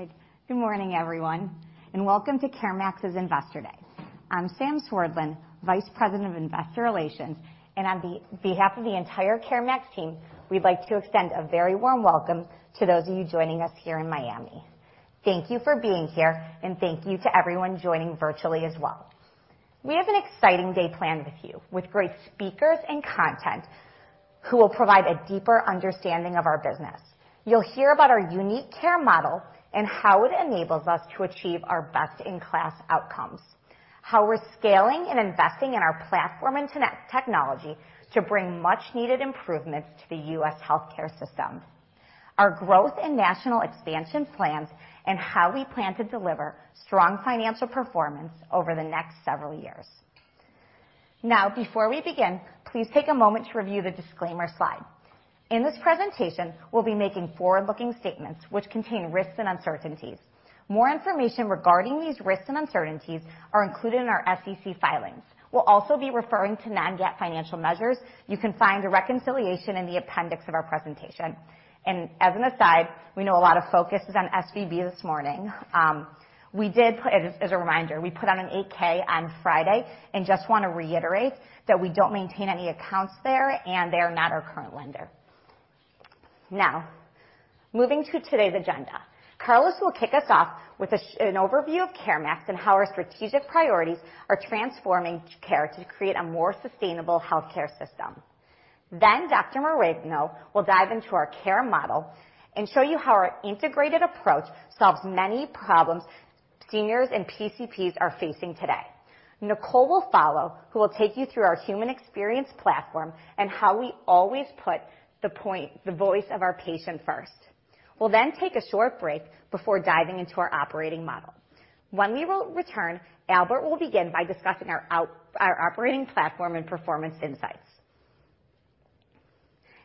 Right. Good morning, everyone, and welcome to CareMax's Investor Day. I'm Sam Swerdlin, Vice President of Investor Relations. On behalf of the entire CareMax team, we'd like to extend a very warm welcome to those of you joining us here in Miami. Thank you for being here. Thank you to everyone joining virtually as well. We have an exciting day planned with you, with great speakers and content, who will provide a deeper understanding of our business. You'll hear about our unique care model and how it enables us to achieve our best-in-class outcomes. How we're scaling and investing in our platform and technology to bring much needed improvements to the U.S. healthcare system. Our growth and national expansion plans and how we plan to deliver strong financial performance over the next several years. Before we begin, please take a moment to review the disclaimer slide. In this presentation, we'll be making forward-looking statements which contain risks and uncertainties. More information regarding these risks and uncertainties are included in our SEC filings. We'll also be referring to non-GAAP financial measures. You can find a reconciliation in the appendix of our presentation. As an aside, we know a lot of focus is on SVB this morning. As a reminder, we put out an 8-K on Friday and just wanna reiterate that we don't maintain any accounts there, and they are not our current lender. Moving to today's agenda. Carlos will kick us off with an overview of CareMax and how our strategic priorities are transforming care to create a more sustainable healthcare system. Dr. Morigino will dive into our care model and show you how our integrated approach solves many problems seniors and PCPs are facing today. Nicole Cable will follow, who will take you through our human experience platform and how we always put the point, the voice of our patient first. We'll then take a short break before diving into our operating model. When we will return, Albert de Solo will begin by discussing our operating platform and performance insights.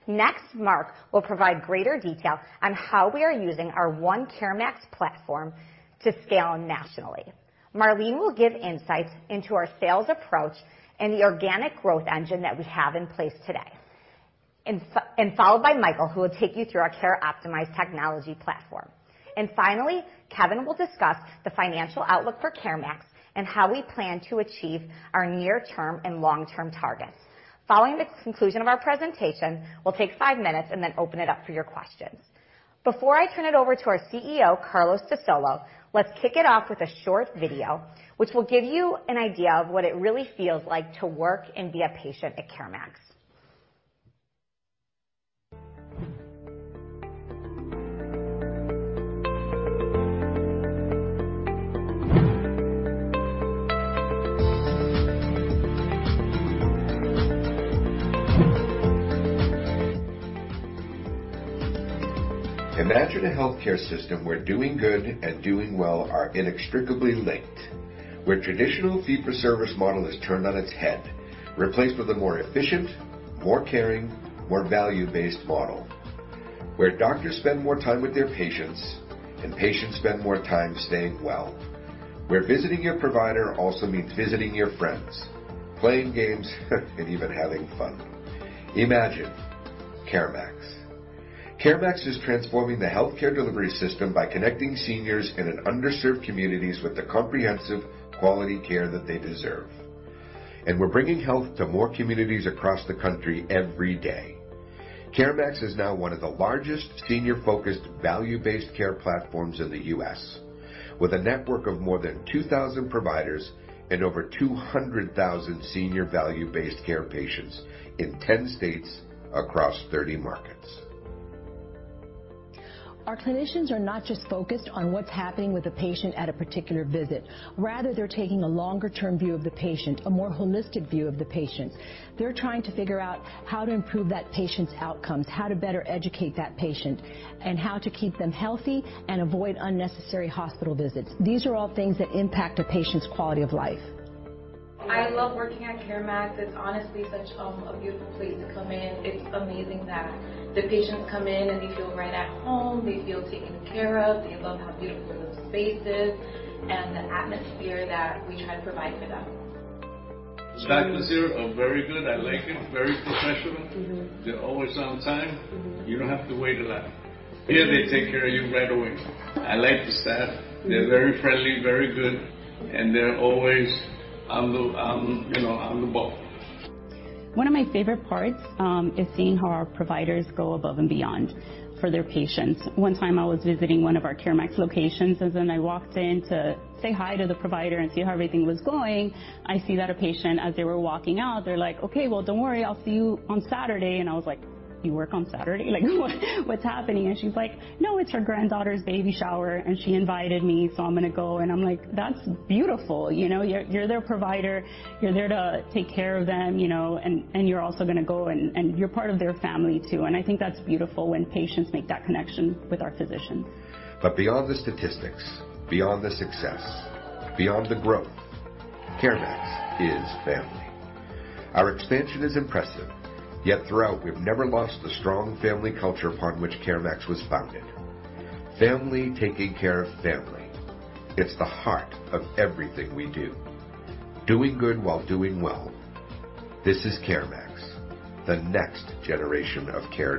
Next, Mark Llorente will provide greater detail on how we are using our One CareMax platform to scale nationally. Marlene Borrego will give insights into our sales approach and the organic growth engine that we have in place today. followed by Michael Jarjour, who will take you through our CareOptimize technology platform. Finally, Kevin will discuss the financial outlook for CareMax and how we plan to achieve our near-term and long-term targets. Following the conclusion of our presentation, we'll take five minutes and then open it up for your questions. Before I turn it over to our CEO, Carlos de Solo, let's kick it off with a short video which will give you an idea of what it really feels like to work and be a patient at CareMax. Imagine a healthcare system where doing good and doing well are inextricably linked. Where traditional fee for service model is turned on its head, replaced with a more efficient, more caring, more value-based model. Where doctors spend more time with their patients and patients spend more time staying well. Where visiting your provider also means visiting your friends, playing games, and even having fun. Imagine CareMax. CareMax is transforming the healthcare delivery system by connecting seniors in an underserved communities with the comprehensive quality care that they deserve. We're bringing health to more communities across the country every day. CareMax is now one of the largest senior-focused value-based care platforms in the U.S., with a network of more than 2,000 providers and over 200,000 senior value-based care patients in 10 states across 30 markets. Our clinicians are not just focused on what's happening with the patient at a particular visit. Rather, they're taking a longer-term view of the patient, a more holistic view of the patient. They're trying to figure out how to improve that patient's outcomes, how to better educate that patient, and how to keep them healthy and avoid unnecessary hospital visits. These are all things that impact a patient's quality of life. I love working at CareMax. It's honestly such a beautiful place to come in. It's amazing that the patients come in and they feel right at home, they feel taken care of. They love how beautiful the space is and the atmosphere that we try to provide for them. Staffs here are very good. I like it. Very professional. They're always on time. You don't have to wait a lot. Here, they take care of you right away. I like the staff. They're very friendly, very good, and they're always you know, on the ball. One of my favorite parts is seeing how our providers go above and beyond for their patients. One time I was visiting one of our CareMax locations. I walked in to say hi to the provider and see how everything was going. I see that a patient, as they were walking out, they're like, "Okay. Well, don't worry. I'll see you on Saturday." I was like, "You work on Saturday?" Like, "What's happening?" She's like, "No, it's her granddaughter's baby shower, and she invited me, so I'm gonna go." I'm like, "That's beautiful." You know? You're their provider. You're there to take care of them, you know, and you're also gonna go and you're part of their family too. I think that's beautiful when patients make that connection with our physicians. Beyond the statistics, beyond the success, beyond the growth, CareMax is family. Our expansion is impressive. Throughout, we've never lost the strong family culture upon which CareMax was founded. Family taking care of family. It's the heart of everything we do. Doing good while doing well. This is CareMax, the next generation of care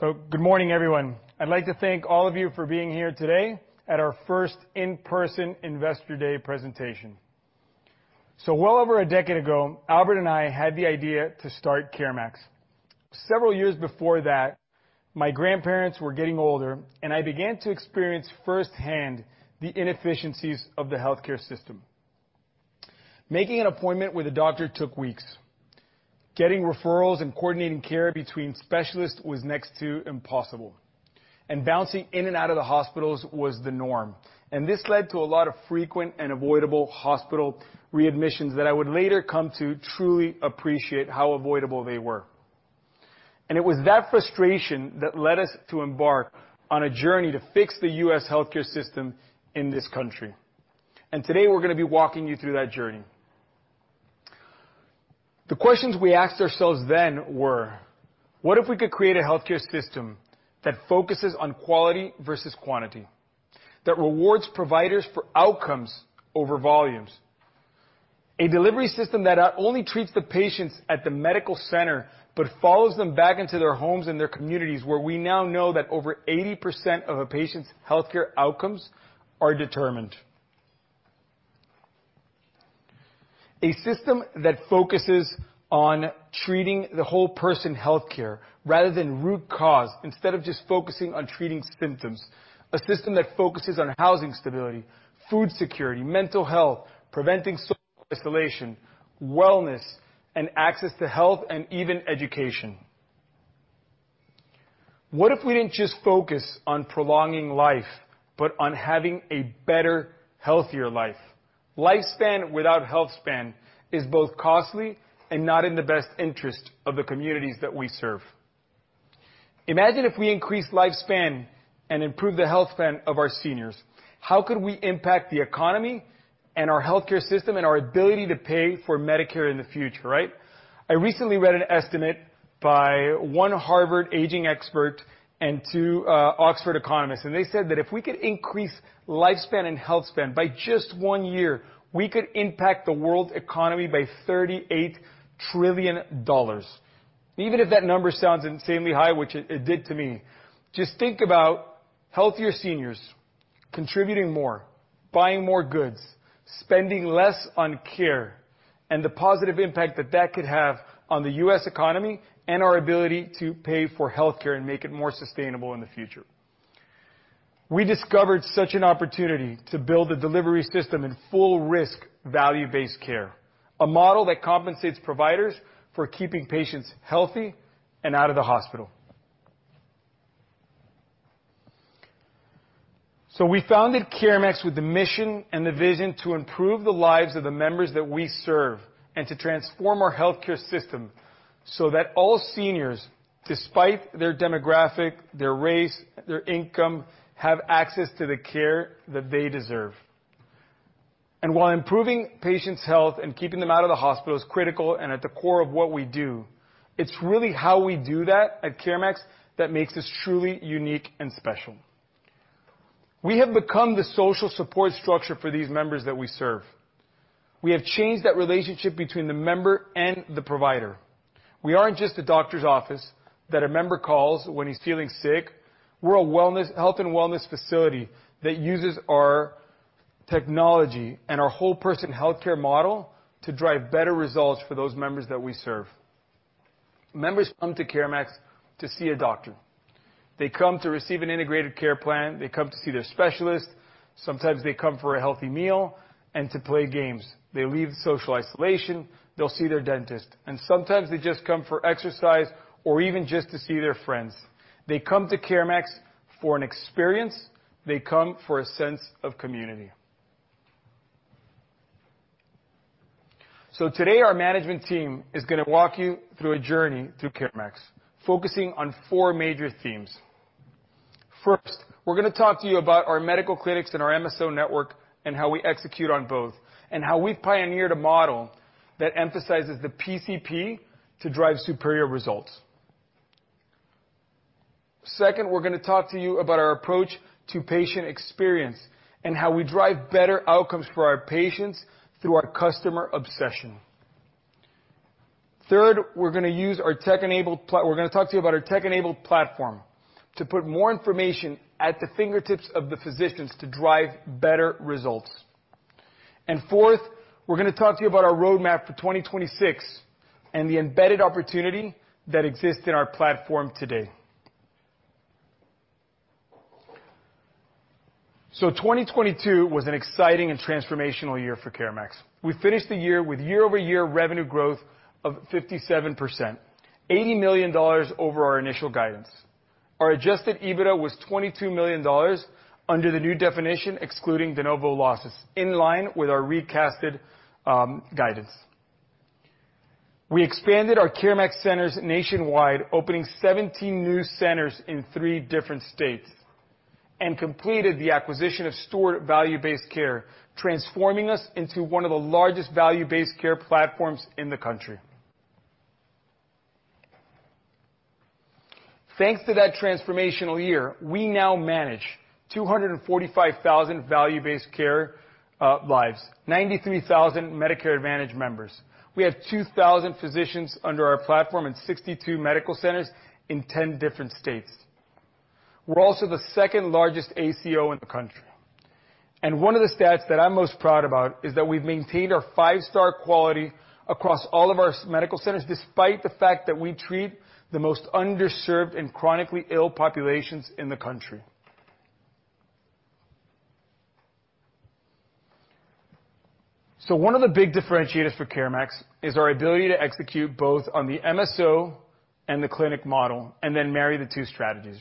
delivery. Good morning, everyone. I'd like to thank all of you for being here today at our first in-person Investor Day presentation. Well over a decade ago, Albert and I had the idea to start CareMax. Several years before that, my grandparents were getting older, and I began to experience firsthand the inefficiencies of the healthcare system. Making an appointment with a doctor took weeks. Getting referrals and coordinating care between specialists was next to impossible, and bouncing in and out of the hospitals was the norm. This led to a lot of frequent and avoidable hospital readmissions that I would later come to truly appreciate how avoidable they were. It was that frustration that led us to embark on a journey to fix the U.S. healthcare system in this country. Today, we're gonna be walking you through that journey. The questions we asked ourselves then were: What if we could create a healthcare system that focuses on quality versus quantity, that rewards providers for outcomes over volumes? A delivery system that not only treats the patients at the medical center, but follows them back into their homes and their communities, where we now know that over 80% of a patient's healthcare outcomes are determined. A system that focuses on treating the whole person healthcare rather than root cause, instead of just focusing on treating symptoms. A system that focuses on housing stability, food security, mental health, preventing social isolation, wellness, and access to health and even education. What if we didn't just focus on prolonging life, but on having a better, healthier life? Lifespan without healthspan is both costly and not in the best interest of the communities that we serve. Imagine if we increase lifespan and improve the healthspan of our seniors. How could we impact the economy and our healthcare system and our ability to pay for Medicare in the future, right? I recently read an estimate by one Harvard aging expert and two Oxford economists. They said that if we could increase lifespan and healthspan by just one year, we could impact the world's economy by $38 trillion. Even if that number sounds insanely high, which it did to me, just think about healthier seniors contributing more, buying more goods, spending less on care, and the positive impact that that could have on the US economy and our ability to pay for healthcare and make it more sustainable in the future. We discovered such an opportunity to build a delivery system in full risk value-based care, a model that compensates providers for keeping patients healthy and out of the hospital. We founded CareMax with the mission and the vision to improve the lives of the members that we serve and to transform our healthcare system so that all seniors, despite their demographic, their race, their income, have access to the care that they deserve. While improving patients' health and keeping them out of the hospital is critical and at the core of what we do, it's really how we do that at CareMax that makes us truly unique and special. We have become the social support structure for these members that we serve. We have changed that relationship between the member and the provider. We aren't just a doctor's office that a member calls when he's feeling sick. We're a health and wellness facility that uses our technology and our whole person healthcare model to drive better results for those members that we serve. Members come to CareMax to see a doctor. They come to receive an integrated care plan. They come to see their specialist. Sometimes they come for a healthy meal and to play games. They leave social isolation. They'll see their dentist, and sometimes they just come for exercise or even just to see their friends. They come to CareMax for an experience. They come for a sense of community. Today, our management team is gonna walk you through a journey through CareMax, focusing on four major themes. First, we're gonna talk to you about our medical clinics and our MSO network and how we execute on both, and how we've pioneered a model that emphasizes the PCP to drive superior results. Second, we're gonna talk to you about our approach to patient experience and how we drive better outcomes for our patients through our customer obsession. Third, we're gonna use our tech-enabled platform to put more information at the fingertips of the physicians to drive better results. Fourth, we're gonna talk to you about our roadmap for 2026 and the embedded opportunity that exists in our platform today. 2022 was an exciting and transformational year for CareMax. We finished the year with year-over-year revenue growth of 57%, $80 million over our initial guidance. Our adjusted EBITDA was $22 million under the new definition, excluding de novo losses, in line with our recasted guidance. We expanded our CareMax centers nationwide, opening 17 new centers in 3 different states, and completed the acquisition of Steward Value-Based Care, transforming us into one of the largest value-based care platforms in the country. Thanks to that transformational year, we now manage 245,000 value-based care lives, 93,000 Medicare Advantage members. We have 2,000 physicians under our platform and 62 medical centers in 10 different states. We're also the second-largest ACO in the country. One of the stats that I'm most proud about is that we've maintained our five-star quality across all of our medical centers, despite the fact that we treat the most underserved and chronically ill populations in the country. One of the big differentiators for CareMax is our ability to execute both on the MSO and the clinic model and then marry the two strategies.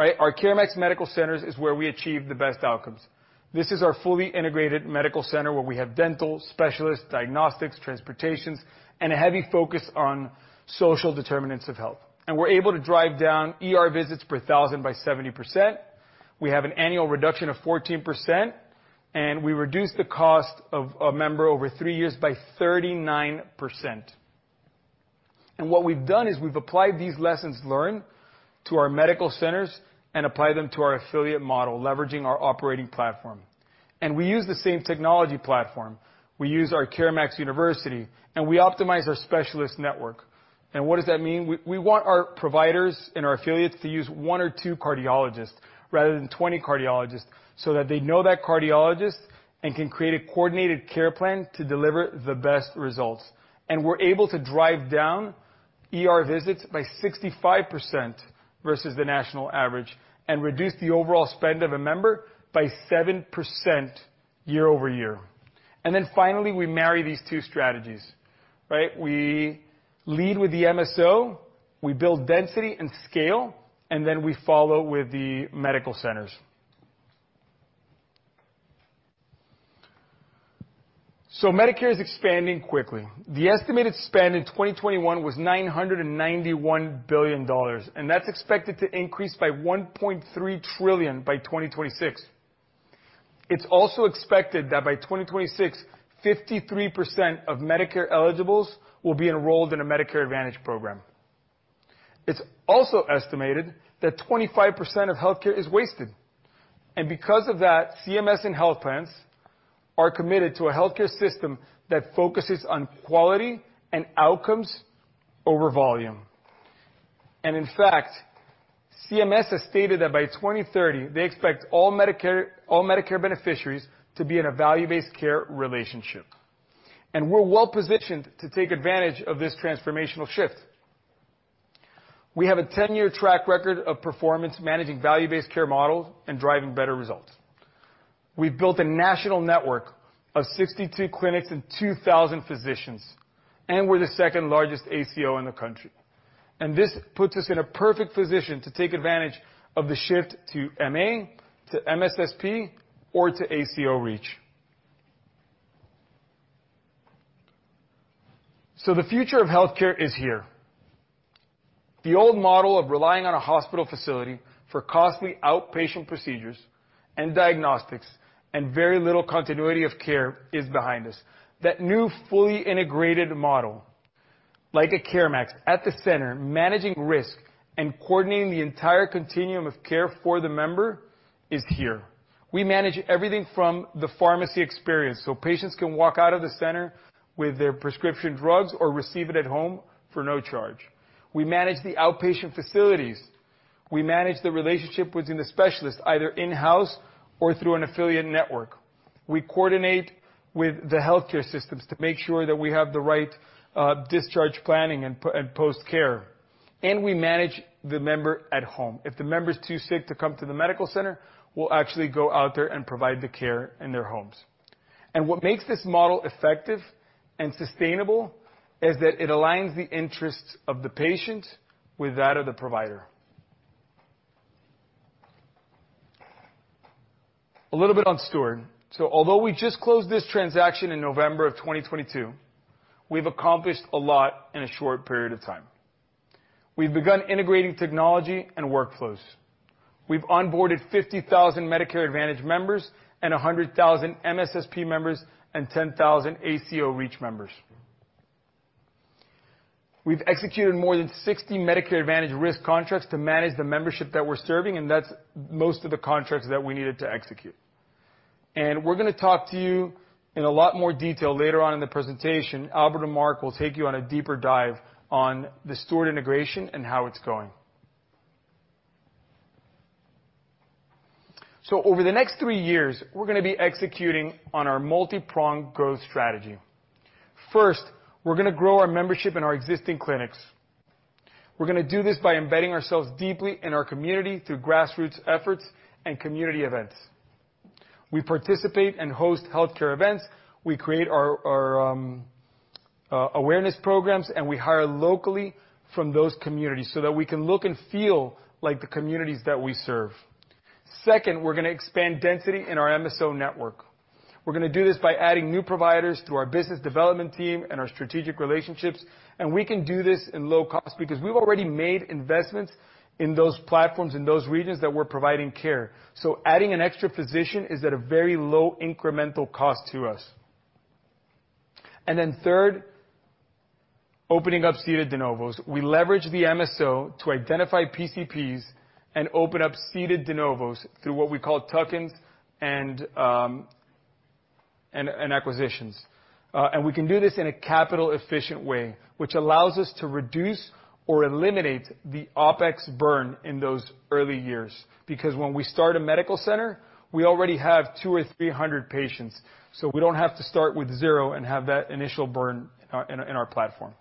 Right? Our CareMax Medical Centers is where we achieve the best outcomes. This is our fully integrated medical center where we have dental, specialists, diagnostics, transportations, and a heavy focus on social determinants of health. We're able to drive down ER visits per thousand by 70%. We have an annual reduction of 14%, and we reduce the cost of a member over 3 years by 39%. What we've done is we've applied these lessons learned to our Medical Centers and applied them to our affiliate model, leveraging our operating platform. We use the same technology platform. We use our CareMax University, and we optimize our specialist network. What does that mean? We want our providers and our affiliates to use one or two cardiologists rather than 20 cardiologists so that they know that cardiologist and can create a coordinated care plan to deliver the best results. We're able to drive down ER visits by 65% versus the national average and reduce the overall spend of a member by 7% year-over-year. Finally, we marry these two strategies. Right? We lead with the MSO, we build density and scale, and then we follow with the medical centers. Medicare is expanding quickly. The estimated spend in 2021 was $991 billion, and that's expected to increase by $1.3 trillion by 2026. It's also expected that by 2026, 53% of Medicare eligibles will be enrolled in a Medicare Advantage program. It's also estimated that 25% of healthcare is wasted. Because of that, CMS and health plans are committed to a healthcare system that focuses on quality and outcomes over volume. In fact, CMS has stated that by 2030, they expect all Medicare beneficiaries to be in a value-based care relationship. We're well-positioned to take advantage of this transformational shift. We have a 10-year track record of performance, managing value-based care models and driving better results. We've built a national network of 62 clinics and 2,000 physicians, and we're the second-largest ACO in the country. This puts us in a perfect position to take advantage of the shift to MA, to MSSP, or to ACO REACH. The future of healthcare is here. The old model of relying on a hospital facility for costly outpatient procedures and diagnostics and very little continuity of care is behind us. That new, fully integrated model, like at CareMax, at the center, managing risk and coordinating the entire continuum of care for the member is here. We manage everything from the pharmacy experience, so patients can walk out of the center with their prescription drugs or receive it at home for no charge. We manage the outpatient facilities. We manage the relationship within the specialist, either in-house or through an affiliate network. We coordinate with the healthcare systems to make sure that we have the right discharge planning and post-care. We manage the member at home. If the member's too sick to come to the medical center, we'll actually go out there and provide the care in their homes. What makes this model effective and sustainable is that it aligns the interests of the patient with that of the provider. A little bit on Steward. Although we just closed this transaction in November of 2022, we've accomplished a lot in a short period of time. We've begun integrating technology and workflows. We've onboarded 50,000 Medicare Advantage members and 100,000 MSSP members and 10,000 ACO REACH members. We've executed more than 60 Medicare Advantage risk contracts to manage the membership that we're serving, and that's most of the contracts that we needed to execute. We're gonna talk to you in a lot more detail later on in the presentation. Albert and Mark will take you on a deeper dive on the Steward integration and how it's going. Over the next three years, we're gonna be executing on our multi-pronged growth strategy. First, we're gonna grow our membership in our existing clinics. We're gonna do this by embedding ourselves deeply in our community through grassroots efforts and community events. We participate and host healthcare events. We create our awareness programs. We hire locally from those communities so that we can look and feel like the communities that we serve. Second, we're gonna expand density in our MSO network. We're gonna do this by adding new providers to our business development team and our strategic relationships. We can do this in low cost because we've already made investments in those platforms, in those regions that we're providing care. Adding an extra physician is at a very low incremental cost to us. Third, opening up seated de novos. We leverage the MSO to identify PCPs and open up seated de novos through what we call tuck-ins and acquisitions. We can do this in a capital-efficient way, which allows us to reduce or eliminate the OpEx burn in those early years. When we start a medical center, we already have 200 or 300 patients, so we don't have to start with zero and have that initial burn in our platform.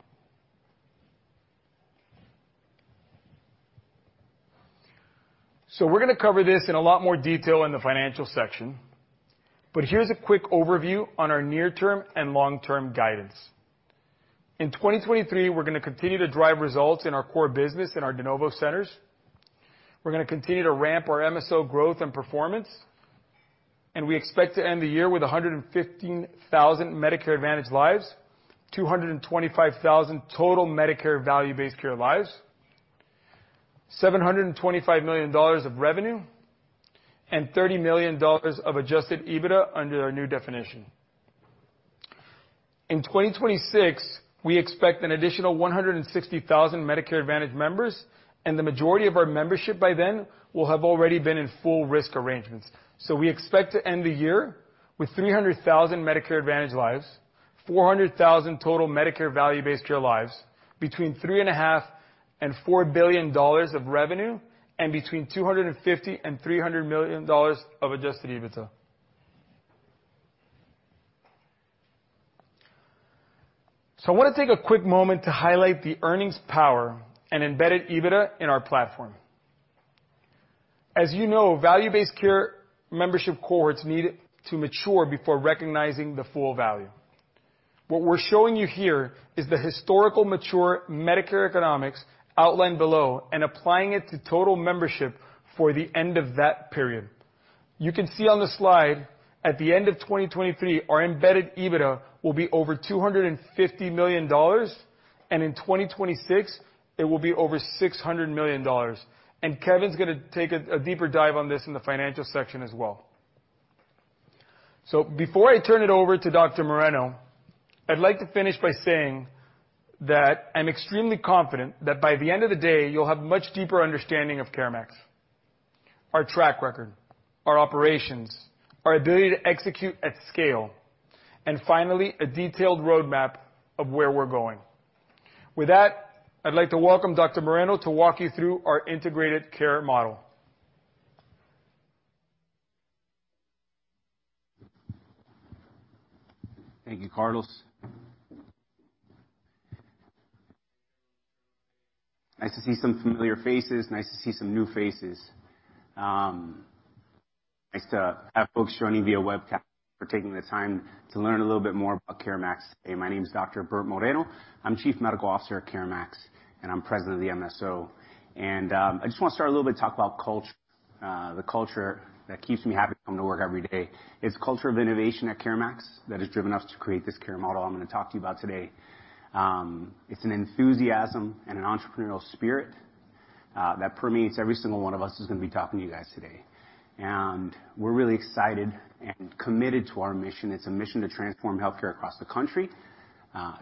We're gonna cover this in a lot more detail in the financial section, here's a quick overview on our near-term and long-term guidance. In 2023, we're gonna continue to drive results in our core business in our de novo centers. We're gonna continue to ramp our MSO growth and performance, and we expect to end the year with 115,000 Medicare Advantage lives, 225,000 total Medicare value-based care lives, $725 million of revenue, and $30 million of adjusted EBITDA under our new definition. In 2026, we expect an additional 160,000 Medicare Advantage members, and the majority of our membership by then will have already been in full risk arrangements. We expect to end the year with 300,000 Medicare Advantage lives, 400,000 total Medicare value-based care lives, between $3.5 billion and $4 billion of revenue, and between $250 million and $300 million of adjusted EBITDA. I want to take a quick moment to highlight the earnings power and embedded EBITDA in our platform. As you know, value-based care membership cohorts need to mature before recognizing the full value. What we're showing you here is the historical mature Medicare economics outlined below and applying it to total membership for the end of that period. You can see on the slide at the end of 2023, our embedded EBITDA will be over $250 million, and in 2026, it will be over $600 million. Kevin's going to take a deeper dive on this in the financial section as well. Before I turn it over to Dr. Moreno, I'd like to finish by saying that I'm extremely confident that by the end of the day, you'll have much deeper understanding of CareMax, our track record, our operations, our ability to execute at scale, and finally, a detailed roadmap of where we're going. With that, I'd like to welcome Dr. Moreno to walk you through our integrated care model. Thank you, Carlos. Nice to see some familiar faces, nice to see some new faces. Nice to have folks joining via webcast for taking the time to learn a little bit more about CareMax today. My name is Dr. Bert Moreno. I'm Chief Medical Officer at CareMax, and I'm President of the MSO. I just wanna start a little bit talk about culture, the culture that keeps me happy to come to work every day. It's culture of innovation at CareMax that has driven us to create this care model I'm gonna talk to you about today. It's an enthusiasm and an entrepreneurial spirit that permeates every single one of us who's gonna be talking to you guys today. We're really excited and committed to our mission. It's a mission to transform healthcare across the country,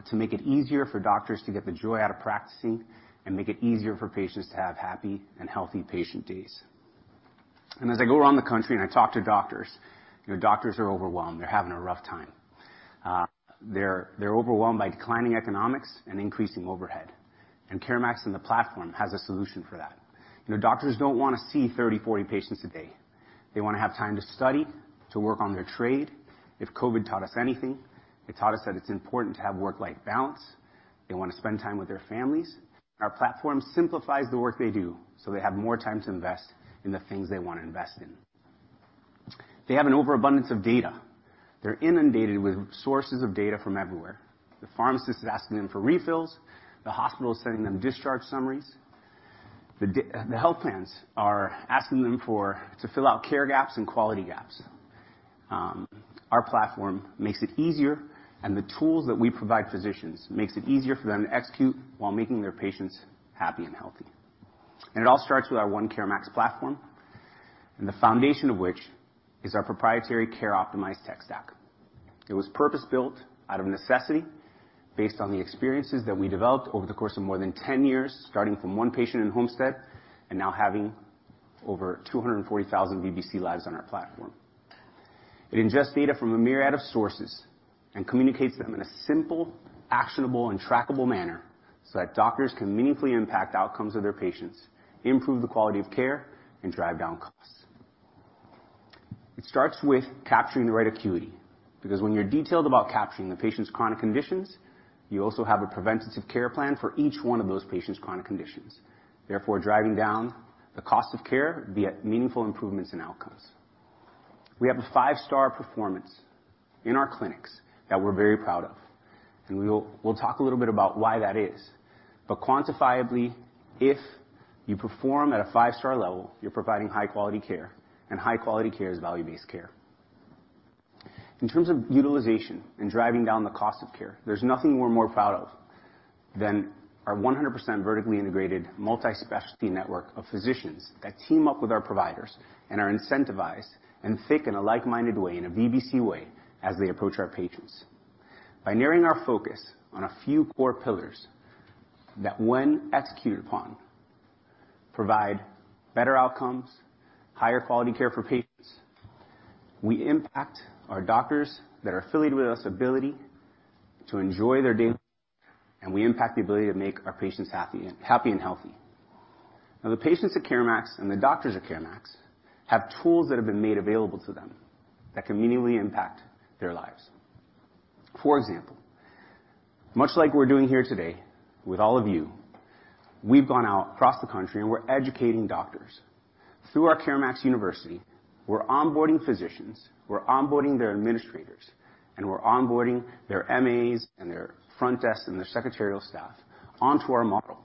to make it easier for doctors to get the joy out of practicing and make it easier for patients to have happy and healthy patient days. As I go around the country and I talk to doctors, you know, doctors are overwhelmed. They're having a rough time. They're overwhelmed by declining economics and increasing overhead. CareMax and the platform has a solution for that. You know, doctors don't wanna see 30, 40 patients a day. They wanna have time to study, to work on their trade. If COVID taught us anything, it taught us that it's important to have work-life balance. They wanna spend time with their families. Our platform simplifies the work they do, so they have more time to invest in the things they wanna invest in. They have an overabundance of data. They're inundated with sources of data from everywhere. The pharmacist is asking them for refills, the hospital is sending them discharge summaries. The health plans are asking them to fill out care gaps and quality gaps. Our platform makes it easier, and the tools that we provide physicians makes it easier for them to execute while making their patients happy and healthy. It all starts with our One CareMax platform, and the foundation of which is our proprietary CareOptimize tech stack. It was purpose-built out of necessity based on the experiences that we developed over the course of more than 10 years, starting from one patient in Homestead and now having over 240,000 VBC lives on our platform. It ingests data from a myriad of sources and communicates them in a simple, actionable, and trackable manner so that doctors can meaningfully impact outcomes of their patients, improve the quality of care, and drive down costs. It starts with capturing the right acuity, because when you're detailed about capturing the patient's chronic conditions, you also have a preventative care plan for each one of those patients' chronic conditions, therefore driving down the cost of care via meaningful improvements in outcomes. We have a five-star performance in our clinics that we're very proud of, and we'll talk a little bit about why that is. Quantifiably, if you perform at a five-star level, you're providing high-quality care, and high-quality care is value-based care. In terms of utilization and driving down the cost of care, there's nothing we're more proud of than our 100% vertically integrated multi-specialty network of physicians that team up with our providers and are incentivized and think in a like-minded way, in a VBC way, as they approach our patients. By narrowing our focus on a few core pillars that when executed upon, provide better outcomes, higher quality care for patients, we impact our doctors that are affiliated with us, ability to enjoy their day, and we impact the ability to make our patients happy and healthy. Now, the patients at CareMax and the doctors at CareMax have tools that have been made available to them that can meaningfully impact their lives. For example, much like we're doing here today with all of you, we've gone out across the country, and we're educating doctors. Through our CareMax University, we're onboarding physicians, we're onboarding their administrators, and we're onboarding their MAs and their front desk and their secretarial staff onto our model.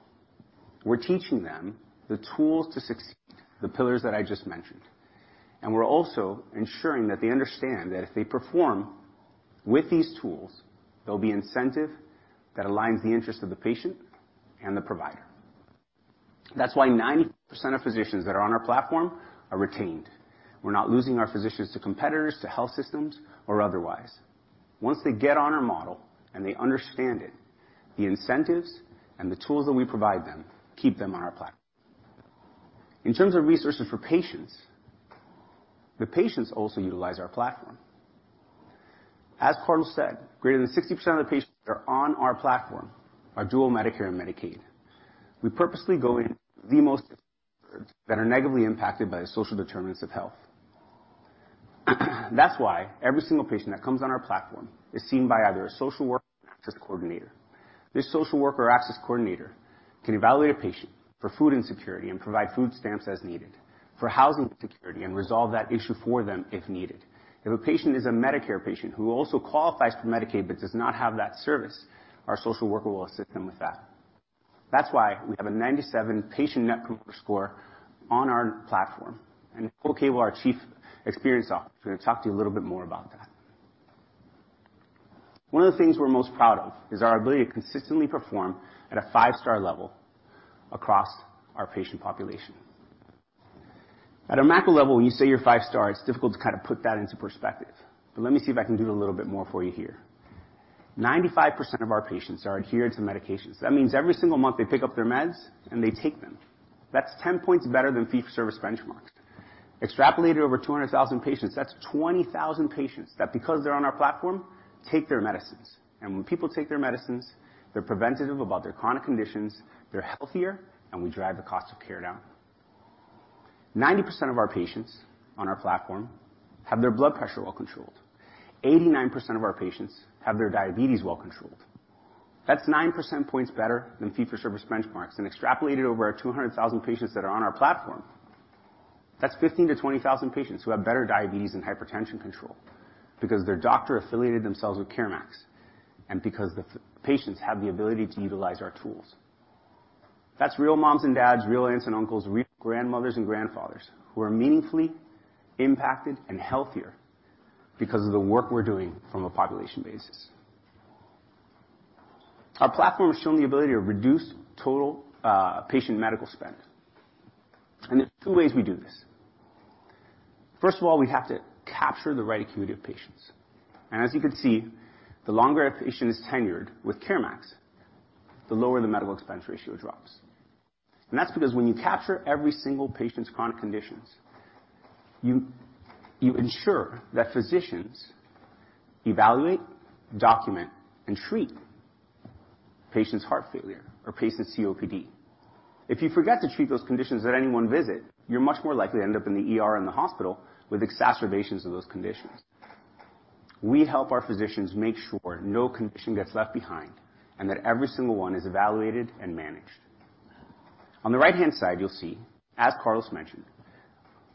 We're teaching them the tools to succeed, the pillars that I just mentioned, and we're also ensuring that they understand that if they perform with these tools, there'll be incentive that aligns the interest of the patient and the provider. That's why 90% of physicians that are on our platform are retained. We're not losing our physicians to competitors, to health systems or otherwise. Once they get on our model and they understand it, the incentives and the tools that we provide them keep them on our platform. In terms of resources for patients, the patients also utilize our platform. As Carlos said, greater than 60% of the patients that are on our platform are dual Medicare and Medicaid. We purposely go in the most that are negatively impacted by the social determinants of health. That's why every single patient that comes on our platform is seen by either a social worker or access coordinator. This social worker or access coordinator can evaluate a patient for food insecurity and provide food stamps as needed, for housing security and resolve that issue for them if needed. If a patient is a Medicare patient who also qualifies for Medicaid but does not have that service, our social worker will assist them with that. That's why we have a 97 patient net promoter score on our platform. Nicole Cable, our Chief Experience Officer, is gonna talk to you a little bit more about that. One of the things we're most proud of is our ability to consistently perform at a five-star level across our patient population. At a macro level, when you say you're five-star, it's difficult to kinda put that into perspective, but let me see if I can do it a little bit more for you here. 95% of our patients are adherent to medications. That means every single month they pick up their meds, and they take them. That's 10 points better than fee-for-service benchmarks. Extrapolated over 200,000 patients, that's 20,000 patients that because they're on our platform, take their medicines, and when people take their medicines, they're preventative about their chronic conditions, they're healthier, and we drive the cost of care down. 90% of our patients on our platform have their blood pressure well controlled. 89% of our patients have their diabetes well controlled. That's 9 percentage points better than fee-for-service benchmarks. Extrapolated over our 200,000 patients that are on our platform, that's 15,000-20,000 patients who have better diabetes and hypertension control because their doctor affiliated themselves with CareMax and because the patients have the ability to utilize our tools. That's real moms and dads, real aunts and uncles, real grandmothers and grandfathers who are meaningfully impacted and healthier because of the work we're doing from a population basis. Our platform has shown the ability to reduce total patient medical spend. There are two ways we do this. First of all, we have to capture the right acute of patients. As you can see, the longer a patient is tenured with CareMax, the lower the medical expense ratio drops. That's because when you capture every single patient's chronic conditions, you ensure that physicians evaluate, document, and treat patient's heart failure or patient's COPD. If you forget to treat those conditions at any one visit, you're much more likely to end up in the ER in the hospital with exacerbations of those conditions. We help our physicians make sure no condition gets left behind and that every single one is evaluated and managed. On the right-hand side, you'll see, as Carlos mentioned,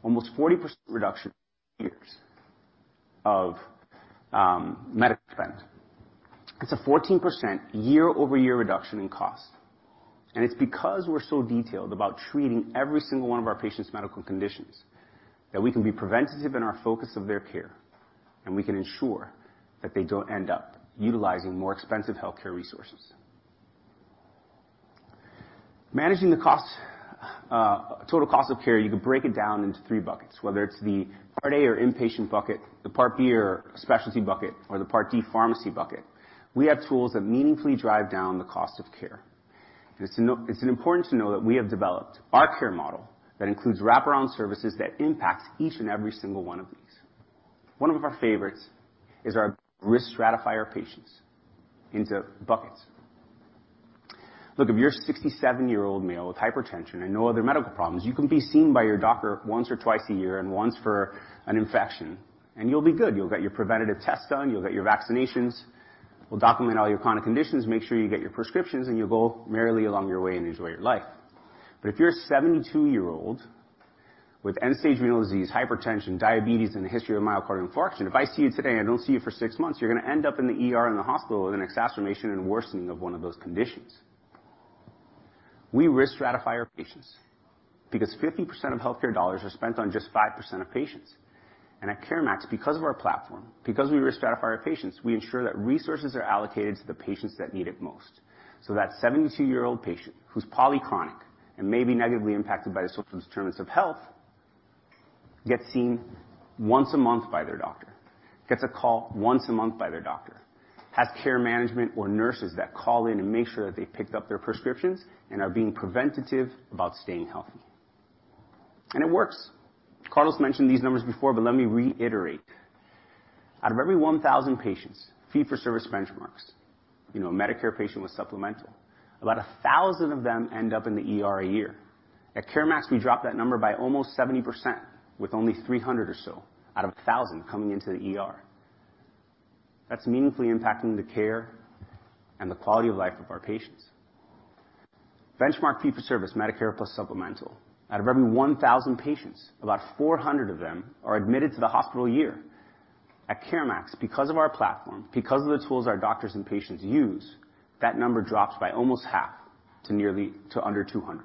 almost 40% reduction years of medical spend. It's a 14% year-over-year reduction in cost, and it's because we're so detailed about treating every single one of our patient's medical conditions that we can be preventative in our focus of their care, and we can ensure that they don't end up utilizing more expensive healthcare resources. Managing the total cost of care, you could break it down into three buckets, whether it's the Part A or inpatient bucket, the Part B or specialty bucket, or the Part D pharmacy bucket. We have tools that meaningfully drive down the cost of care. It's important to know that we have developed our care model that includes wraparound services that impact each and every single one of these. One of our favorites is our risk stratify our patients into buckets. Look, if you're a 67-year-old male with hypertension and no other medical problems, you can be seen by your doctor once or twice a year and once for an infection, and you'll be good. You'll get your preventative tests done, you'll get your vaccinations. We'll document all your chronic conditions, make sure you get your prescriptions, and you'll go merrily along your way and enjoy your life. If you're a 72-year-old with end-stage renal disease, hypertension, diabetes, and a history of myocardial infarction, if I see you today and I don't see you for six months, you're gonna end up in the ER in the hospital with an exacerbation and worsening of one of those conditions. We risk stratify our patients because 50% of healthcare dollars are spent on just 5% of patients. At CareMax, because of our platform, because we risk stratify our patients, we ensure that resources are allocated to the patients that need it most. That 72-year-old patient who's polychronic and may be negatively impacted by the social determinants of health, gets seen once a month by their doctor, gets a call once a month by their doctor, has care management or nurses that call in and make sure that they picked up their prescriptions and are being preventative about staying healthy. It works. Carlos de Solo mentioned these numbers before, let me reiterate. Out of every 1,000 patients, fee for service benchmarks, you know, Medicare patient with supplemental, about 1,000 of them end up in the ER a year. At CareMax, we drop that number by almost 70% with only 300 or so out of 1,000 coming into the ER. That's meaningfully impacting the care and the quality of life of our patients. Benchmark fee for service, Medicare plus supplemental. Out of every 1,000 patients, about 400 of them are admitted to the hospital a year. At CareMax, because of our platform, because of the tools our doctors and patients use, that number drops by almost half to under 200.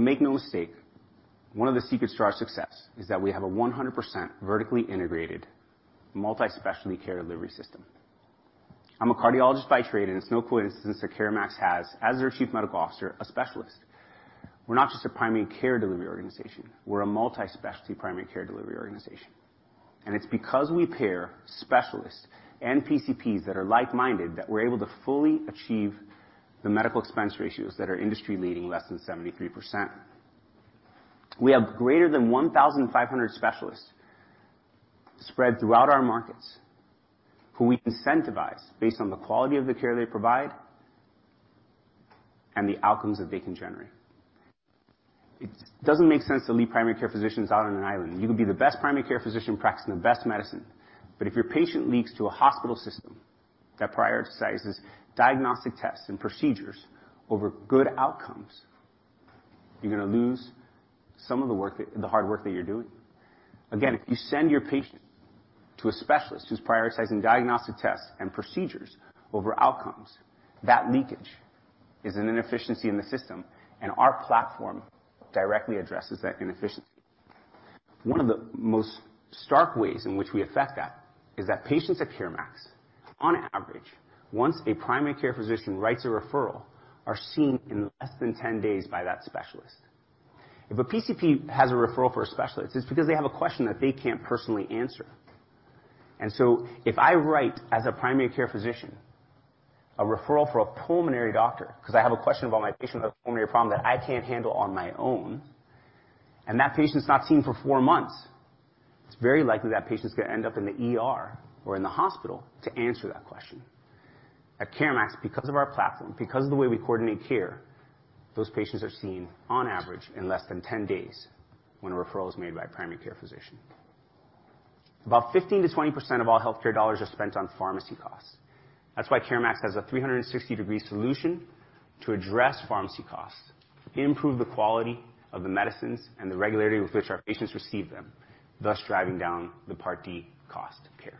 Make no mistake, one of the secrets to our success is that we have a 100% vertically integrated multi-specialty care delivery system. I'm a cardiologist by trade, and it's no coincidence that CareMax has, as their chief medical officer, a specialist. We're not just a primary care delivery organization. We're a multi-specialty primary care delivery organization. It's because we pair specialists and PCPs that are like-minded, that we're able to fully achieve the medical expense ratios that are industry leading less than 73%. We have greater than 1,500 specialists spread throughout our markets who we incentivize based on the quality of the care they provide and the outcomes that they can generate. It doesn't make sense to leave primary care physicians out on an island. If your patient leaks to a hospital system that prioritizes diagnostic tests and procedures over good outcomes, you're gonna lose some of the hard work that you're doing. Again, if you send your patient to a specialist who's prioritizing diagnostic tests and procedures over outcomes, that leakage is an inefficiency in the system, and our platform directly addresses that inefficiency. One of the most stark ways in which we affect that is that patients at CareMax, on average, once a primary care physician writes a referral, are seen in less than 10 days by that specialist. If a PCP has a referral for a specialist, it's because they have a question that they can't personally answer. If I write as a primary care physician, a referral for a pulmonary doctor because I have a question about my patient, about a pulmonary problem that I can't handle on my own, and that patient's not seen for four months, it's very likely that patient's gonna end up in the ER or in the hospital to answer that question. At CareMax, because of our platform, because of the way we coordinate care, those patients are seen on average in less than 10 days when a referral is made by a primary care physician. About 15%-20% of all healthcare dollars are spent on pharmacy costs. That's why CareMax has a 360-degree solution to address pharmacy costs, improve the quality of the medicines and the regularity with which our patients receive them, thus driving down the Part D cost of care.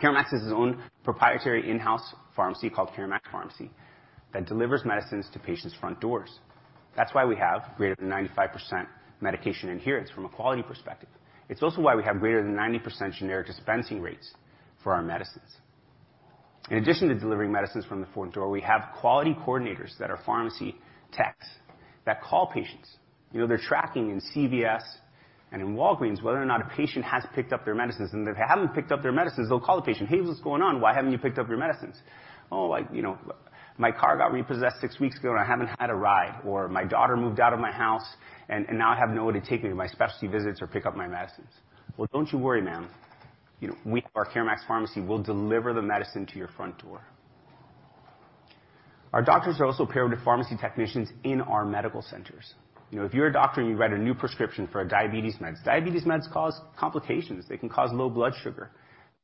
CareMax has its own proprietary in-house pharmacy called CareMax Pharmacy that delivers medicines to patients' front doors. That's why we have greater than 95% medication adherence from a quality perspective. It's also why we have greater than 90% generic dispensing rates for our medicines. In addition to delivering medicines from the front door, we have quality coordinators that are pharmacy techs that call patients. You know, they're tracking in CVS and in Walgreens whether or not a patient has picked up their medicines. If they haven't picked up their medicines, they'll call the patient, "Hey, what's going on? Why haven't you picked up your medicines?" "Oh, like, you know, my car got repossessed 6 weeks ago, and I haven't had a ride," or, "My daughter moved out of my house and now I have no one to take me to my specialty visits or pick up my medicines." "Well, don't you worry, ma'am. You know, we, our CareMax Pharmacy, will deliver the medicine to your front door." Our doctors are also paired with pharmacy technicians in our medical centers. You know, if you're a doctor and you write a new prescription for a diabetes meds, diabetes meds cause complications. They can cause low blood sugar.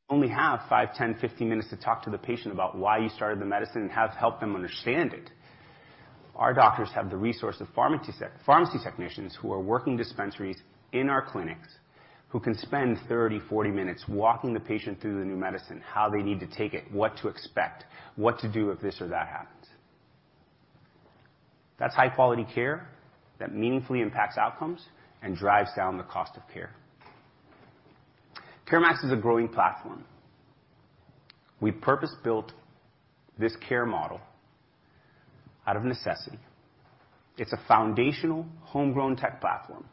Only have 5, 10, 15 minutes to talk to the patient about why you started the medicine and have helped them understand it. Our doctors have the resource of pharmacy technicians who are working dispensaries in our clinics, who can spend 30, 40 minutes walking the patient through the new medicine, how they need to take it, what to expect, what to do if this or that happens. That's high quality care that meaningfully impacts outcomes and drives down the cost of care. CareMax is a growing platform. We purpose-built this care model out of necessity. It's a foundational homegrown tech platform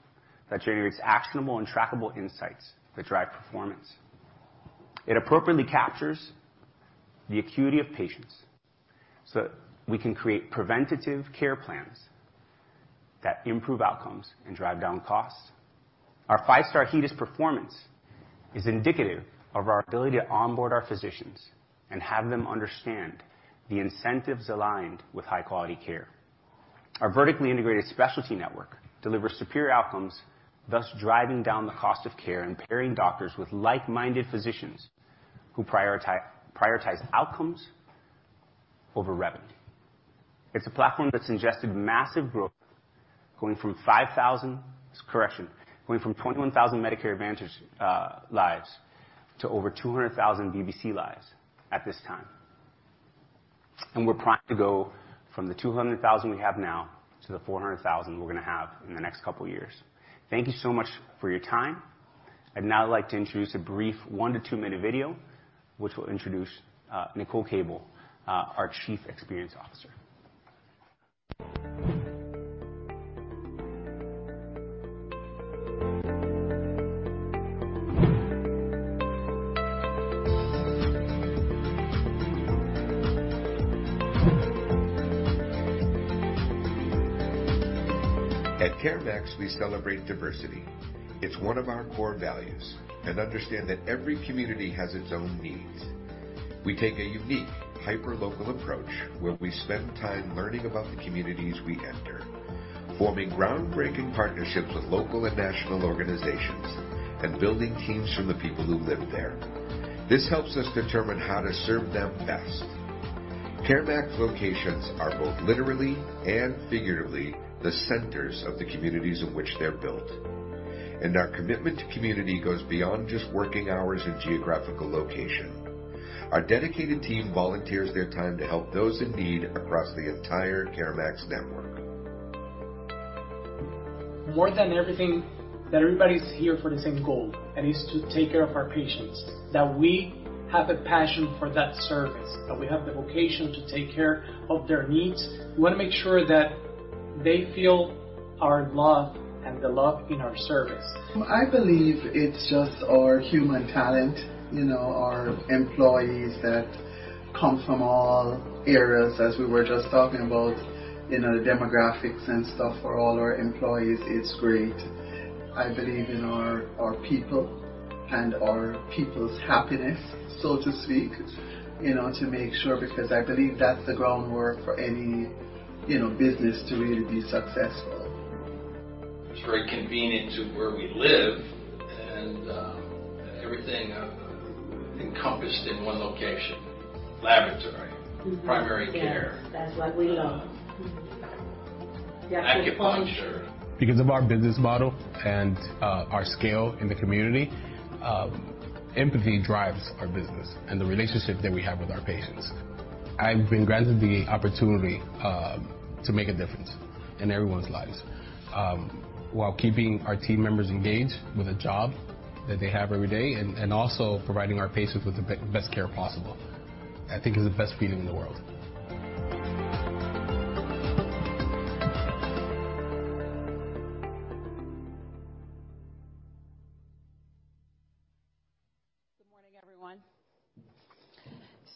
that generates actionable and trackable insights that drive performance. It appropriately captures the acuity of patients so that we can create preventative care plans that improve outcomes and drive down costs. Our five-star HEDIS performance is indicative of our ability to onboard our physicians and have them understand the incentives aligned with high-quality care. Our vertically integrated specialty network delivers superior outcomes, thus driving down the cost of care and pairing doctors with like-minded physicians who prioritize outcomes over revenue. It's a platform that's ingested massive growth, going from 21,000 Medicare Advantage lives to over 200,000 VBC lives at this time. We're proud to go from the 200,000 we have now to the 400,000 we're gonna have in the next couple of years. Thank you so much for your time. I'd now like to introduce a brief one to two-minute video which will introduce, Nicole Cable, our Chief Experience Officer. At CareMax, we celebrate diversity. It's one of our core values, and understand that every community has its own needs. We take a unique, hyper-local approach where we spend time learning about the communities we enter, forming groundbreaking partnerships with local and national organizations, and building teams from the people who live there. This helps us determine how to serve them best. CareMax locations are both literally and figuratively the centers of the communities in which they're built. Our commitment to community goes beyond just working hours and geographical location. Our dedicated team volunteers their time to help those in need across the entire CareMax network. More than everything, that everybody's here for the same goal, is to take care of our patients. We have a passion for that service, that we have the vocation to take care of their needs. We wanna make sure that they feel our love and the love in our service. I believe it's just our human talent. You know, our employees that come from all areas, as we were just talking about, you know, the demographics and stuff for all our employees, it's great. I believe in our people and our people's happiness, so to speak, you know, to make sure, because I believe that's the groundwork for any, you know, business to really be successful. It's very convenient to where we live and, everything, encompassed in one location. Primary care. Yes. That's what we love. Because of our business model and our scale in the community, empathy drives our business and the relationship that we have with our patients. I've been granted the opportunity to make a difference in everyone's lives, while keeping our team members engaged with a job that they have every day, and also providing our patients with the best care possible. I think it's the best feeling in the world.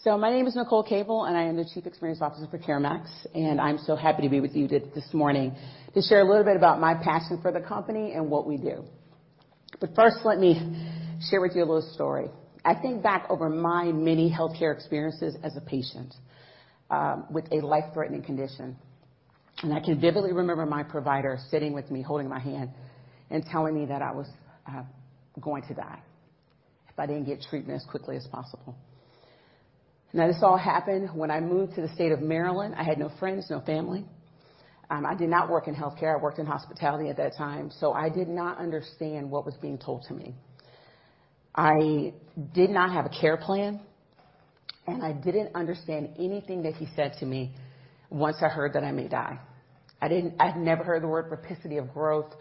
Good morning, everyone. My name is Nicole Cable, and I am the Chief Experience Officer for CareMax, and I'm so happy to be with you this morning to share a little bit about my passion for the company and what we do. First, let me share with you a little story. I think back over my many healthcare experiences as a patient, with a life-threatening condition, and I can vividly remember my provider sitting with me, holding my hand and telling me that I was going to die if I didn't get treatment as quickly as possible. Now, this all happened when I moved to the state of Maryland. I had no friends, no family. I did not work in healthcare. I worked in hospitality at that time, so I did not understand what was being told to me. I did not have a care plan. I didn't understand anything that he said to me once I heard that I may die. I'd never heard the word rapicity of growth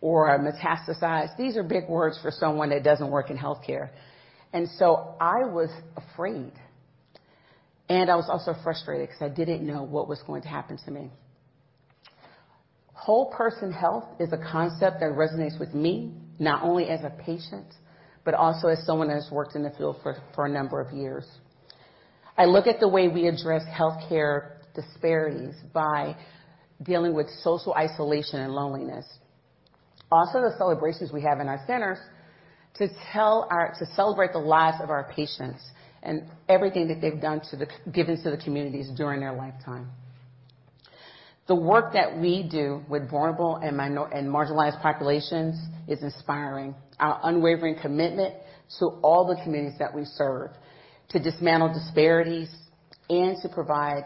or metastasize. These are big words for someone that doesn't work in healthcare. I was afraid, and I was also frustrated 'cause I didn't know what was going to happen to me. Whole person health is a concept that resonates with me not only as a patient, but also as someone that's worked in the field for a number of years. I look at the way we address healthcare disparities by dealing with social isolation and loneliness. Also, the celebrations we have in our centers to celebrate the lives of our patients and everything that they've done given to the communities during their lifetime. The work that we do with vulnerable and marginalized populations is inspiring. Our unwavering commitment to all the communities that we serve to dismantle disparities and to provide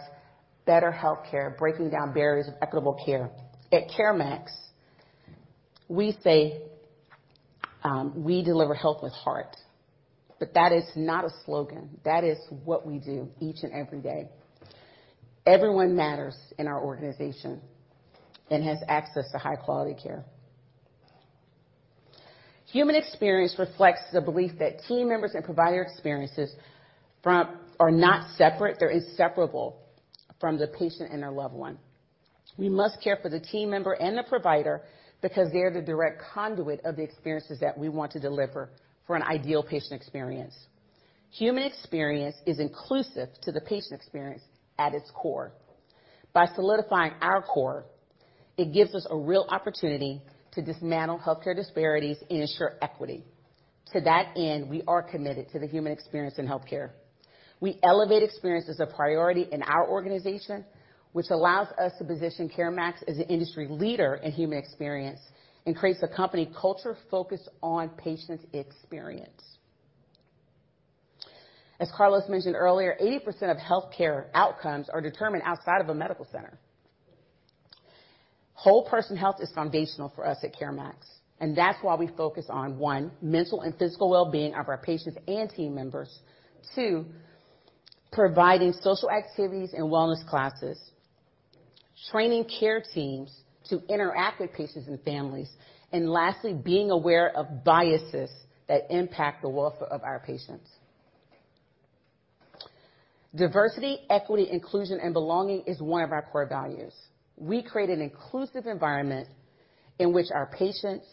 better healthcare, breaking down barriers of equitable care. At CareMax, we say, we deliver health with heart, but that is not a slogan. That is what we do each and every day. Everyone matters in our organization and has access to high quality care. Human experience reflects the belief that team members and provider experiences are inseparable from the patient and their loved one. We must care for the team member and the provider because they're the direct conduit of the experiences that we want to deliver for an ideal patient experience. Human experience is inclusive to the patient experience at its core. By solidifying our core, it gives us a real opportunity to dismantle healthcare disparities and ensure equity. To that end, we are committed to the human experience in healthcare. We elevate experience as a priority in our organization, which allows us to position CareMax as an industry leader in human experience and creates a company culture focused on patient experience. As Carlos mentioned earlier, 80% of healthcare outcomes are determined outside of a medical center. Whole person health is foundational for us at CareMax, and that's why we focus on, one, mental and physical well-being of our patients and team members, two, providing social activities and wellness classes, training care teams to interact with patients and families, and lastly, being aware of biases that impact the welfare of our patients. Diversity, equity, inclusion, and belonging is one of our core values. We create an inclusive environment in which our patients,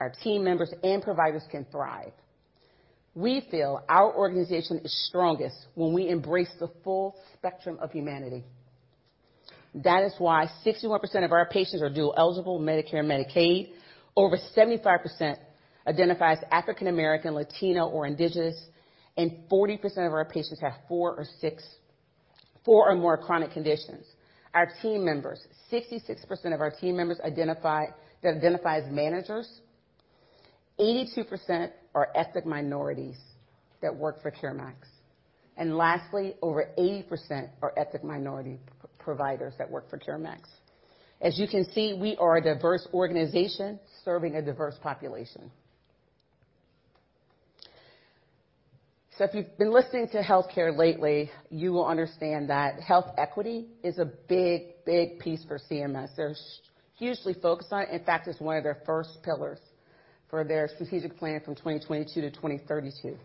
our team members, and providers can thrive. We feel our organization is strongest when we embrace the full spectrum of humanity. That is why 61% of our patients are dual eligible Medicare and Medicaid, over 75% identify as African American, Latino, or Indigenous, and 40% of our patients have 4 or more chronic conditions. Our team members, 66% of our team members identify as managers, 82% are ethnic minorities that work for CareMax. Lastly, over 80% are ethnic minority providers that work for CareMax. As you can see, we are a diverse organization serving a diverse population. If you've been listening to healthcare lately, you will understand that health equity is a big, big piece for CMS. They're hugely focused on it. In fact, it's one of their first pillars for their strategic plan from 2022 to 2032.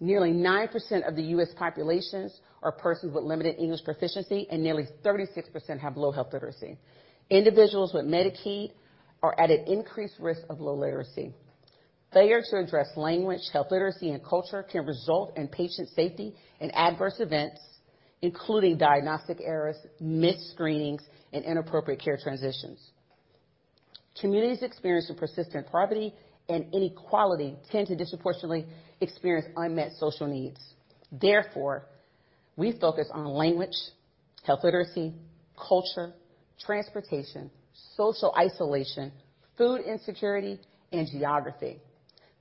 Nearly 9% of the U.S. populations are persons with limited English proficiency, and nearly 36% have low health literacy. Individuals with Medicaid are at an increased risk of low literacy. Failure to address language, health literacy, and culture can result in patient safety and adverse events, including diagnostic errors, missed screenings, and inappropriate care transitions. Communities experiencing persistent poverty and inequality tend to disproportionately experience unmet social needs. Therefore, we focus on language, health literacy, culture, transportation, social isolation, food insecurity, and geography.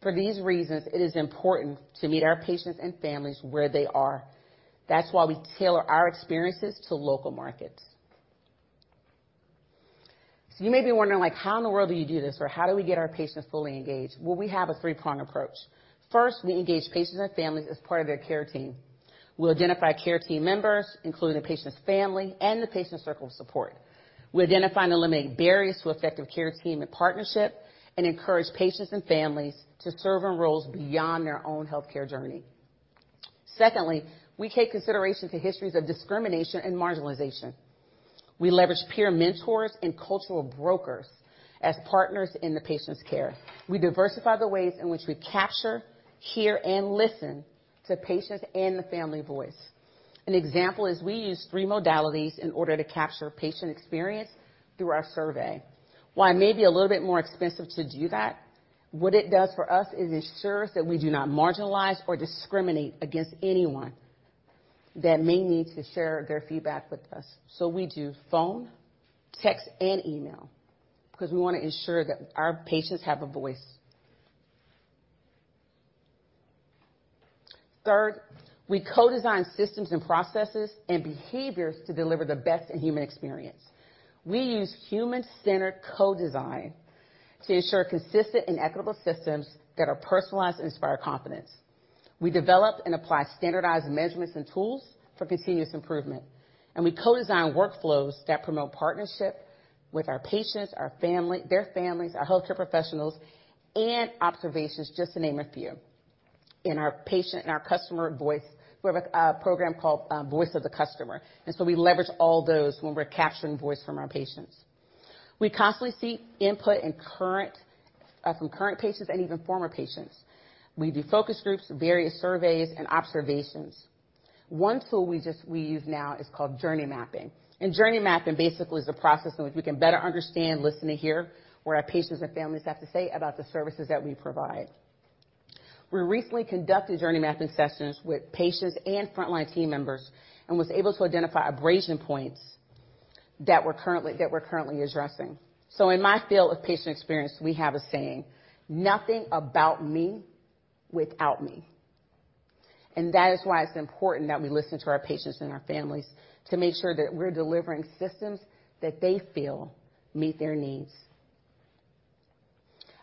For these reasons, it is important to meet our patients and families where they are. That's why we tailor our experiences to local markets. You may be wondering, like, "How in the world do you do this?" Or, "How do we get our patients fully engaged?" We have a three-prong approach. First, we engage patients and families as part of their care team. We'll identify care team members, including the patient's family and the patient's circle of support. We identify and eliminate barriers to effective care team and partnership and encourage patients and families to serve in roles beyond their own healthcare journey. Secondly, we take consideration to histories of discrimination and marginalization. We leverage peer mentors and cultural brokers as partners in the patient's care. We diversify the ways in which we capture, hear, and listen to patients and the family voice. An example is we use three modalities in order to capture patient experience through our survey. While it may be a little bit more expensive to do that, what it does for us is ensures that we do not marginalize or discriminate against anyone that may need to share their feedback with us. We do phone, text, and email because we wanna ensure that our patients have a voice. Third, we co-design systems and processes and behaviors to deliver the best in human experience. We use human-centered co-design to ensure consistent and equitable systems that are personalized and inspire confidence. We develop and apply standardized measurements and tools for continuous improvement. We co-design workflows that promote partnership with our patients, our family, their families, our healthcare professionals, and observations, just to name a few. In our patient, in our customer voice, we have a program called Voice of the Customer. We leverage all those when we're capturing voice from our patients. We constantly seek input from current patients and even former patients. We do focus groups, various surveys, and observations. One tool we use now is called journey mapping. Journey mapping basically is a process in which we can better understand, listen, and hear what our patients and families have to say about the services that we provide. We recently conducted journey mapping sessions with patients and frontline team members and was able to identify abrasion points that we're currently addressing. In my field of patient experience, we have a saying, "Nothing about me without me." That is why it's important that we listen to our patients and our families to make sure that we're delivering systems that they feel meet their needs.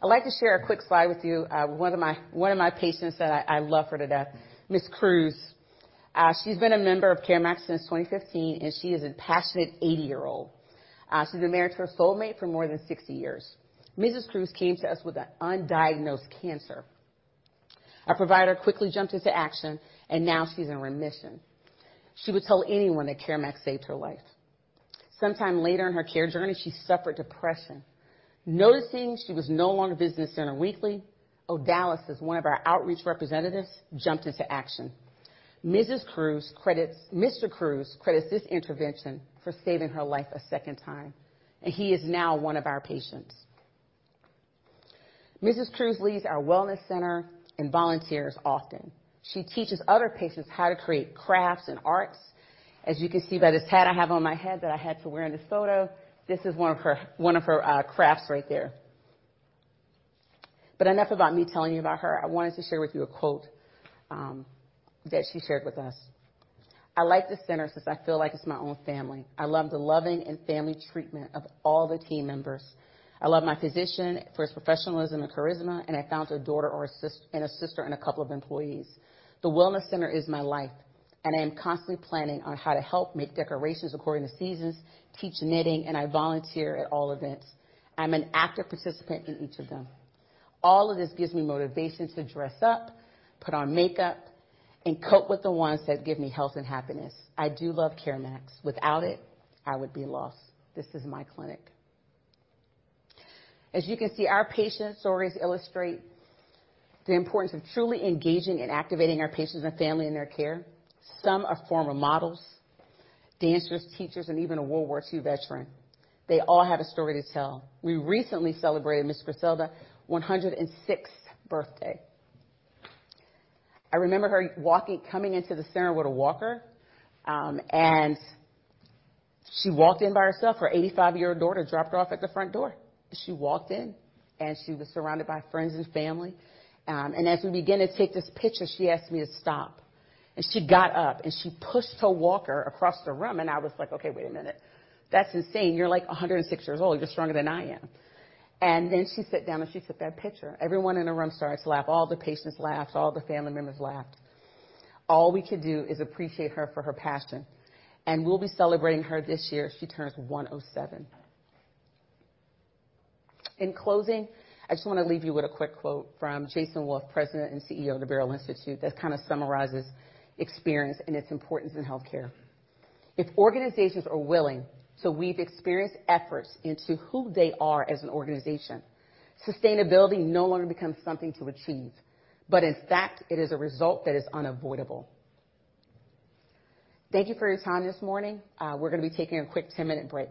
I'd like to share a quick slide with you, one of my patients that I love her to death, Mrs. Cruz. She's been a member of CareMax since 2015, and she is a passionate 80-year-old. She's been married to her soulmate for more than 60 years. Mrs. Cruz came to us with an undiagnosed cancer. Our provider quickly jumped into action, and now she's in remission. She would tell anyone that CareMax saved her life. Sometime later in her care journey, she suffered depression. Noticing she was no longer visiting us center weekly, Odalis, as one of our outreach representatives, jumped into action. Mr. Cruz credits this intervention for saving her life a second time. He is now one of our patients. Mrs. Cruz leads our wellness center and volunteers often. She teaches other patients how to create crafts and arts. As you can see by this hat I have on my head that I had to wear in this photo, this is one of her crafts right there. Enough about me telling you about her. I wanted to share with you a quote that she shared with us. "I like this center since I feel like it's my own family. I love the loving and family treatment of all the team members. I love my physician for his professionalism and charisma, and I found a daughter or a sister in a couple of employees. The wellness center is my life, and I am constantly planning on how to help make decorations according to seasons, teach knitting, and I volunteer at all events. I'm an active participant in each of them. All of this gives me motivation to dress up, put on makeup, and cope with the ones that give me health and happiness. I do love CareMax. Without it, I would be lost. This is my clinic." As you can see, our patient stories illustrate the importance of truly engaging and activating our patients and family in their care. Some are former models, dancers, teachers, and even a World War II veteran. They all have a story to tell. We recently celebrated Miss Griselda 106th birthday. I remember her coming into the center with a walker. She walked in by herself. Her 85-year-old daughter dropped her off at the front door. She walked in. She was surrounded by friends and family. As we began to take this picture, she asked me to stop. She got up. She pushed her walker across the room. I was like, "Okay, wait a minute. That's insane. You're, like, 106 years old. You're stronger than I am." She sat down. She took that picture. Everyone in the room started to laugh. All the patients laughed. All the family members laughed. All we could do is appreciate her for her passion. We'll be celebrating her this year as she turns 107. In closing, I just wanna leave you with a quick quote from Jason Wolf, President and CEO of The Beryl Institute, that kind of summarizes experience and its importance in healthcare. "If organizations are willing to weave experience efforts into who they are as an organization, sustainability no longer becomes something to achieve, but in fact, it is a result that is unavoidable." Thank you for your time this morning. We're gonna be taking a quick 10-minute break.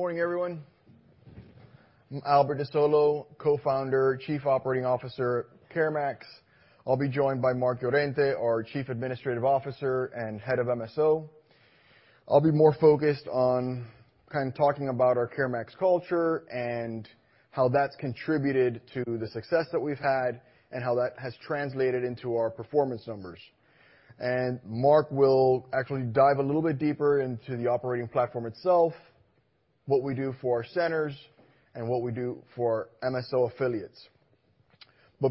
Good morning, everyone. I'm Albert de Solo, Co-Founder, Chief Operating Officer, CareMax. I'll be joined by Mark Llorente, our Chief Administrative Officer and head of MSO. I'll be more focused on kind of talking about our CareMax culture and how that's contributed to the success that we've had and how that has translated into our performance numbers. Mark will actually dive a little bit deeper into the operating platform itself, what we do for our centers, and what we do for MSO affiliates.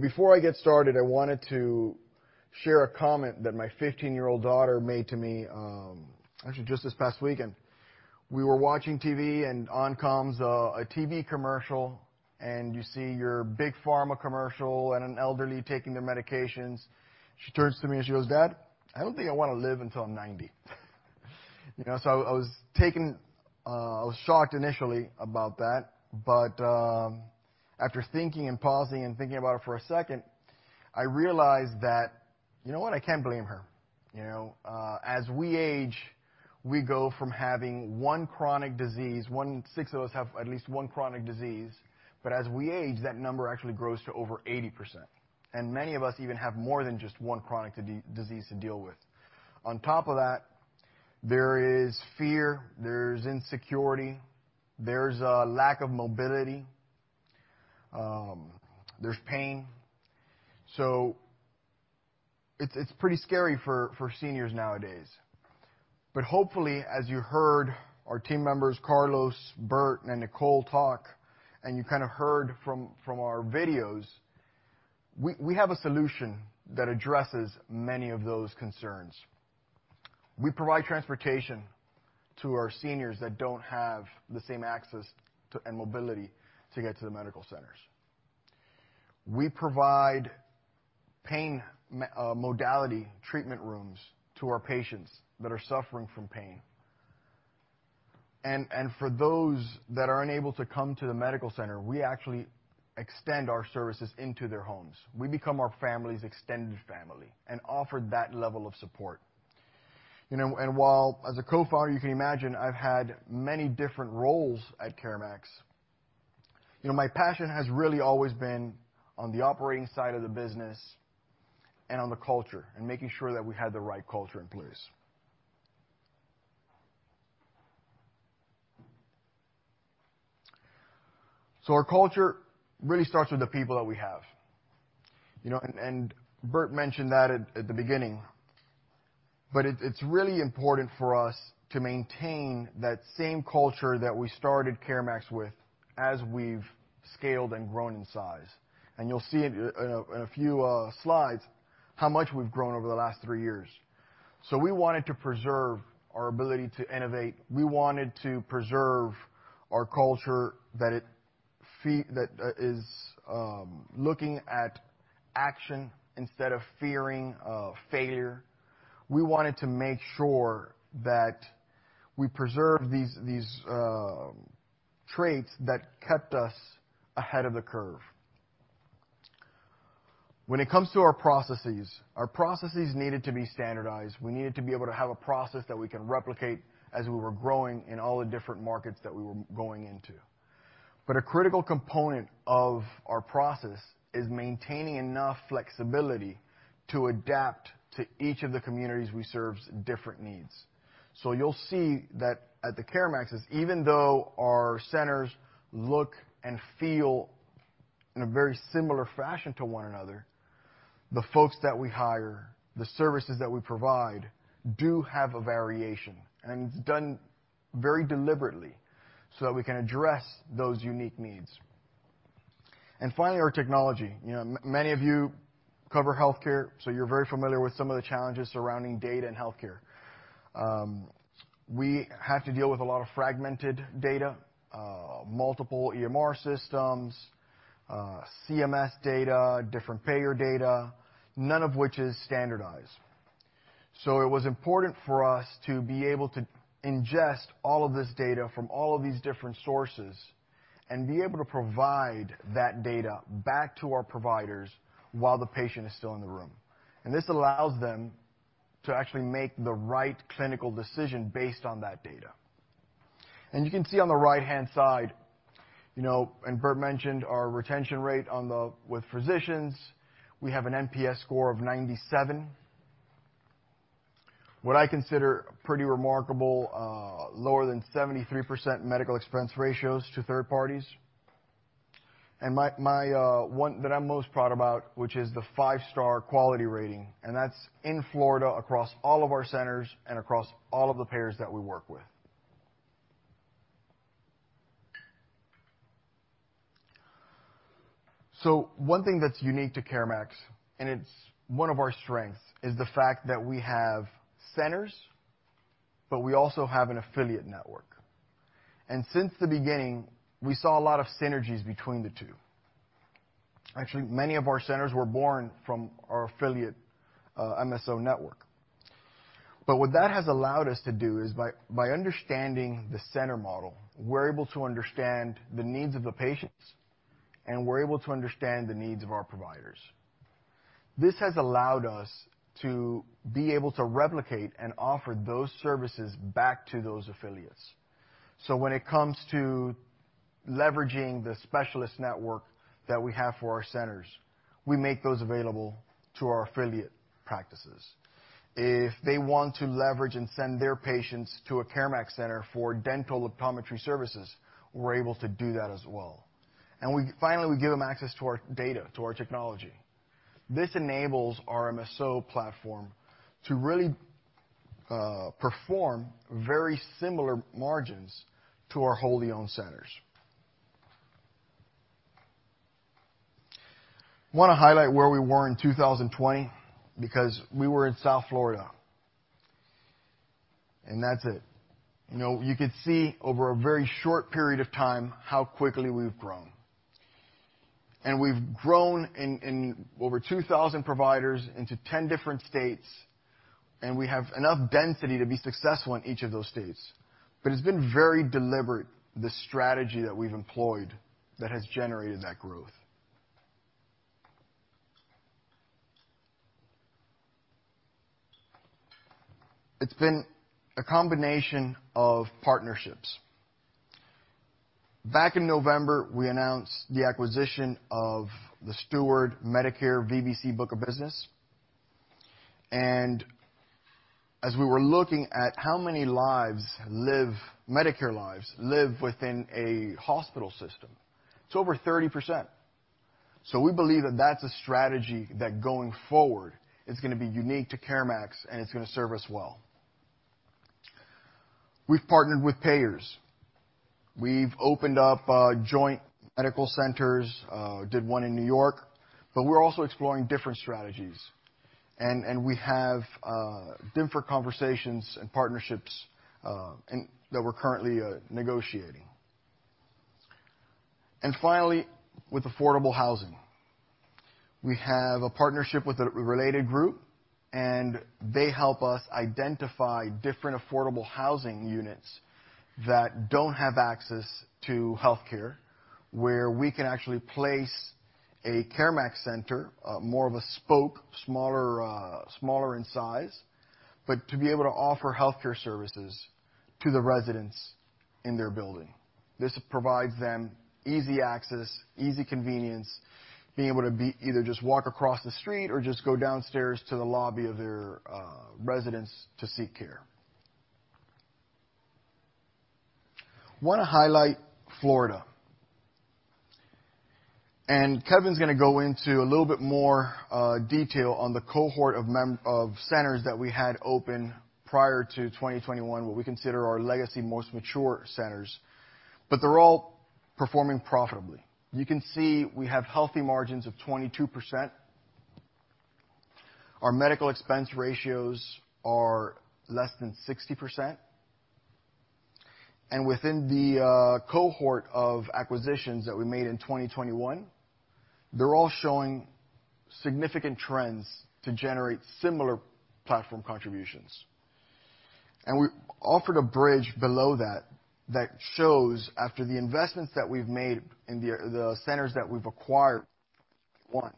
Before I get started, I wanted to share a comment that my 15-year-old daughter made to me, actually just this past weekend. We were watching TV, and on comes a TV commercial, and you see your big pharma commercial and an elderly taking their medications. She turns to me, and she goes, "Dad, I don't think I wanna live until 90." You know, I was shocked initially about that, but after thinking and pausing and thinking about it for a second, I realized that, you know what? I can't blame her. You know, as we age, we go from having 1 chronic disease. 1 in 6 of us have at least 1 chronic disease. As we age, that number actually grows to over 80%, and many of us even have more than just 1 disease to deal with. On top of that, there is fear, there's insecurity, there's lack of mobility, there's pain. It's pretty scary for seniors nowadays. Hopefully, as you heard our team members, Carlos, Bert, and Nicole talk, and you kinda heard from our videos, we have a solution that addresses many of those concerns. We provide transportation to our seniors that don't have the same access to and mobility to get to the medical centers. We provide pain modality treatment rooms to our patients that are suffering from pain. For those that are unable to come to the medical center, we actually extend our services into their homes. We become our family's extended family and offer that level of support. You know, while as a co-founder, you can imagine I've had many different roles at CareMax. You know, my passion has really always been on the operating side of the business and on the culture and making sure that we had the right culture in place. Our culture really starts with the people that we have. You know, Bert mentioned that at the beginning, but it's really important for us to maintain that same culture that we started CareMax with as we've scaled and grown in size. You'll see it in a few slides how much we've grown over the last three years. We wanted to preserve our ability to innovate. We wanted to preserve our culture that is looking at action instead of fearing failure. We wanted to make sure that we preserve these traits that kept us ahead of the curve. When it comes to our processes, our processes needed to be standardized. We needed to be able to have a process that we can replicate as we were growing in all the different markets that we were going into. A critical component of our process is maintaining enough flexibility to adapt to each of the communities we serve's different needs. You'll see that at the CareMaxes, even though our centers look and feel in a very similar fashion to one another, the folks that we hire, the services that we provide, do have a variation. It's done very deliberately so that we can address those unique needs. Finally, our technology. You know, many of you cover healthcare, so you're very familiar with some of the challenges surrounding data and healthcare. We have to deal with a lot of fragmented data, multiple EMR systems, CMS data, different payer data, none of which is standardized. It was important for us to be able to ingest all of this data from all of these different sources and be able to provide that data back to our providers while the patient is still in the room. This allows them to actually make the right clinical decision based on that data. You can see on the right-hand side, you know, Bert mentioned our retention rate with physicians. We have an NPS score of 97. What I consider pretty remarkable, lower than 73% medical expense ratios to third parties. My one that I'm most proud about, which is the 5-star quality rating, and that's in Florida across all of our centers and across all of the payers that we work with. One thing that's unique to CareMax, and it's one of our strengths, is the fact that we have centers, but we also have an affiliate network. Since the beginning, we saw a lot of synergies between the two. Actually, many of our centers were born from our affiliate MSO network. What that has allowed us to do is by understanding the center model, we're able to understand the needs of the patients, and we're able to understand the needs of our providers. This has allowed us to be able to replicate and offer those services back to those affiliates. When it comes to leveraging the specialist network that we have for our centers, we make those available to our affiliate practices. If they want to leverage and send their patients to a CareMax center for dental optometry services, we're able to do that as well. Finally, we give them access to our data, to our technology. This enables our MSO platform to really perform very similar margins to our wholly owned centers. Wanna highlight where we were in 2020, because we were in South Florida, and that's it. You know, you could see over a very short period of time how quickly we've grown. We've grown in over 2,000 providers into 10 different states, and we have enough density to be successful in each of those states. It's been very deliberate, the strategy that we've employed that has generated that growth. It's been a combination of partnerships. Back in November, we announced the acquisition of the Steward Medicare VBC book of business. As we were looking at how many lives live, Medicare lives, live within a hospital system, it's over 30%. We believe that that's a strategy that going forward is gonna be unique to CareMax, and it's gonna serve us well. We've partnered with payers. We've opened up joint medical centers, did 1 in New York, but we're also exploring different strategies. We have different conversations and partnerships, and that we're currently negotiating. Finally, with affordable housing. We have a partnership with a Related Group, they help us identify different affordable housing units that don't have access to healthcare, where we can actually place a CareMax center, more of a spoke, smaller in size, to be able to offer healthcare services to the residents in their building. This provides them easy access, easy convenience, either just walk across the street or just go downstairs to the lobby of their residence to seek care. I wanna highlight Florida. Kevin's gonna go into a little bit more detail on the cohort of centers that we had open prior to 2021, what we consider our legacy most mature centers. They're all performing profitably. You can see we have healthy margins of 22%. Our medical expense ratios are less than 60%. Within the cohort of acquisitions that we made in 2021, they're all showing significant trends to generate similar platform contributions. We offered a bridge below that shows after the investments that we've made in the centers that we've acquired, one,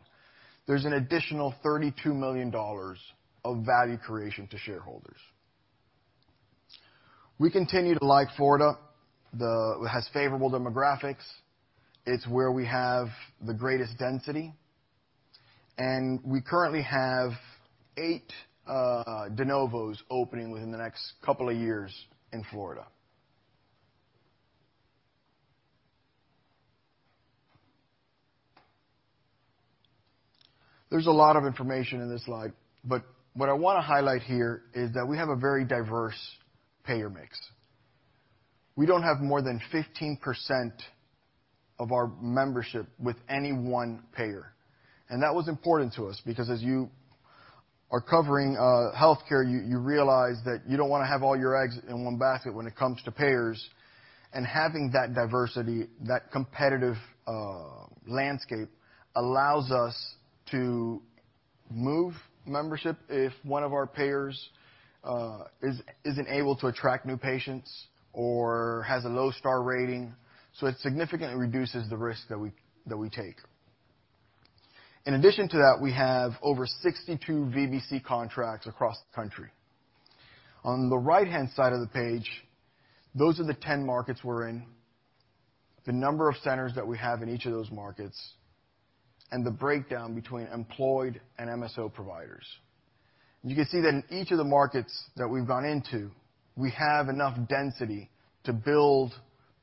there's an additional $32 million of value creation to shareholders. We continue to like Florida. It has favorable demographics. It's where we have the greatest density. We currently have eight de novos opening within the next couple of years in Florida. There's a lot of information in this slide, but what I wanna highlight here is that we have a very diverse payer mix. We don't have more than 15% of our membership with any one payer. That was important to us because as you are covering healthcare, you realize that you don't want to have all your eggs in one basket when it comes to payers. Having that diversity, that competitive landscape, allows us to move membership if one of our payers isn't able to attract new patients or has a low star rating. It significantly reduces the risk that we take. In addition to that, we have over 62 VBC contracts across the country. On the right-hand side of the page, those are the 10 markets we're in, the number of centers that we have in each of those markets, and the breakdown between employed and MSO providers. You can see that in each of the markets that we've gone into, we have enough density to build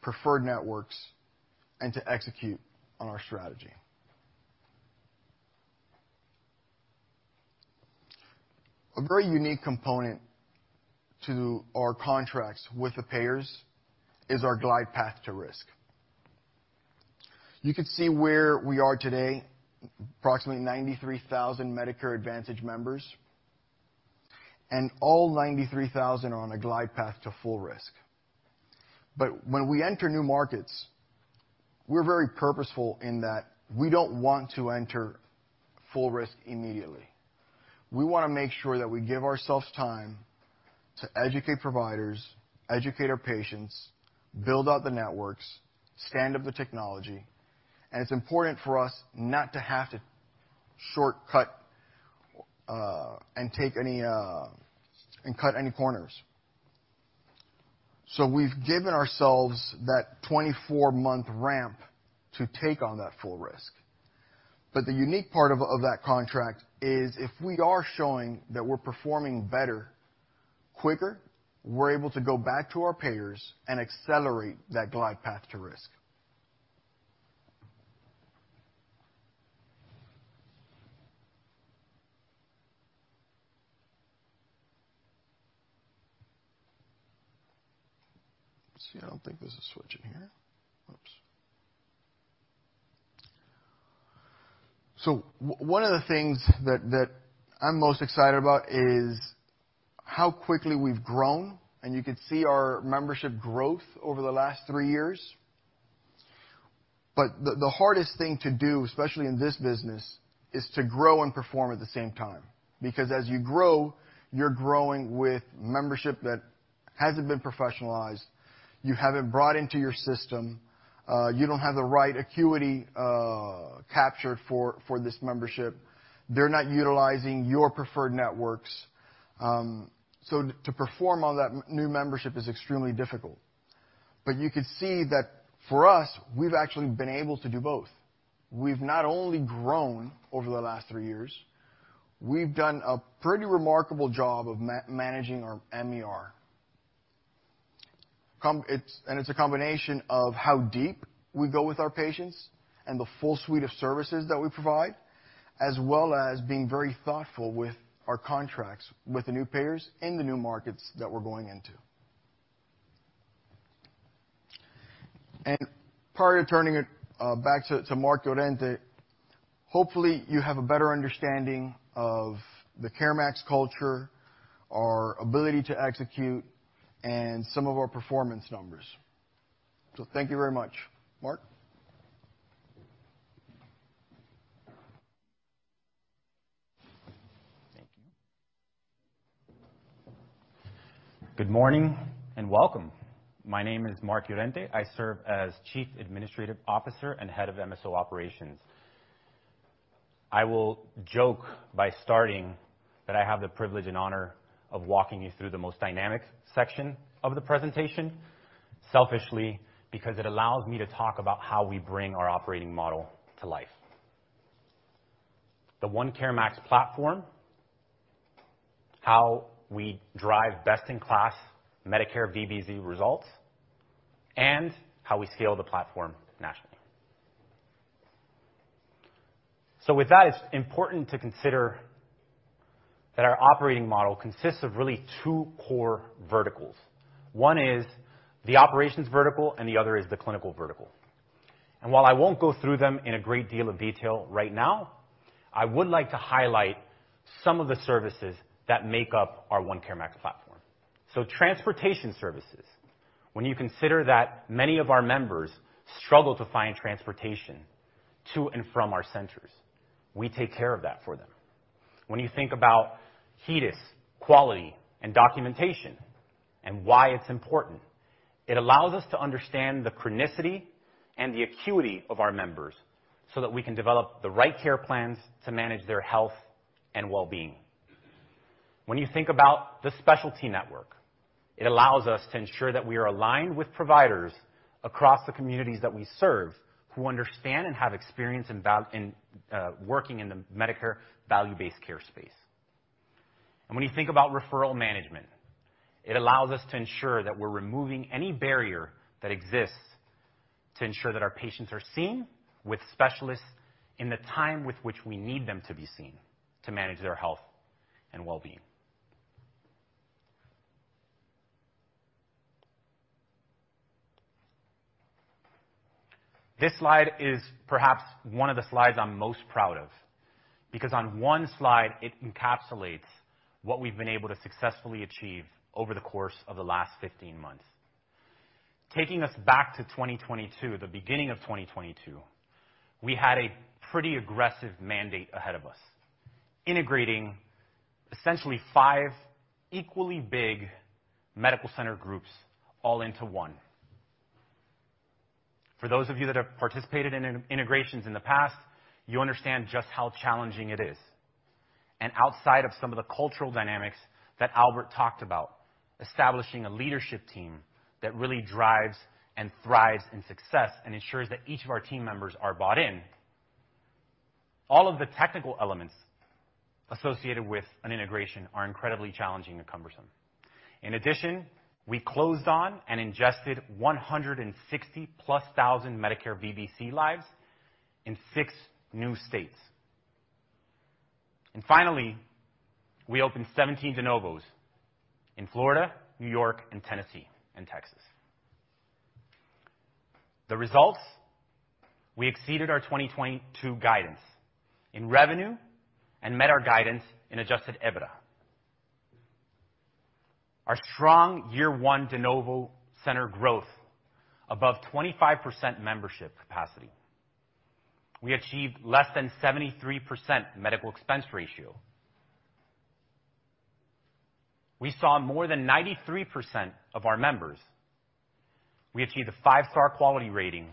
preferred networks and to execute on our strategy. A very unique component to our contracts with the payers is our glide path to risk. You can see where we are today, approximately 93,000 Medicare Advantage members, and all 93,000 are on a glide path to full risk. When we enter new markets, we're very purposeful in that we don't want to enter full risk immediately. We want to make sure that we give ourselves time to educate providers, educate our patients, build out the networks, stand up the technology. It's important for us not to have to shortcut and take any and cut any corners. We've given ourselves that 24-month ramp to take on that full risk. The unique part of that contract is if we are showing that we're performing better, quicker, we're able to go back to our payers and accelerate that glide path to risk. See, I don't think there's a switch in here. Oops. One of the things that I'm most excited about is how quickly we've grown, and you can see our membership growth over the last 3 years. The hardest thing to do, especially in this business, is to grow and perform at the same time. Because as you grow, you're growing with membership that hasn't been professionalized. You haven't brought into your system. You don't have the right acuity captured for this membership. They're not utilizing your preferred networks. To perform all that new membership is extremely difficult. You could see that for us, we've actually been able to do both. We've not only grown over the last 3 years, we've done a pretty remarkable job of managing our MER It's a combination of how deep we go with our patients and the full suite of services that we provide, as well as being very thoughtful with our contracts, with the new payers in the new markets that we're going into. Prior to turning it back to Mark Llorente, hopefully you have a better understanding of the CareMax culture, our ability to execute, and some of our performance numbers. Thank you very much. Mark? Good morning, welcome. My name is Mark Llorente. I serve as Chief Administrative Officer and Head of MSO Operations. I will joke by starting that I have the privilege and honor of walking you through the most dynamic section of the presentation, selfishly, because it allows me to talk about how we bring our operating model to life. The One CareMax platform, how we drive best-in-class Medicare VBC results, and how we scale the platform nationally. With that, it's important to consider that our operating model consists of really two core verticals. One is the operations vertical, and the other is the clinical vertical. While I won't go through them in a great deal of detail right now, I would like to highlight some of the services that make up our One CareMax platform. Transportation services. When you consider that many of our members struggle to find transportation to and from our centers, we take care of that for them. When you think about HEDIS, quality, and documentation, and why it's important, it allows us to understand the chronicity and the acuity of our members so that we can develop the right care plans to manage their health and well-being. When you think about the specialty network, it allows us to ensure that we are aligned with providers across the communities that we serve, who understand and have experience in working in the Medicare value-based care space. When you think about referral management, it allows us to ensure that we're removing any barrier that exists to ensure that our patients are seen with specialists in the time with which we need them to be seen to manage their health and well-being. This slide is perhaps one of the slides I'm most proud of, because on one slide, it encapsulates what we've been able to successfully achieve over the course of the last 15 months. Taking us back to 2022, the beginning of 2022, we had a pretty aggressive mandate ahead of us, integrating essentially five equally big medical center groups all into one. For those of you that have participated in integrations in the past, you understand just how challenging it is. Outside of some of the cultural dynamics that Albert talked about, establishing a leadership team that really drives and thrives in success and ensures that each of our team members are bought in, all of the technical elements associated with an integration are incredibly challenging and cumbersome. In addition, we closed on and ingested 160-plus thousand Medicare VBC lives in six new states. Finally, we opened 17 de novos in Florida, New York, and Tennessee and Texas. The results. We exceeded our 2022 guidance in revenue and met our guidance in adjusted EBITDA. Our strong year one de novo center growth above 25% membership capacity. We achieved less than 73% medical expense ratio. We saw more than 93% of our members. We achieved a 5-star quality rating,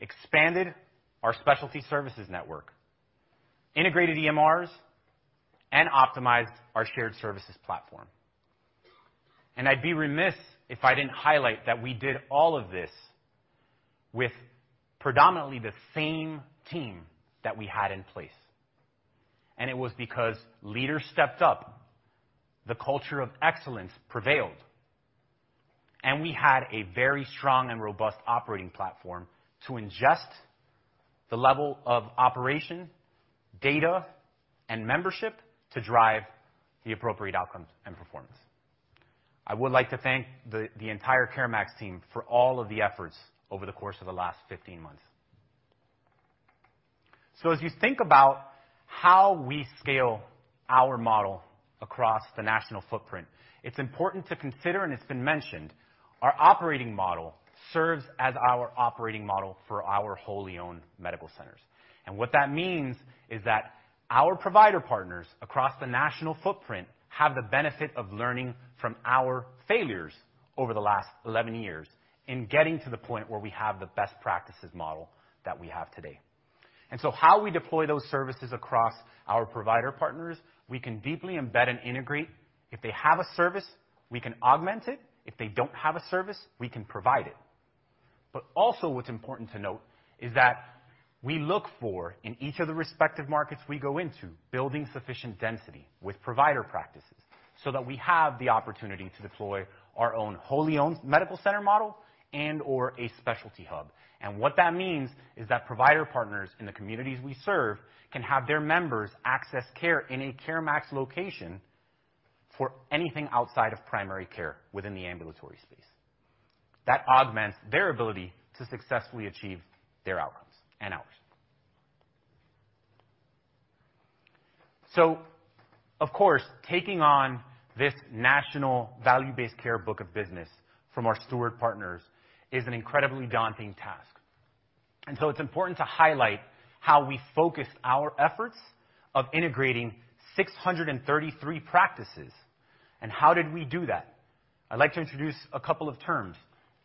expanded our specialty services network, integrated EMRs, and optimized our shared services platform. I'd be remiss if I didn't highlight that we did all of this with predominantly the same team that we had in place. It was because leaders stepped up, the culture of excellence prevailed, and we had a very strong and robust operating platform to ingest the level of operation, data, and membership to drive the appropriate outcomes and performance. I would like to thank the entire CareMax team for all of the efforts over the course of the last 15 months. As you think about how we scale our model across the national footprint, it's important to consider, and it's been mentioned, our operating model serves as our operating model for our wholly owned medical centers. What that means is that our provider partners across the national footprint have the benefit of learning from our failures over the last 11 years in getting to the point where we have the best practices model that we have today. How we deploy those services across our provider partners, we can deeply embed and integrate. If they have a service, we can augment it. If they don't have a service, we can provide it. What's important to note is that we look for, in each of the respective markets we go into, building sufficient density with provider practices so that we have the opportunity to deploy our own wholly owned medical center model and/or a specialty hub. What that means is that provider partners in the communities we serve can have their members access care in a CareMax location for anything outside of primary care within the ambulatory space. That augments their ability to successfully achieve their outcomes and ours. Of course, taking on this national value-based care book of business from our Steward partners is an incredibly daunting task. It's important to highlight how we focus our efforts of integrating 633 practices. How did we do that? I'd like to introduce a couple of terms,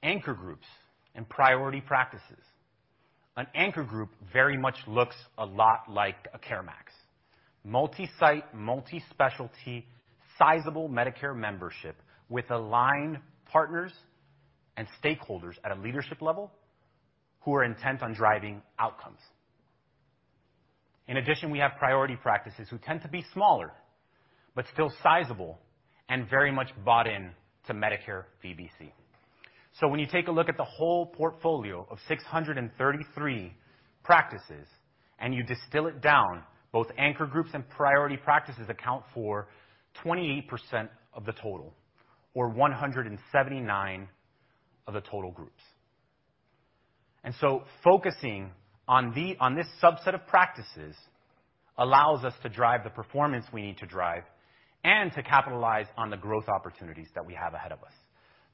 anchor groups and priority practices. An anchor group very much looks a lot like a CareMax. Multi-site, multi-specialty, sizable Medicare membership with aligned partners and stakeholders at a leadership level who are intent on driving outcomes. In addition, we have priority practices who tend to be smaller, but still sizable and very much bought in to Medicare VBC. When you take a look at the whole portfolio of 633 practices, and you distill it down, both anchor groups and priority practices account for 28% of the total or 179 of the total groups. Focusing on this subset of practices allows us to drive the performance we need to drive and to capitalize on the growth opportunities that we have ahead of us.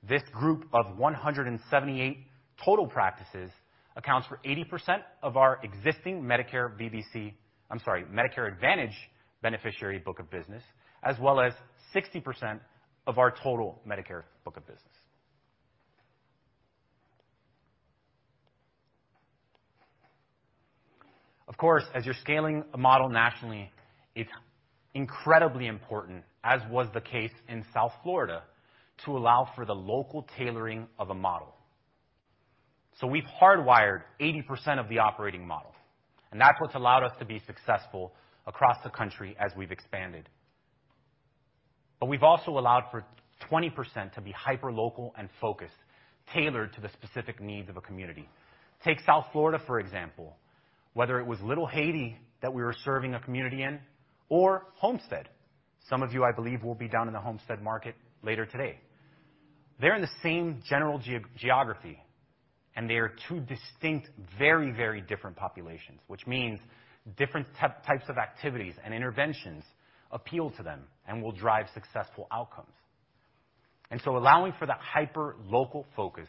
This group of 178 total practices accounts for 80% of our existing Medicare VBC. I'm sorry, Medicare Advantage beneficiary book of business, as well as 60% of our total Medicare book of business. Of course, as you're scaling a model nationally, it's incredibly important, as was the case in South Florida, to allow for the local tailoring of a model. We've hardwired 80% of the operating model, and that's what's allowed us to be successful across the country as we've expanded. We've also allowed for 20% to be hyper-local and focused, tailored to the specific needs of a community. Take South Florida, for example, whether it was Little Haiti that we were serving a community in or Homestead. Some of you, I believe, will be down in the Homestead market later today. They're in the same general geography, and they are two distinct, very, very different populations, which means different types of activities and interventions appeal to them and will drive successful outcomes. Allowing for that hyper-local focus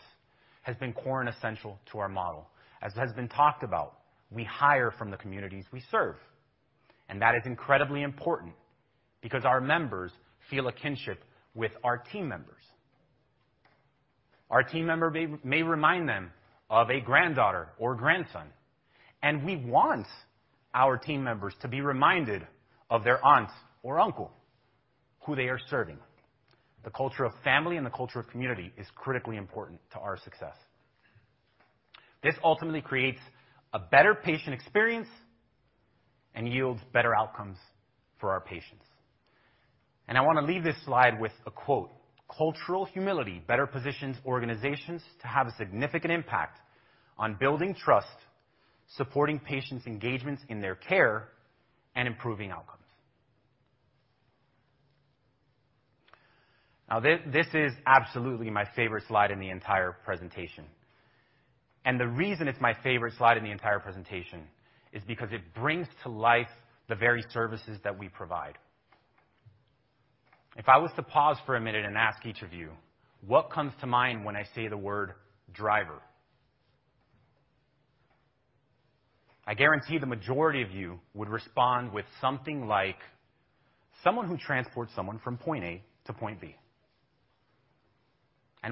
has been core and essential to our model. As has been talked about, we hire from the communities we serve, and that is incredibly important because our members feel a kinship with our team members. Our team member may remind them of a granddaughter or grandson, and we want our team members to be reminded of their aunt or uncle who they are serving. The culture of family and the culture of community is critically important to our success. This ultimately creates a better patient experience and yields better outcomes for our patients. I wanna leave this slide with a quote, "Cultural humility better positions organizations to have a significant impact on building trust, supporting patients' engagements in their care, and improving outcomes." Now, this is absolutely my favorite slide in the entire presentation, and the reason it's my favorite slide in the entire presentation is because it brings to life the very services that we provide. If I was to pause for a minute and ask each of you, what comes to mind when I say the word driver? I guarantee the majority of you would respond with something like someone who transports someone from point A to point B.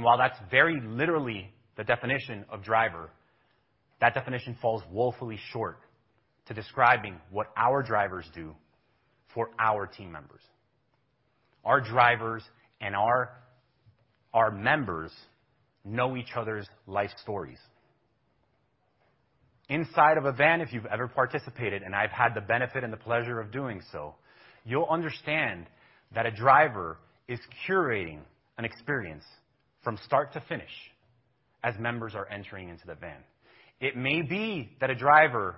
While that's very literally the definition of driver, that definition falls woefully short to describing what our drivers do for our team members. Our drivers and our members know each other's life stories. Inside of a van, if you've ever participated, and I've had the benefit and the pleasure of doing so, you'll understand that a driver is curating an experience from start to finish as members are entering into the van. It may be that a driver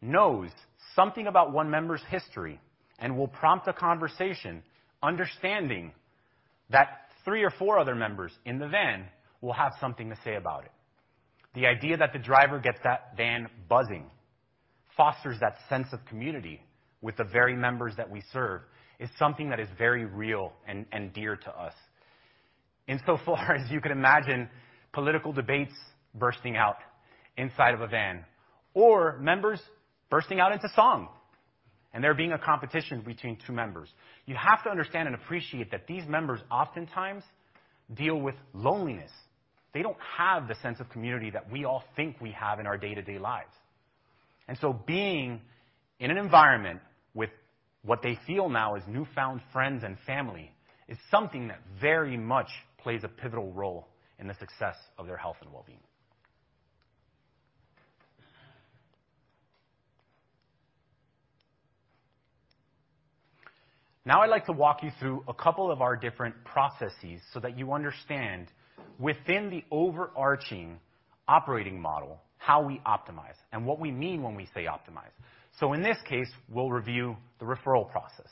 knows something about one member's history and will prompt a conversation understanding that three or four other members in the van will have something to say about it. The idea that the driver gets that van buzzing, fosters that sense of community with the very members that we serve, is something that is very real and dear to us. Insofar as you can imagine political debates bursting out inside of a van or members bursting out into song, and there being a competition between two members. You have to understand and appreciate that these members oftentimes deal with loneliness. They don't have the sense of community that we all think we have in our day-to-day lives. Being in an environment with what they feel now as newfound friends and family is something that very much plays a pivotal role in the success of their health and well-being. Now I'd like to walk you through a couple of our different processes so that you understand within the overarching operating model, how we optimize and what we mean when we say optimize. In this case, we'll review the referral process.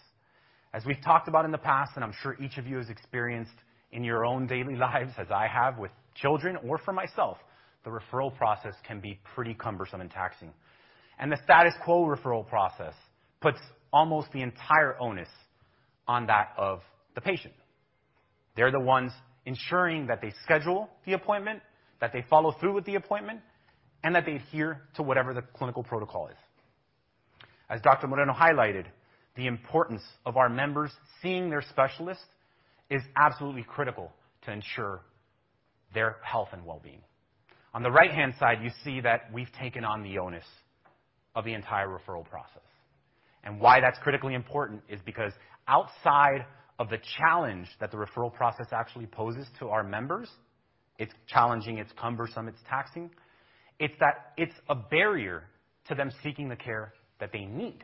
As we've talked about in the past, and I'm sure each of you has experienced in your own daily lives as I have with children or for myself, the referral process can be pretty cumbersome and taxing. The status quo referral process puts almost the entire onus on that of the patient. They're the ones ensuring that they schedule the appointment, that they follow through with the appointment, and that they adhere to whatever the clinical protocol is. As Dr. Moreno highlighted, the importance of our members seeing their specialist is absolutely critical to ensure their health and well-being. On the right-hand side, you see that we've taken on the onus of the entire referral process. Why that's critically important is because outside of the challenge that the referral process actually poses to our members, it's challenging, it's cumbersome, it's taxing. It's that it's a barrier to them seeking the care that they need.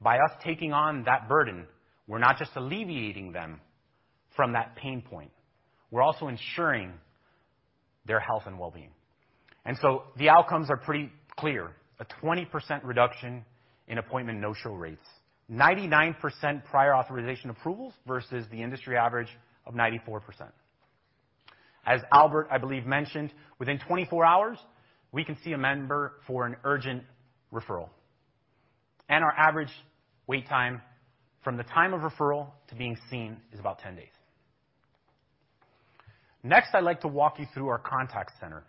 By us taking on that burden, we're not just alleviating them from that pain point, we're also ensuring their health and well-being. The outcomes are pretty clear. A 20% reduction in appointment no-show rates. 99% prior authorization approvals versus the industry average of 94%. As Albert, I believe, mentioned, within 24 hours, we can see a member for an urgent referral. Our average wait time from the time of referral to being seen is about 10 days. Next, I'd like to walk you through our contact center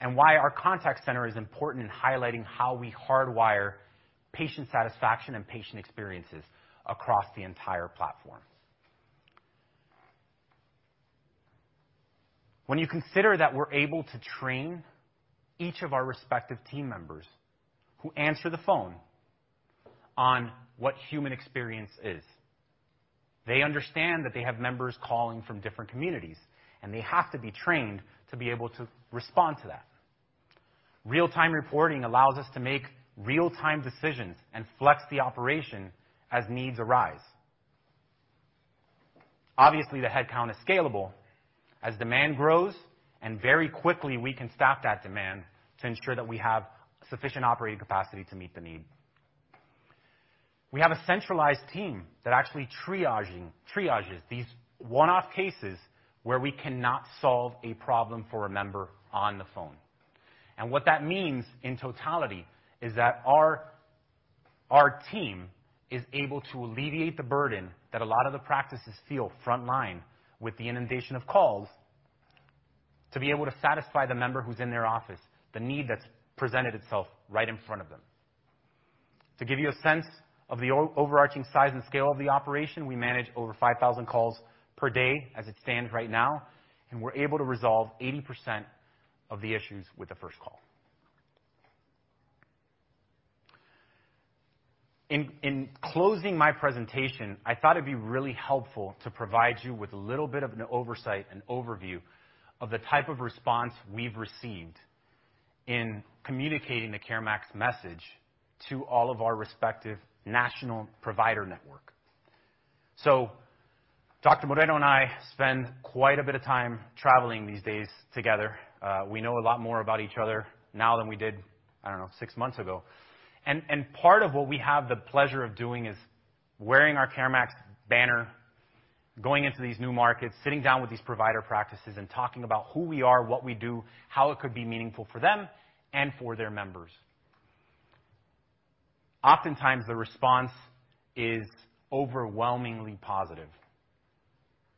and why our contact center is important in highlighting how we hardwire patient satisfaction and patient experiences across the entire platform. When you consider that we're able to train each of our respective team members who answer the phone on what human experience is, they understand that they have members calling from different communities, and they have to be trained to be able to respond to that. Real-time reporting allows us to make real-time decisions and flex the operation as needs arise. Obviously, the headcount is scalable as demand grows, and very quickly we can staff that demand to ensure that we have sufficient operating capacity to meet the need. We have a centralized team that actually triages these one-off cases where we cannot solve a problem for a member on the phone. What that means, in totality, is that our team is able to alleviate the burden that a lot of the practices feel frontline with the inundation of calls to be able to satisfy the member who's in their office, the need that's presented itself right in front of them. To give you a sense of the overarching size and scale of the operation, we manage over 5,000 calls per day as it stands right now, and we're able to resolve 80% of the issues with the first call. In closing my presentation, I thought it'd be really helpful to provide you with a little bit of an oversight and overview of the type of response we've received in communicating the CareMax message to all of our respective national provider network. Dr. Moreno and I spend quite a bit of time traveling these days together. We know a lot more about each other now than we did, I don't know, six months ago. Part of what we have the pleasure of doing is wearing our CareMax banner, going into these new markets, sitting down with these provider practices and talking about who we are, what we do, how it could be meaningful for them and for their members. Oftentimes, the response is overwhelmingly positive.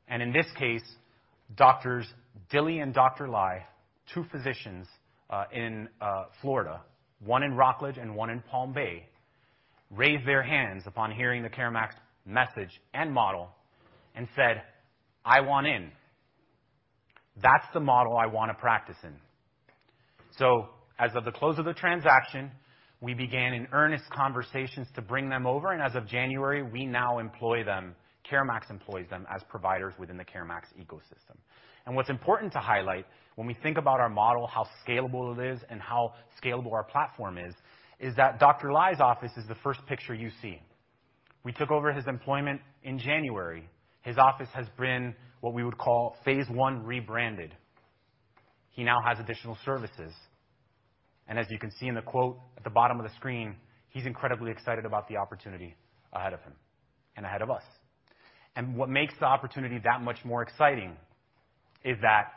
In this case, Doctors Dilley and Dr. Lai, two physicians in Florida, one in Rockledge and one in Palm Bay, raised their hands upon hearing the CareMax message and model and said, "I want in. That's the model I wanna practice in." As of the close of the transaction, we began in earnest conversations to bring them over, and as of January, we now employ them. CareMax employs them as providers within the CareMax ecosystem. What's important to highlight when we think about our model, how scalable it is, and how scalable our platform is that Dr. Lai's office is the first picture you see. We took over his employment in January. His office has been what we would call phase one rebranded. He now has additional services, and as you can see in the quote at the bottom of the screen, he's incredibly excited about the opportunity ahead of him and ahead of us. What makes the opportunity that much more exciting is that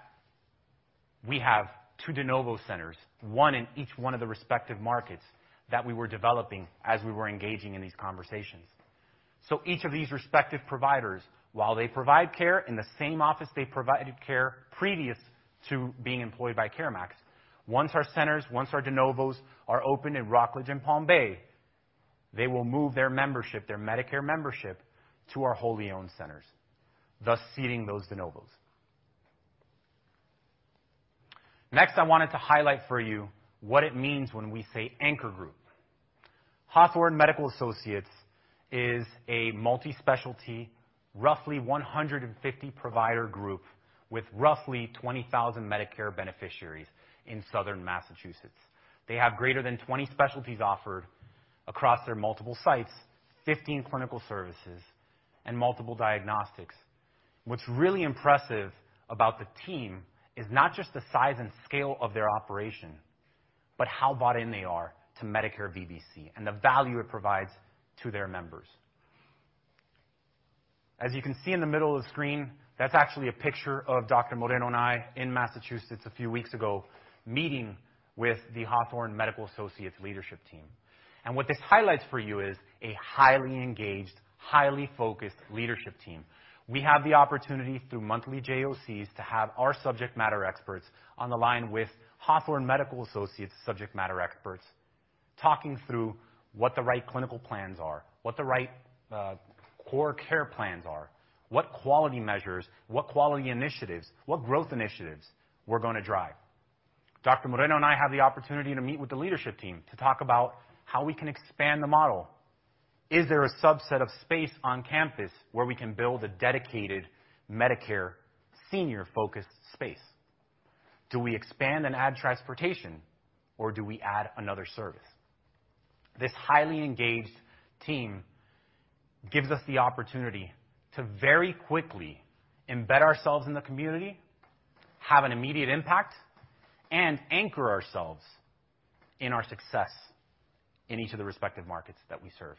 we have two de novo centers, one in each one of the respective markets that we were developing as we were engaging in these conversations. Each of these respective providers, while they provide care in the same office they provided care previous to being employed by CareMax, once our centers, once our de novos are open in Rockledge and Palm Bay, they will move their membership, their Medicare membership to our wholly owned centers, thus ceding those de novos. Next, I wanted to highlight for you what it means when we say anchor group. Hawthorn Medical Associates is a multi-specialty, roughly 150 provider group with roughly 20,000 Medicare beneficiaries in Southern Massachusetts. They have greater than 20 specialties offered across their multiple sites, 15 clinical services, and multiple diagnostics. What's really impressive about the team is not just the size and scale of their operation, but how bought in they are to Medicare VBC and the value it provides to their members. As you can see in the middle of the screen. That's actually a picture of Dr. Moreno and I in Massachusetts a few weeks ago, meeting with the Hawthorn Medical Associates leadership team. What this highlights for you is a highly engaged, highly focused leadership team. We have the opportunity through monthly JOCs to have our subject matter experts on the line with Hawthorn Medical Associates subject matter experts, talking through what the right clinical plans are, what the right core care plans are, what quality measures, what quality initiatives, what growth initiatives we're gonna drive. Dr. Moreno and I have the opportunity to meet with the leadership team to talk about how we can expand the model. Is there a subset of space on campus where we can build a dedicated Medicare senior-focused space? Do we expand and add transportation or do we add another service? This highly engaged team gives us the opportunity to very quickly embed ourselves in the community, have an immediate impact, and anchor ourselves in our success in each of the respective markets that we serve.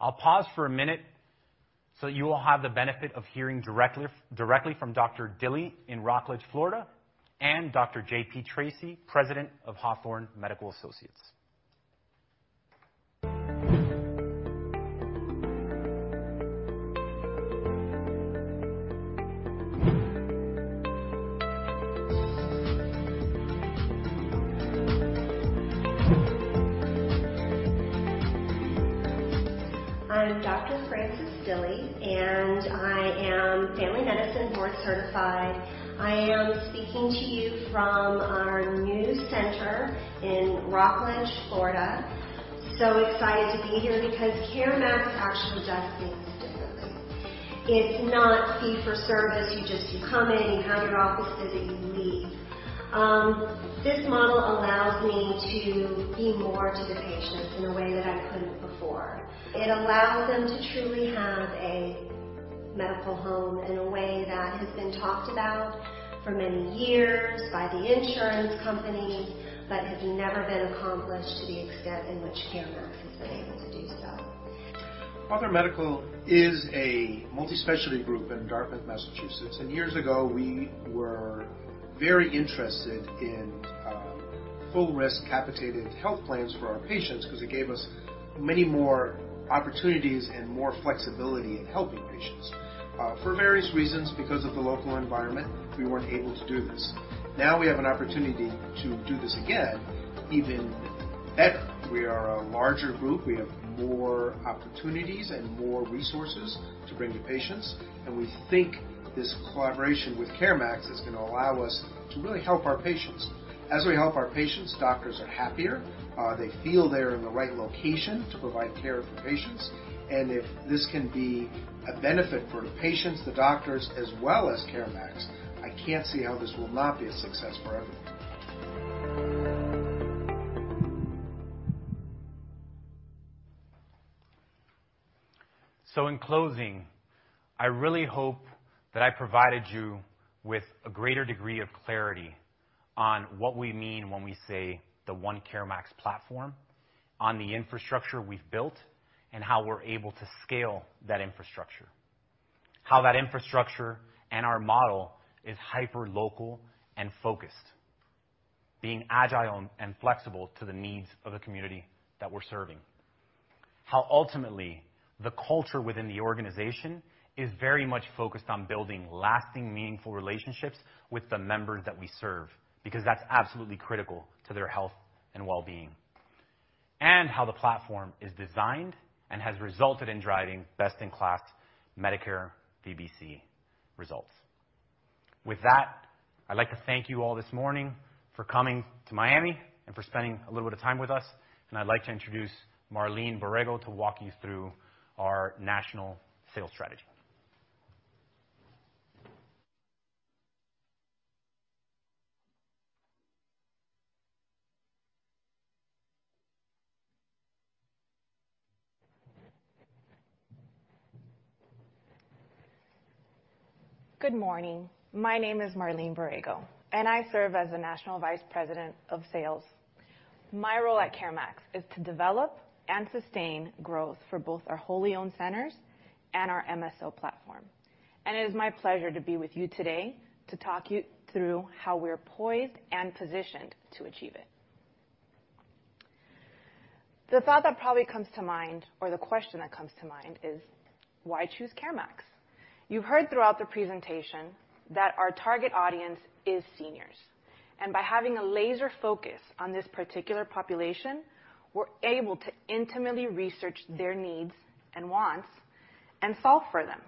I'll pause for a minute so you will have the benefit of hearing directly from Dr. Dilley in Rockledge, Florida, and Dr. J.P. Tracey, President of Hawthorn Medical Associates. I'm Dr. Frances Dilley. I am family medicine board-certified. I am speaking to you from our new center in Rockledge, Florida. Excited to be here because CareMax actually does things differently. It's not fee for service. You just come in, you have your office visit, you leave. This model allows me to be more to the patients in a way that I couldn't before. It allows them to truly have a medical home in a way that has been talked about for many years by the insurance companies, has never been accomplished to the extent in which CareMax has been able to do so. Hawthorn Medical is a multi-specialty group in Dartmouth, Massachusetts. Years ago we were very interested in full risk capitated health plans for our patients 'cause it gave us many more opportunities and more flexibility in helping patients. For various reasons, because of the local environment, we weren't able to do this. Now we have an opportunity to do this again, even better. We are a larger group. We have more opportunities and more resources to bring to patients, and we think this collaboration with CareMax is gonna allow us to really help our patients. As we help our patients, doctors are happier. They feel they're in the right location to provide care for patients. If this can be a benefit for the patients, the doctors, as well as CareMax, I can't see how this will not be a success for everyone. In closing, I really hope that I provided you with a greater degree of clarity on what we mean when we say the One CareMax platform on the infrastructure we've built, and how we're able to scale that infrastructure. How that infrastructure and our model is hyperlocal and focused, being agile and flexible to the needs of the community that we're serving. How ultimately the culture within the organization is very much focused on building lasting, meaningful relationships with the members that we serve, because that's absolutely critical to their health and well-being. How the platform is designed and has resulted in driving best-in-class Medicare VBC results. With that, I'd like to thank you all this morning for coming to Miami and for spending a little bit of time with us. I'd like to introduce Marlene Borrego to walk you through our national sales strategy. Good morning. My name is Marlene Borrego. I serve as the National Vice President of Sales. My role at CareMax is to develop and sustain growth for both our wholly owned centers and our MSO platform. It is my pleasure to be with you today to talk you through how we're poised and positioned to achieve it. The thought that probably comes to mind, or the question that comes to mind is, why choose CareMax? You've heard throughout the presentation that our target audience is seniors, and by having a laser focus on this particular population, we're able to intimately research their needs and wants and solve for them.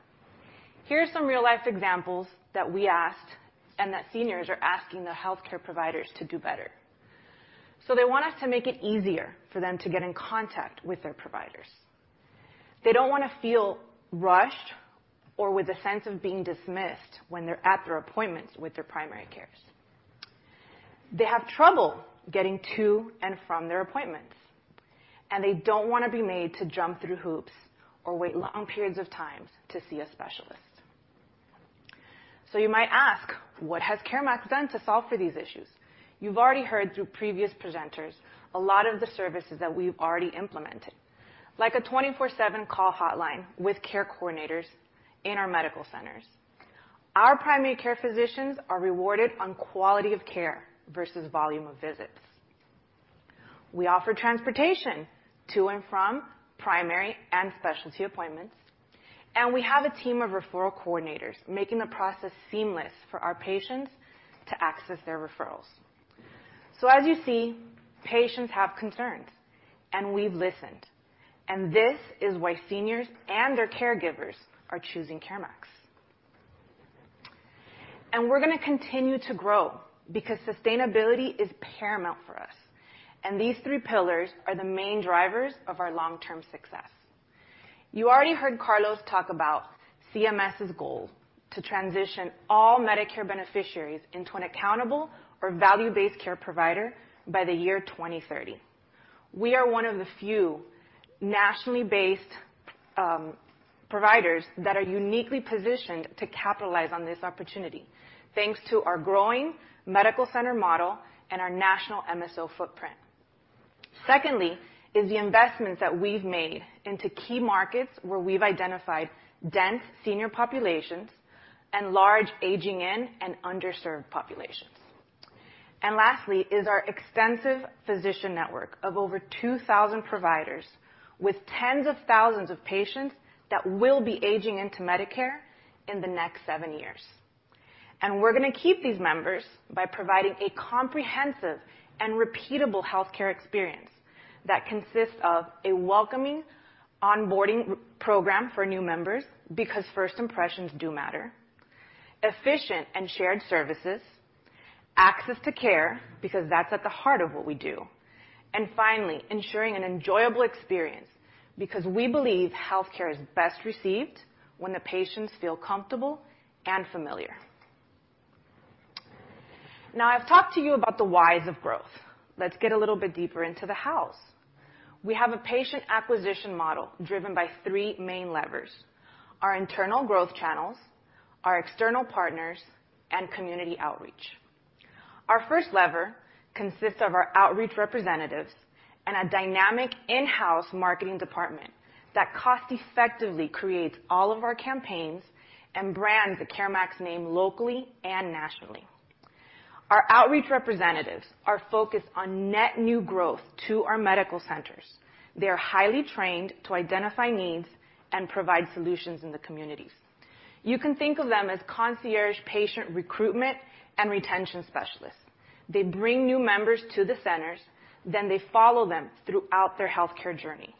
Here are some real-life examples that we asked and that seniors are asking their healthcare providers to do better. They want us to make it easier for them to get in contact with their providers. They don't wanna feel rushed or with a sense of being dismissed when they're at their appointments with their primary cares. They don't wanna be made to jump through hoops or wait long periods of times to see a specialist. You might ask, "What has CareMax done to solve for these issues?" You've already heard through previous presenters a lot of the services that we've already implemented, like a 24/7 call hotline with care coordinators in our medical centers. Our primary care physicians are rewarded on quality of care versus volume of visits. We offer transportation to and from primary and specialty appointments, we have a team of referral coordinators making the process seamless for our patients to access their referrals. As you see, patients have concerns, and we've listened, and this is why seniors and their caregivers are choosing CareMax. We're gonna continue to grow because sustainability is paramount for us, and these three pillars are the main drivers of our long-term success. You already heard Carlos talk about CMS's goal to transition all Medicare beneficiaries into an accountable or value-based care provider by the year 2030. We are one of the few nationally based providers that are uniquely positioned to capitalize on this opportunity, thanks to our growing medical center model and our national MSO footprint. Secondly is the investments that we've made into key markets where we've identified dense senior populations and large aging-in and underserved populations. Lastly is our extensive physician network of over 2,000 providers with tens of thousands of patients that will be aging into Medicare in the next seven years. We're gonna keep these members by providing a comprehensive and repeatable healthcare experience that consists of a welcoming onboarding program for new members because first impressions do matter, efficient and shared services, access to care, because that's at the heart of what we do. Finally, ensuring an enjoyable experience because we believe healthcare is best received when the patients feel comfortable and familiar. Now, I've talked to you about the whys of growth. Let's get a little bit deeper into the hows. We have a patient acquisition model driven by three main levers: our internal growth channels, our external partners, and community outreach. Our first lever consists of our outreach representatives and a dynamic in-house marketing department that cost-effectively creates all of our campaigns and brands the CareMax name locally and nationally. Our outreach representatives are focused on net new growth to our medical centers. They're highly trained to identify needs and provide solutions in the communities. You can think of them as concierge patient recruitment and retention specialists. They bring new members to the centers, then they follow them throughout their healthcare journey,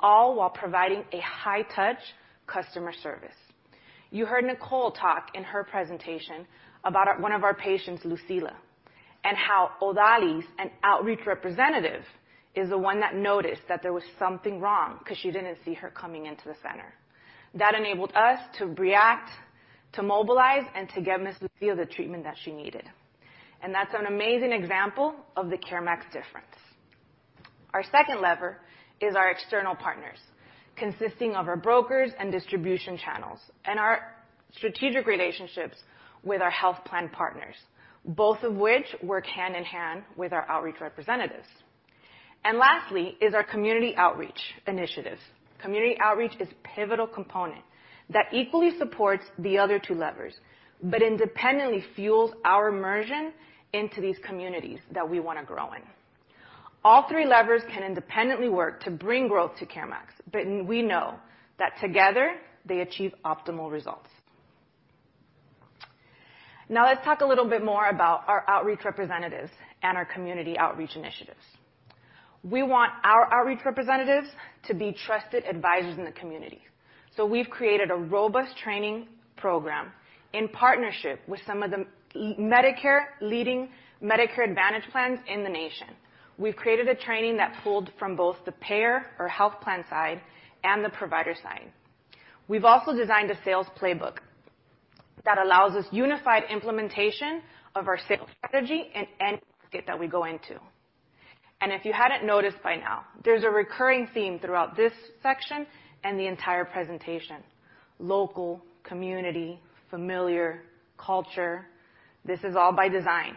all while providing a high-touch customer service. You heard Nicole talk in her presentation about one of our patients, Lucila, and how Odalis, an outreach representative, is the one that noticed that there was something wrong 'cause she didn't see her coming into the center. That enabled us to react, to mobilize, and to get Miss Lucila the treatment that she needed, and that's an amazing example of the CareMax difference. Our second lever is our external partners, consisting of our brokers and distribution channels and our strategic relationships with our health plan partners, both of which work hand in hand with our outreach representatives. Lastly is our community outreach initiatives. Community outreach is pivotal component that equally supports the other two levers, but independently fuels our immersion into these communities that we wanna grow in. All three levers can independently work to bring growth to CareMax, but we know that together, they achieve optimal results. Now let's talk a little bit more about our outreach representatives and our community outreach initiatives. We want our outreach representatives to be trusted advisors in the community. We've created a robust training program in partnership with some of the leading Medicare Advantage plans in the nation. We've created a training that pulled from both the payer or health plan side and the provider side. We've also designed a sales playbook that allows us unified implementation of our sales strategy in any state that we go into. If you hadn't noticed by now, there's a recurring theme throughout this section and the entire presentation: local, community, familiar, culture. This is all by design.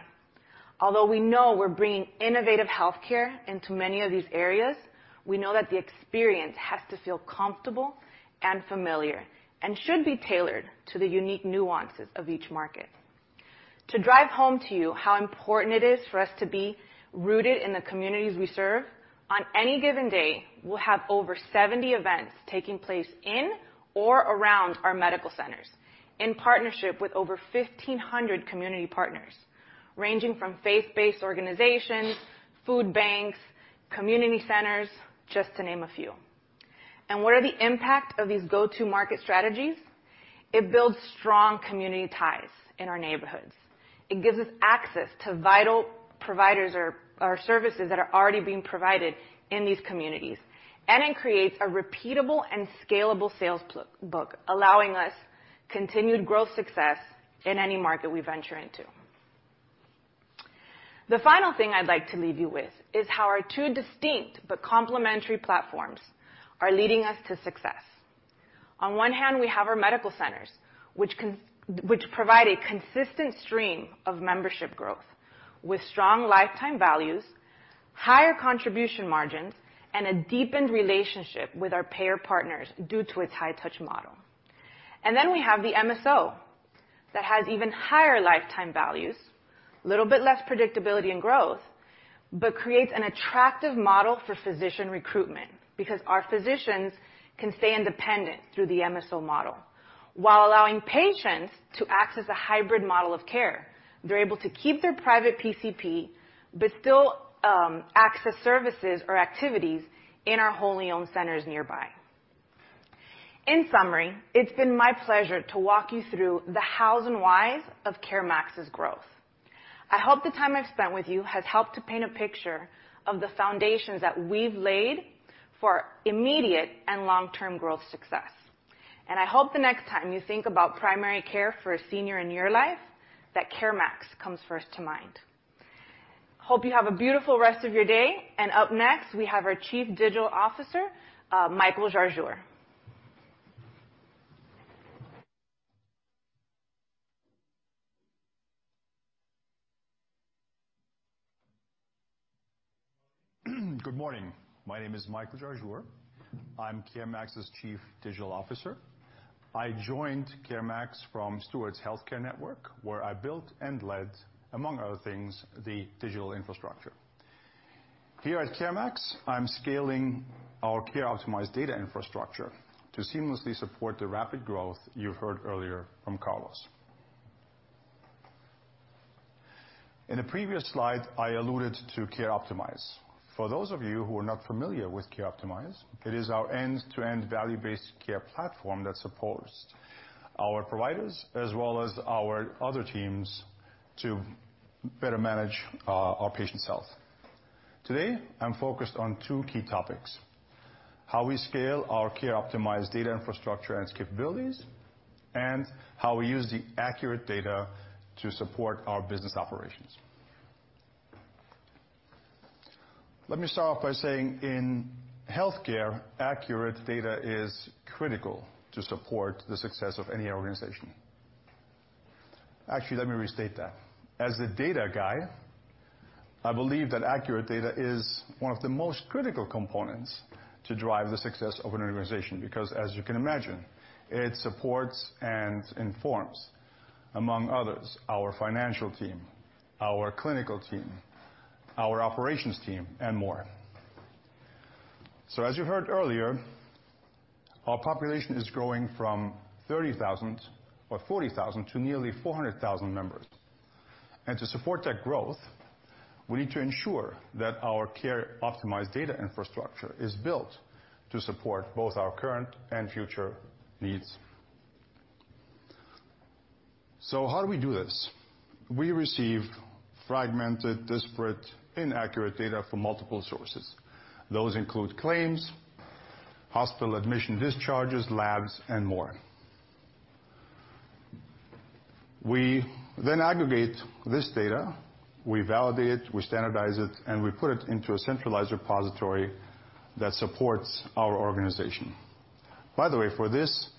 Although we know we're bringing innovative healthcare into many of these areas, we know that the experience has to feel comfortable and familiar and should be tailored to the unique nuances of each market. To drive home to you how important it is for us to be rooted in the communities we serve, on any given day, we'll have over 70 events taking place in or around our medical centers in partnership with over 1,500 community partners, ranging from faith-based organizations, food banks, community centers, just to name a few. What are the impact of these go-to market strategies? It builds strong community ties in our neighborhoods. It gives us access to vital providers or services that are already being provided in these communities, and it creates a repeatable and scalable sales book, allowing us continued growth success in any market we venture into. The final thing I'd like to leave you with is how our two distinct but complementary platforms are leading us to success. On one hand, we have our medical centers, which provide a consistent stream of membership growth with strong lifetime values, higher contribution margins, and a deepened relationship with our payer partners due to its high-touch model. We have the MSO that has even higher lifetime values, little bit less predictability and growth, but creates an attractive model for physician recruitment, because our physicians can stay independent through the MSO model while allowing patients to access a hybrid model of care. They're able to keep their private PCP, but still, access services or activities in our wholly owned centers nearby. In summary, it's been my pleasure to walk you through the hows and whys of CareMax's growth. I hope the time I've spent with you has helped to paint a picture of the foundations that we've laid for immediate and long-term growth success. I hope the next time you think about primary care for a senior in your life, that CareMax comes first to mind. Hope you have a beautiful rest of your day. Up next, we have our Chief Digital Officer, Michael Jarjour. Good morning. My name is Michael Jarjour. I'm CareMax's Chief Digital Officer. I joined CareMax from Steward Health Care Network, where I built and led, among other things, the digital infrastructure. Here at CareMax, I'm scaling our CareOptimize data infrastructure to seamlessly support the rapid growth you heard earlier from Carlos. In the previous slide, I alluded to CareOptimize. For those of you who are not familiar with CareOptimize, it is our end-to-end value-based care platform that supports our providers as well as our other teams to better manage our patients' health. Today, I'm focused on two key topics: how we scale our CareOptimize data infrastructure and its capabilities, and how we use the accurate data to support our business operations. Let me start off by saying in healthcare, accurate data is critical to support the success of any organization. Actually, let me restate that. I believe that accurate data is one of the most critical components to drive the success of an organization, because as you can imagine, it supports and informs, among others, our financial team, our clinical team, our operations team, and more. As you heard earlier, our population is growing from 30,000 or 40,000 to nearly 400,000 members. To support that growth, we need to ensure that our CareOptimize data infrastructure is built to support both our current and future needs. How do we do this? We receive fragmented, disparate, inaccurate data from multiple sources. Those include claims, hospital admission discharges, labs, and more. We then aggregate this data, we validate it, we standardize it, and we put it into a centralized repository that supports our organization. For this,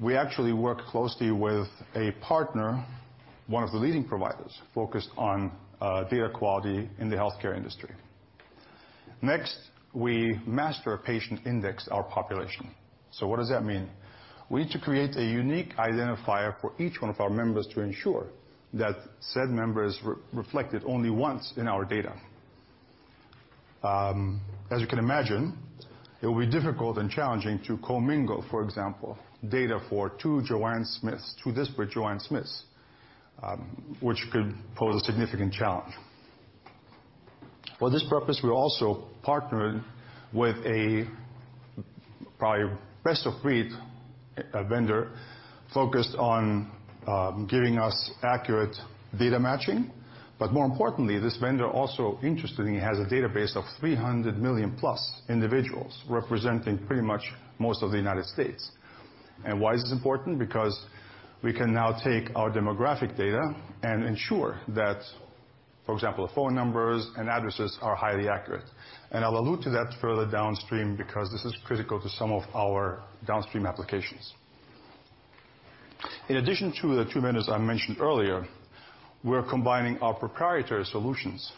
we actually work closely with a partner, one of the leading providers focused on data quality in the healthcare industry. We master a patient index our population. What does that mean? We need to create a unique identifier for each one of our members to ensure that said member is re-reflected only once in our data. As you can imagine, it will be difficult and challenging to commingle, for example, data for two Joanne Smiths, two disparate Joanne Smiths, which could pose a significant challenge. For this purpose, we also partnered with a probably best-of-breed vendor focused on giving us accurate data matching. More importantly, this vendor also interestingly has a database of 300 million-plus individuals representing pretty much most of the United States. Why is this important? We can now take our demographic data and ensure that, for example, phone numbers and addresses are highly accurate. I'll allude to that further downstream because this is critical to some of our downstream applications. In addition to the two vendors I mentioned earlier, we're combining our proprietary solutions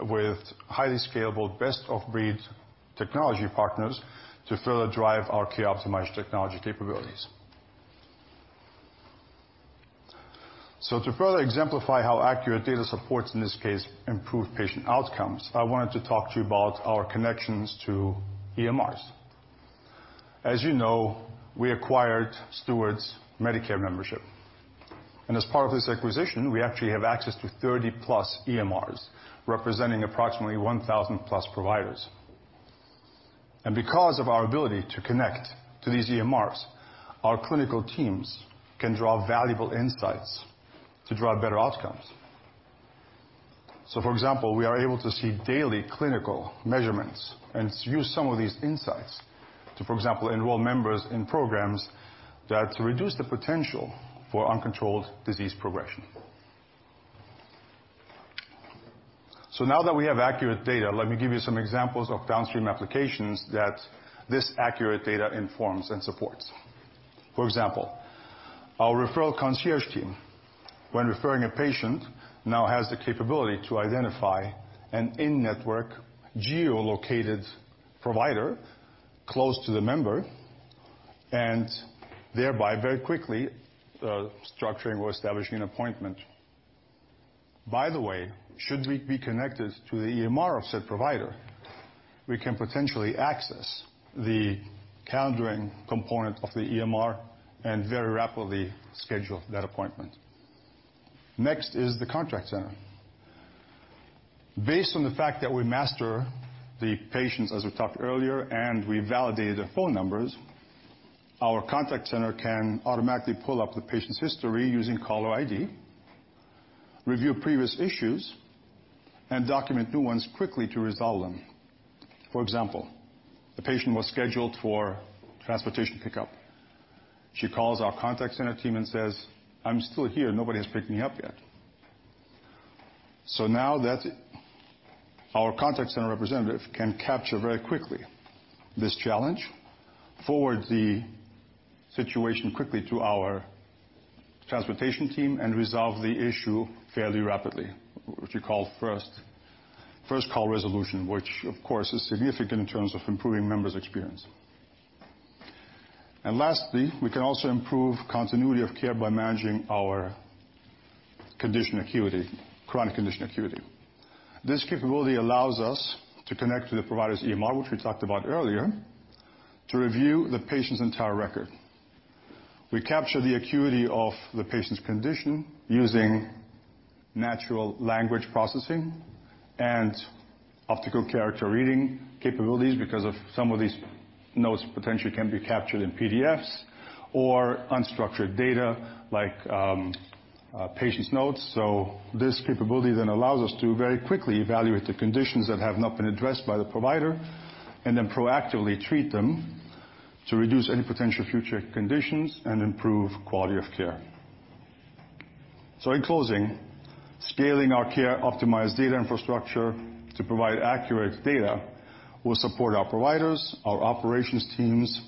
with highly scalable best-of-breed technology partners to further drive our CareOptimize technology capabilities. To further exemplify how accurate data supports, in this case, improved patient outcomes, I wanted to talk to you about our connections to EMRs. As you know, we acquired Steward's Medicare membership. As part of this acquisition, we actually have access to 30-plus EMRs, representing approximately 1,000-plus providers. Because of our ability to connect to these EMRs, our clinical teams can draw valuable insights to draw better outcomes. For example, we are able to see daily clinical measurements and use some of these insights. To, for example, enroll members in programs that reduce the potential for uncontrolled disease progression. Now that we have accurate data, let me give you some examples of downstream applications that this accurate data informs and supports. For example, our referral concierge team, when referring a patient, now has the capability to identify an in-network geo-located provider close to the member, and thereby very quickly, structuring or establishing an appointment. By the way, should we be connected to the EMR of said provider, we can potentially access the calendaring component of the EMR and very rapidly schedule that appointment. Next is the contract center. Based on the fact that we master the patients, as we talked earlier, and we validate their phone numbers, our contact center can automatically pull up the patient's history using caller ID, review previous issues, and document new ones quickly to resolve them. For example, the patient was scheduled for transportation pickup. She calls our contact center team and says, "I'm still here. Nobody has picked me up yet." Now that our contact center representative can capture very quickly this challenge, forward the situation quickly to our transportation team and resolve the issue fairly rapidly. What you call first call resolution, which of course, is significant in terms of improving members' experience. Lastly, we can also improve continuity of care by managing our condition acuity, chronic condition acuity. This capability allows us to connect to the provider's EMR, which we talked about earlier, to review the patient's entire record. We capture the acuity of the patient's condition using natural language processing and Optical Character Reading capabilities because of some of these notes potentially can be captured in PDFs or unstructured data like patient's notes. This capability then allows us to very quickly evaluate the conditions that have not been addressed by the provider, and then proactively treat them to reduce any potential future conditions and improve quality of care. In closing, scaling our care-optimized data infrastructure to provide accurate data will support our providers, our operations teams,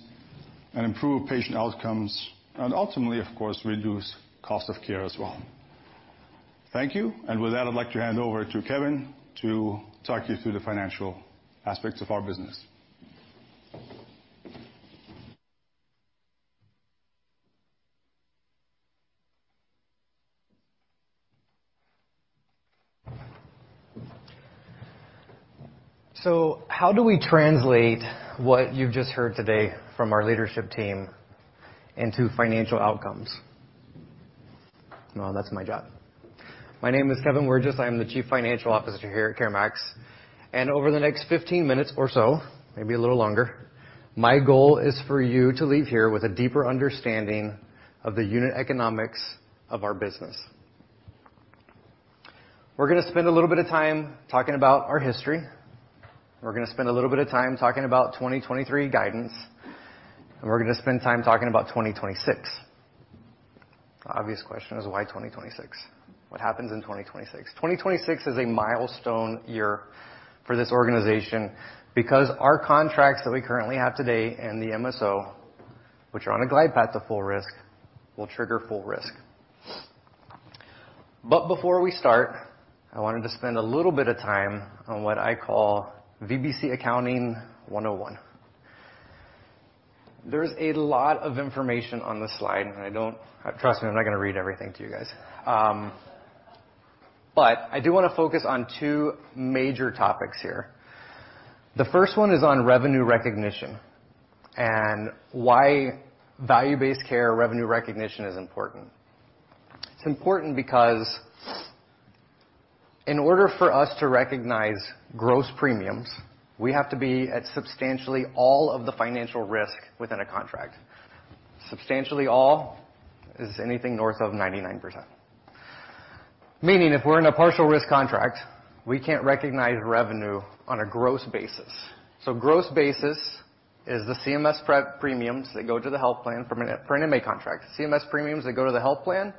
and improve patient outcomes, and ultimately, of course, reduce cost of care as well. Thank you. With that, I'd like to hand over to Kevin Wirges to talk you through the financial aspects of our business. How do we translate what you've just heard today from our leadership team into financial outcomes? That's my job. My name is Kevin Wirges. I'm the Chief Financial Officer here at CareMax. Over the next 15 minutes or so, maybe a little longer, my goal is for you to leave here with a deeper understanding of the unit economics of our business. We're gonna spend a little bit of time talking about our history. We're gonna spend a little bit of time talking about 2023 guidance. We're gonna spend time talking about 2026. Obvious question is why 2026? What happens in 2026? 2026 is a milestone year for this organization because our contracts that we currently have today and the MSO, which are on a glide path to full risk, will trigger full risk. Before we start, I wanted to spend a little bit of time on what I call VBC Accounting 101. There's a lot of information on this slide, and I don't, trust me, I'm not gonna read everything to you guys. I do wanna focus on two major topics here. The first one is on revenue recognition and why value-based care revenue recognition is important. It's important because in order for us to recognize gross premiums, we have to be at substantially all of the financial risk within a contract. Substantially all is anything north of 99%. Meaning if we're in a partial risk contract, we can't recognize revenue on a gross basis. Gross basis is the CMS prep premiums that go to the health plan for an MA contract. CMS premiums that go to the health plan,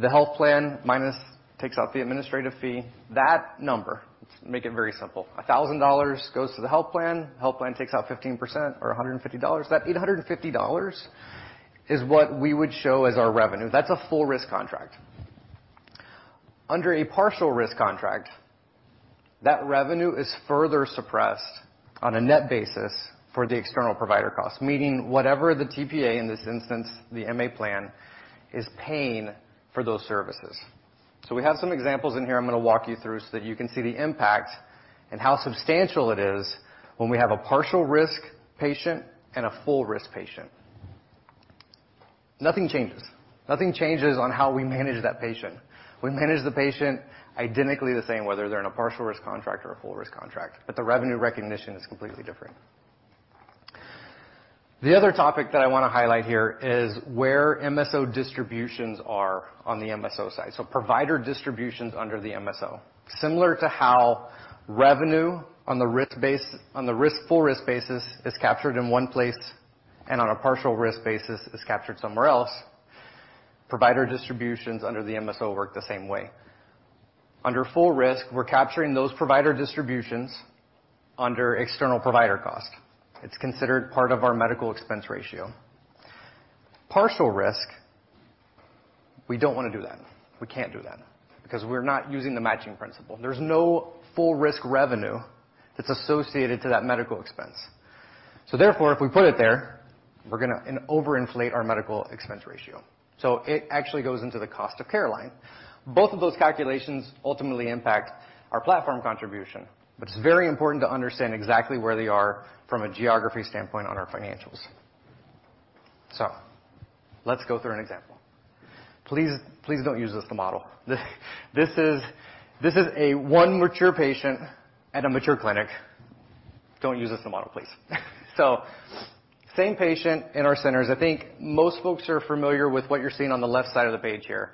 the health plan minus takes out the administrative fee. That number, let's make it very simple, $1,000 goes to the health plan, health plan takes out 15% or $150. That $850 is what we would show as our revenue. That's a full risk contract. Under a partial risk contract, that revenue is further suppressed on a net basis for the external provider cost, meaning whatever the TPA, in this instance, the MA plan, is paying for those services. We have some examples in here I'm gonna walk you through so that you can see the impact and how substantial it is when we have a partial risk patient and a full risk patient. Nothing changes. Nothing changes on how we manage that patient. We manage the patient identically the same, whether they're in a partial risk contract or a full risk contract. The revenue recognition is completely different. The other topic that I wanna highlight here is where MSO distributions are on the MSO side. Provider distributions under the MSO. Similar to how revenue on the full risk basis is captured in one place and on a partial risk basis is captured somewhere else, provider distributions under the MSO work the same way. Under full risk, we're capturing those provider distributions under external provider cost. It's considered part of our medical expense ratio. Partial risk, we don't wanna do that. We can't do that because we're not using the matching principle. There's no full risk revenue that's associated to that medical expense. Therefore, if we put it there, we're gonna overinflate our medical expense ratio. It actually goes into the cost of care line. Both of those calculations ultimately impact our platform contribution, but it's very important to understand exactly where they are from a geography standpoint on our financials. Let's go through an example. Please don't use this to model. This is a one mature patient at a mature clinic. Don't use this to model, please. Same patient in our centers. I think most folks are familiar with what you're seeing on the left side of the page here.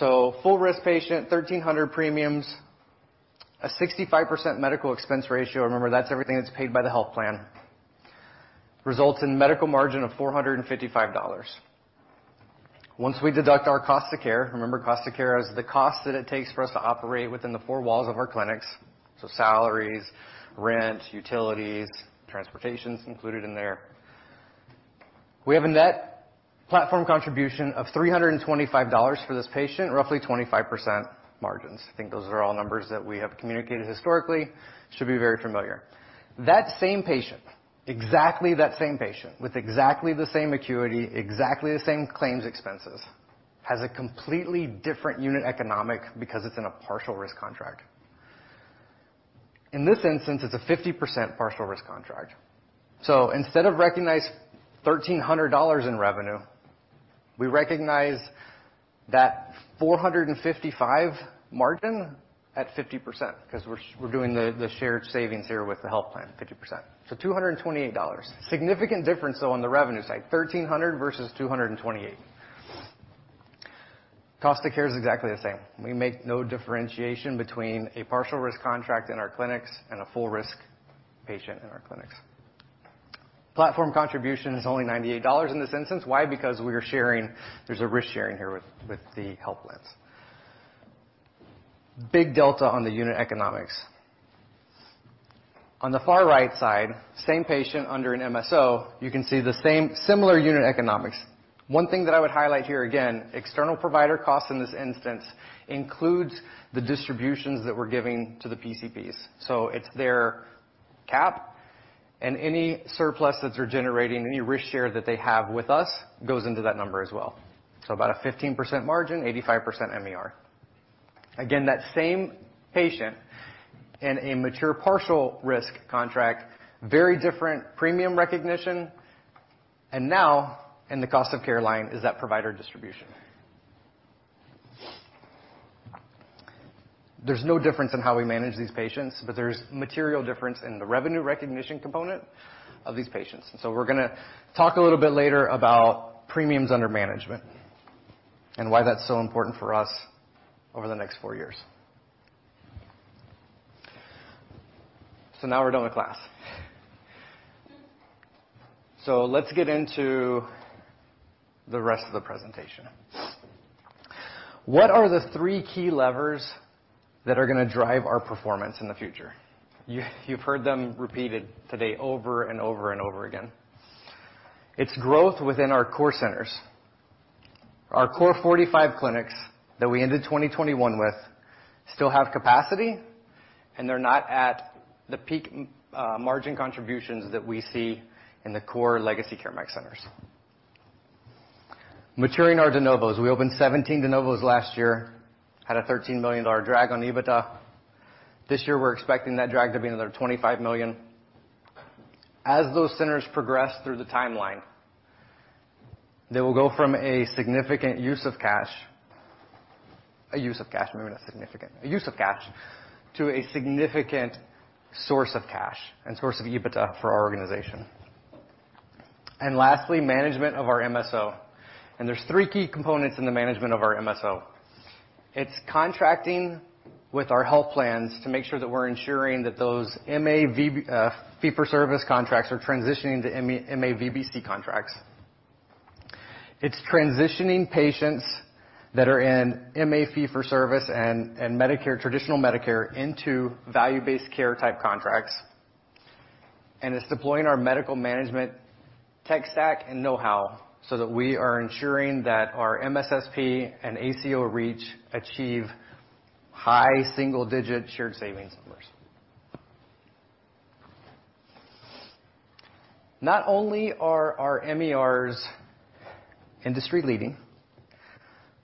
Full risk patient, $1,300 premiums, a 65% medical expense ratio. Remember, that's everything that's paid by the health plan. Results in medical margin of $455. Once we deduct our cost of care, remember, cost of care is the cost that it takes for us to operate within the four walls of our clinics, so salaries, rent, utilities, transportation's included in there. We have a net platform contribution of $325 for this patient, roughly 25% margins. I think those are all numbers that we have communicated historically, should be very familiar. That same patient, exactly that same patient with exactly the same acuity, exactly the same claims expenses, has a completely different unit economic because it's in a partial risk contract. In this instance, it's a 50% partial risk contract. Instead of recognize $1,300 in revenue, we recognize that $455 margin at 50% because we're doing the shared savings here with the health plan, 50%. Two hundred and twenty-eight dollars. Significant difference, though, on the revenue side, $1,300 versus $228. Cost of care is exactly the same. We make no differentiation between a partial risk contract in our clinics and a full risk patient in our clinics. Platform contribution is only $98 in this instance. Why? Because we are sharing, there's a risk sharing here with the health plans. Big delta on the unit economics. On the far right side, same patient under an MSO, you can see the same similar unit economics. One thing that I would highlight here, again, external provider costs in this instance includes the distributions that we're giving to the PCPs. It's their cap and any surplus that they're generating, any risk share that they have with us goes into that number as well. About a 15% margin, 85% MER. Again, that same patient in a mature partial risk contract, very different premium recognition, and now in the cost of care line is that provider distribution. There's no difference in how we manage these patients, but there's material difference in the revenue recognition component of these patients. We're gonna talk a little bit later about premiums under management and why that's so important for us over the next four years. Now we're done with class. Let's get into the rest of the presentation. What are the three key levers that are gonna drive our performance in the future? You've heard them repeated today over and over and over again. It's growth within our core centers. Our core 45 clinics that we ended 2021 with still have capacity, and they're not at the peak margin contributions that we see in the core legacy CareMax centers. Maturing our de novos. We opened 17 de novos last year, had a $13 million drag on EBITDA. This year, we're expecting that drag to be another $25 million. As those centers progress through the timeline, they will go from a significant use of cash, a use of cash, maybe not significant, a use of cash, to a significant source of cash and source of EBITDA for our organization. Lastly, management of our MSO. There's three key components in the management of our MSO. It's contracting with our health plans to make sure that we're ensuring that those MA VB fee-for-service contracts are transitioning to MA VBC contracts. It's transitioning patients that are in MA fee-for-service and Medicare, traditional Medicare into value-based care type contracts. It's deploying our medical management tech stack and know-how so that we are ensuring that our MSSP and ACO REACH achieve high single-digit shared savings numbers. Not only are our MERs industry-leading,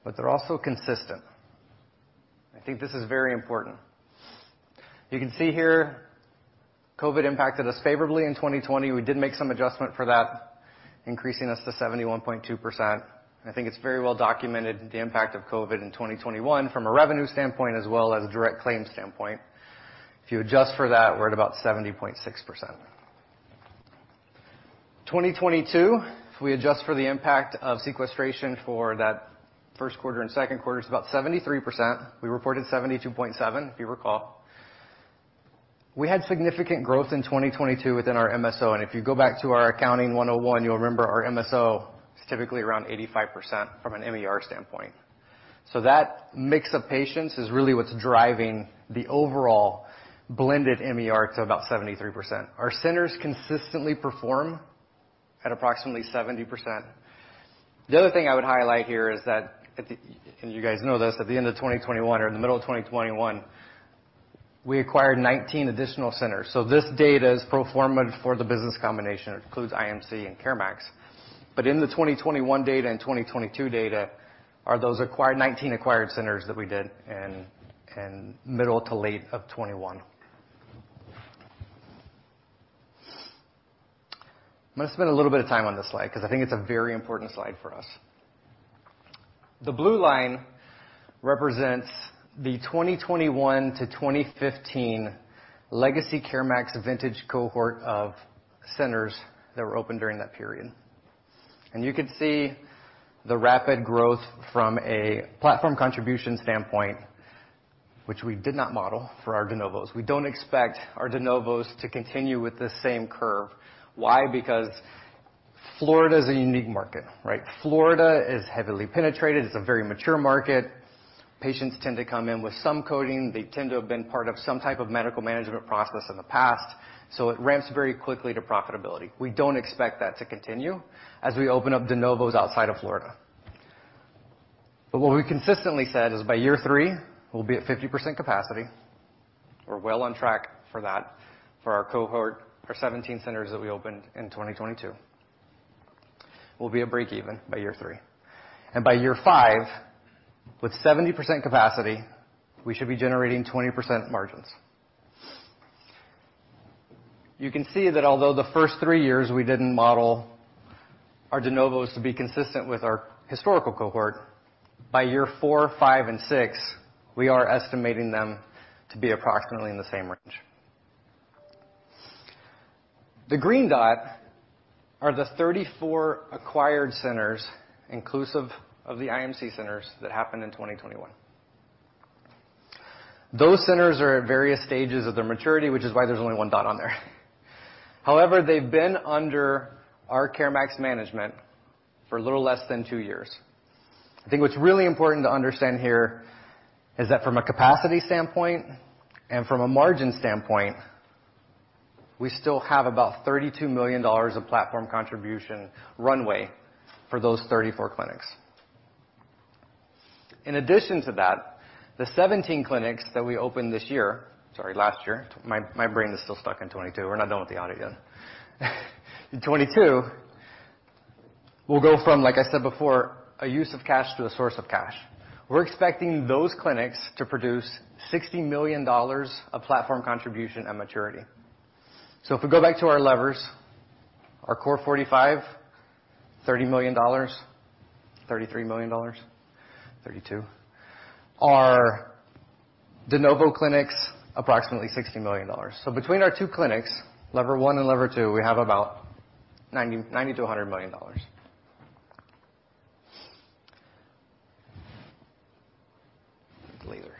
but they're also consistent. I think this is very important. You can see here, COVID impacted us favorably in 2020. We did make some adjustment for that, increasing us to 71.2%. I think it's very well documented the impact of COVID in 2021 from a revenue standpoint, as well as a direct claim standpoint. If you adjust for that, we're at about 70.6%. 2022, if we adjust for the impact of sequestration for that first quarter and second quarter, is about 73%. We reported 72.7%, if you recall. We had significant growth in 2022 within our MSO. If you go back to our Accounting 101, you'll remember our MSO is typically around 85% from an MER standpoint. That mix of patients is really what's driving the overall blended MER to about 73%. Our centers consistently perform at approximately 70%. The other thing I would highlight here is that you guys know this, at the end of 2021 or in the middle of 2021, we acquired 19 additional centers. This data is pro forma for the business combination. It includes IMC and CareMax. In the 2021 data and 2022 data are those 19 acquired centers that we did in middle to late of 2021. I'm gonna spend a little bit of time on this slide because I think it's a very important slide for us. The blue line represents the 2021 to 2015 legacy CareMax vintage cohort of centers that were opened during that period. You can see the rapid growth from a platform contribution standpoint, which we did not model for our de novos. We don't expect our de novos to continue with the same curve. Why? Florida is a unique market, right? Florida is heavily penetrated. It's a very mature market. Patients tend to come in with some coding. They tend to have been part of some type of medical management process in the past, so it ramps very quickly to profitability. We don't expect that to continue as we open up de novos outside of Florida. What we consistently said is by year three, we'll be at 50% capacity. We're well on track for that for our cohort, our 17 centers that we opened in 2022. We'll be at break even by year three. By year five, with 70% capacity, we should be generating 20% margins. You can see that although the first three years we didn't model our de novos to be consistent with our historical cohort, by year four, five, and six, we are estimating them to be approximately in the same range. The green dot are the 34 acquired centers, inclusive of the IMC centers that happened in 2021. Those centers are at various stages of their maturity, which is why there's only one dot on there. However, they've been under our CareMax management for a little less than two years. I think what's really important to understand here is that from a capacity standpoint and from a margin standpoint, we still have about $32 million of platform contribution runway for those 34 clinics. In addition to that, the 17 clinics that we opened this year. Sorry, last year. My brain is still stuck in 2022. We're not done with the audit yet. In 2022, we'll go from, like I said before, a use of cash to a source of cash. We're expecting those clinics to produce $60 million of platform contribution at maturity. If we go back to our levers, our core 45, $30 million, $33 million, 32. Our de novo clinics, approximately $60 million. Between our two clinics, lever one and lever two, we have about $90-$100 million. Later.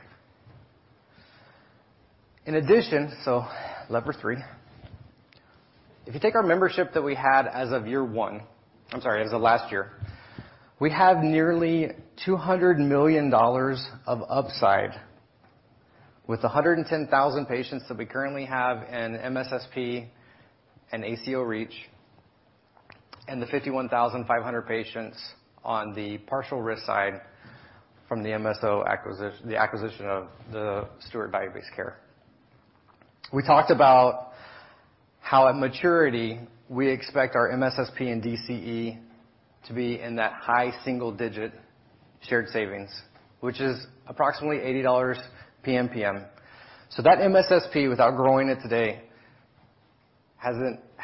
In addition, lever 3, if you take our membership that we had as of last year, we have nearly $200 million of upside with the 110,000 patients that we currently have in MSSP and ACO REACH, and the 51,500 patients on the partial risk side from the MSO acquisition, the acquisition of the Steward Value-Based Care. We talked about how at maturity, we expect our MSSP and DCE to be in that high single-digit shared savings, which is approximately $80 PMPM. That MSSP, without growing it today, has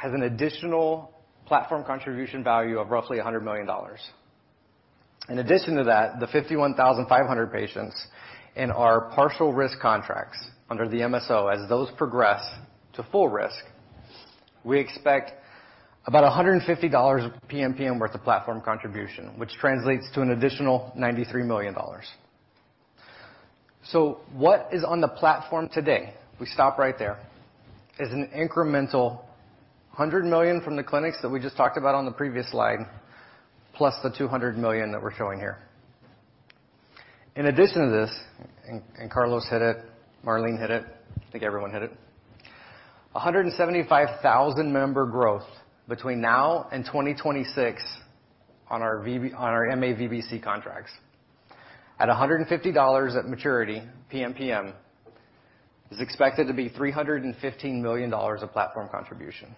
an additional platform contribution value of roughly $100 million. In addition to that, the 51,500 patients in our partial risk contracts under the MSO, as those progress to full risk, we expect about $150 PMPM worth of platform contribution, which translates to an additional $93 million. What is on the platform today, we stop right there, is an incremental $100 million from the clinics that we just talked about on the previous slide, plus the $200 million that we're showing here. In addition to this, and Carlos hit it, Marlene hit it, I think everyone hit it. 175,000 member growth between now and 2026 on our MA VBC contracts at $150 at maturity PMPM, is expected to be $315 million of platform contribution.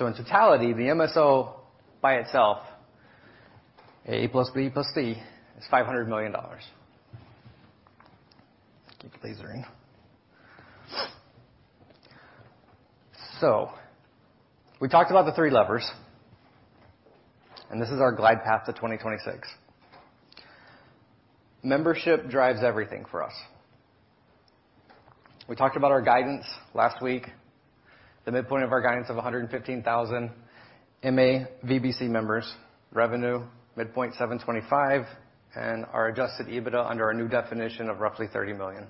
In totality, the MSO by itself, A plus B plus C, is $500 million. Lasering. We talked about the three levers, and this is our glide path to 2026. Membership drives everything for us. We talked about our guidance last week, the midpoint of our guidance of 115,000 MA VBC members, revenue, midpoint $725 million, and our adjusted EBITDA under our new definition of roughly $30 million.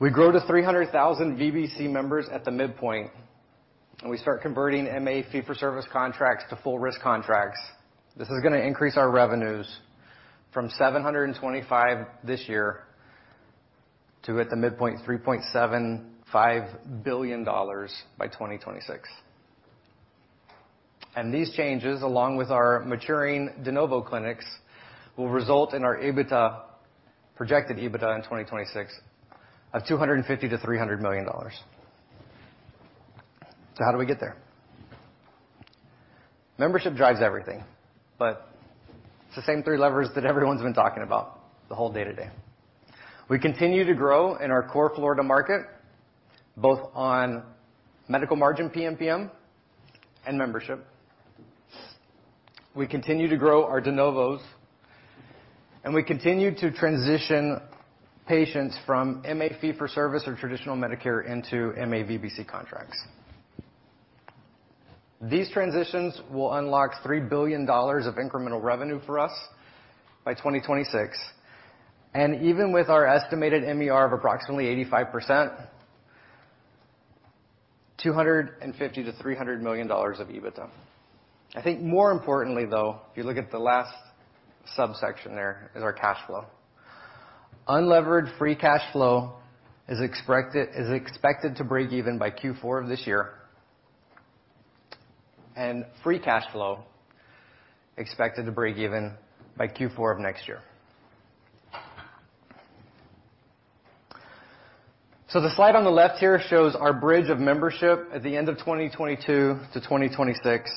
We grow to 300,000 VBC members at the midpoint, and we start converting MA fee-for-service contracts to full risk contracts. This is gonna increase our revenues from $725 million this year to, at the midpoint, $3.75 billion by 2026. These changes, along with our maturing de novo clinics, will result in our EBITDA, projected EBITDA in 2026 of $250 million-$300 million. How do we get there? Membership drives everything, but it's the same three levers that everyone's been talking about the whole day today. We continue to grow in our core Florida market, both on medical margin PMPM and membership. We continue to grow our de novos, and we continue to transition patients from MA fee-for-service or traditional Medicare into MA VBC contracts. These transitions will unlock $3 billion of incremental revenue for us by 2026, and even with our estimated MER of approximately 85%, $250 million-$300 million of EBITDA. I think more importantly, though, if you look at the last subsection, there is our cash flow. Unlevered free cash flow is expected to break even by Q4 of this year, and free cash flow expected to break even by Q4 of next year. The slide on the left here shows our bridge of membership at the end of 2022 to 2026.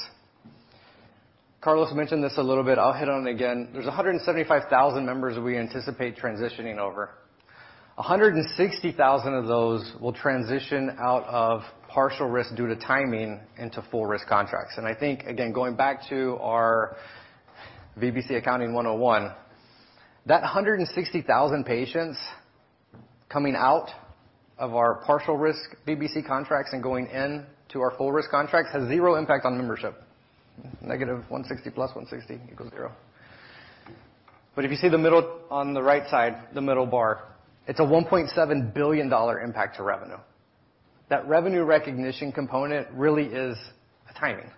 Carlos mentioned this a little bit. I'll hit on it again. There's 175,000 members we anticipate transitioning over. 160,000 of those will transition out of partial risk due to timing into full risk contracts. I think, again, going back to our VBC Accounting 101, that 160,000 patients coming out of our partial risk VBC contracts and going in to our full risk contracts has 0 impact on membership. -160 plus 160 equals 0. If you see the middle on the right side, the middle bar, it's a $1.7 billion impact to revenue. That revenue recognition component really is a timing.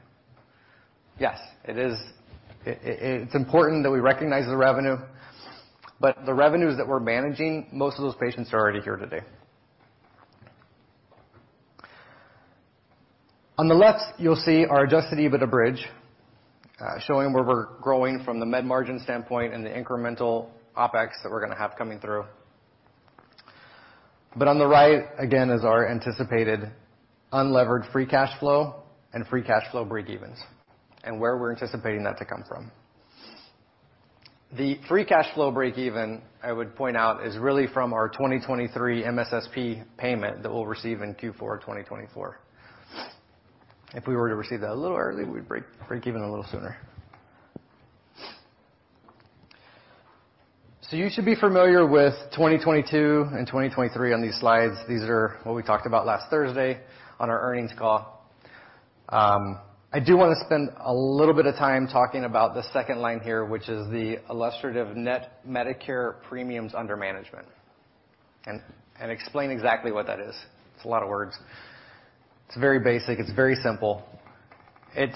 Yes, it's important that we recognize the revenue, but the revenues that we're managing, most of those patients are already here today. On the left, you'll see our adjusted EBITDA bridge, showing where we're growing from the med margin standpoint and the incremental OpEx that we're gonna have coming through. On the right, again, is our anticipated unlevered free cash flow and free cash flow break evens and where we're anticipating that to come from. The free cash flow break even, I would point out, is really from our 2023 MSSP payment that we'll receive in Q4 of 2024. If we were to receive that a little early, we'd break even a little sooner. You should be familiar with 2022 and 2023 on these slides. These are what we talked about last Thursday on our earnings call. I do want to spend a little bit of time talking about the second line here, which is the illustrative net Medicare premiums under management, and explain exactly what that is. It's a lot of words. It's very basic. It's very simple. It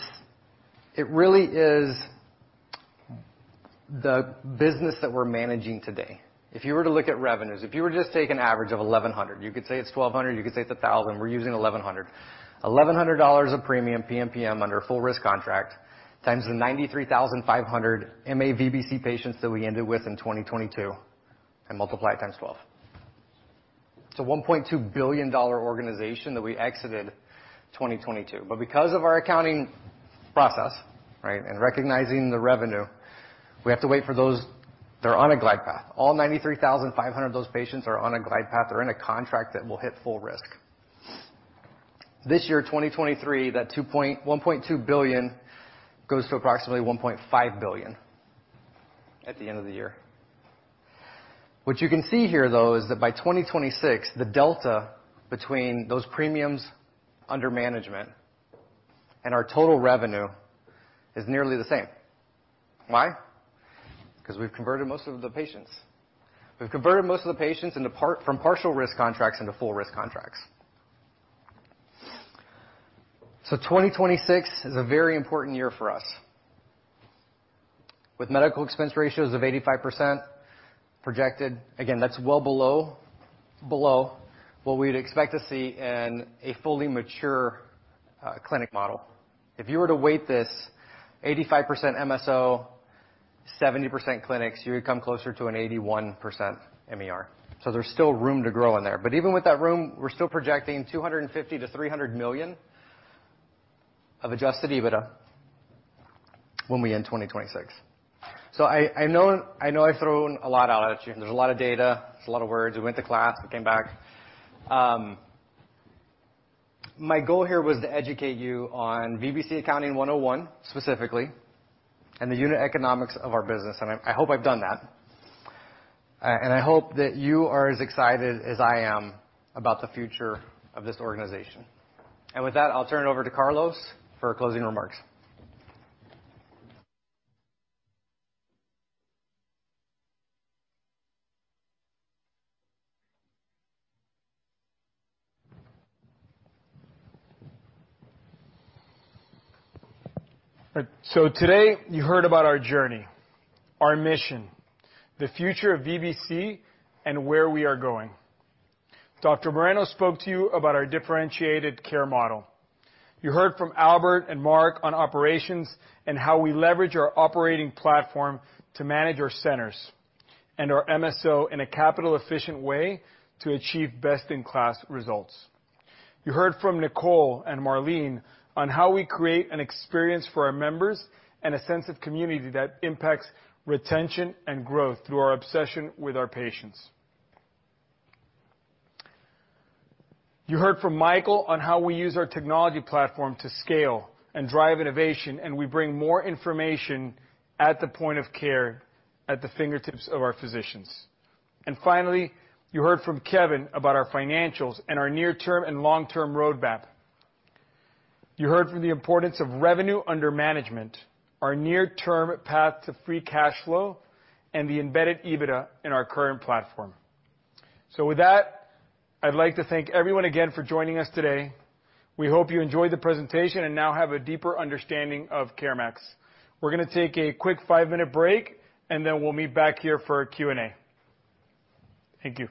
really is the business that we're managing today. If you were to look at revenues, if you were to just take an average of 1,100, you could say it's 1,200, you could say it's 1,000, we're using 1,100. $1,100 a premium PMPM under full risk contract times the 93,500 MA VBC patients that we ended with in 2022 and multiply it times 12. It's a $1.2 billion-dollar organization that we exited 2022. Because of our accounting process, right, and recognizing the revenue, we have to wait for those that are on a glide path. All 93,500 of those patients are on a glide path. They're in a contract that will hit full risk. This year, 2023, that $1.2 billion goes to approximately $1.5 billion at the end of the year. What you can see here, though, is that by 2026, the delta between those premiums under management and our total revenue is nearly the same. Why? 'Cause we've converted most of the patients. We've converted most of the patients from partial risk contracts into full risk contracts. 2026 is a very important year for us. With medical expense ratios of 85% projected, again, that's well below what we'd expect to see in a fully mature clinic model. If you were to weight this 85% MSO, 70% clinics, you would come closer to an 81% MER. There's still room to grow in there. Even with that room, we're still projecting $250 million-$300 million of adjusted EBITDA when we end 2026. I know I've thrown a lot out at you. There's a lot of data, there's a lot of words. We went to class, we came back. My goal here was to educate you on VBC Accounting 101, specifically, and the unit economics of our business, and I hope I've done that. I hope that you are as excited as I am about the future of this organization. With that, I'll turn it over to Carlos for closing remarks. All right. Today, you heard about our journey, our mission, the future of VBC, and where we are going. Dr. Moreno spoke to you about our differentiated care model. You heard from Albert and Mark on operations and how we leverage our operating platform to manage our centers and our MSO in a capital-efficient way to achieve best-in-class results. You heard from Nicole and Marlene on how we create an experience for our members and a sense of community that impacts retention and growth through our obsession with our patients. You heard from Michael on how we use our technology platform to scale and drive innovation, and we bring more information at the point of care at the fingertips of our physicians. Finally, you heard from Kevin about our financials and our near-term and long-term roadmap. You heard from the importance of revenue under management, our near-term path to free cash flow, and the embedded EBITDA in our current platform. With that, I'd like to thank everyone again for joining us today. We hope you enjoyed the presentation and now have a deeper understanding of CareMax. We're gonna take a quick 5-minute break, and then we'll meet back here for a Q&A. Thank you.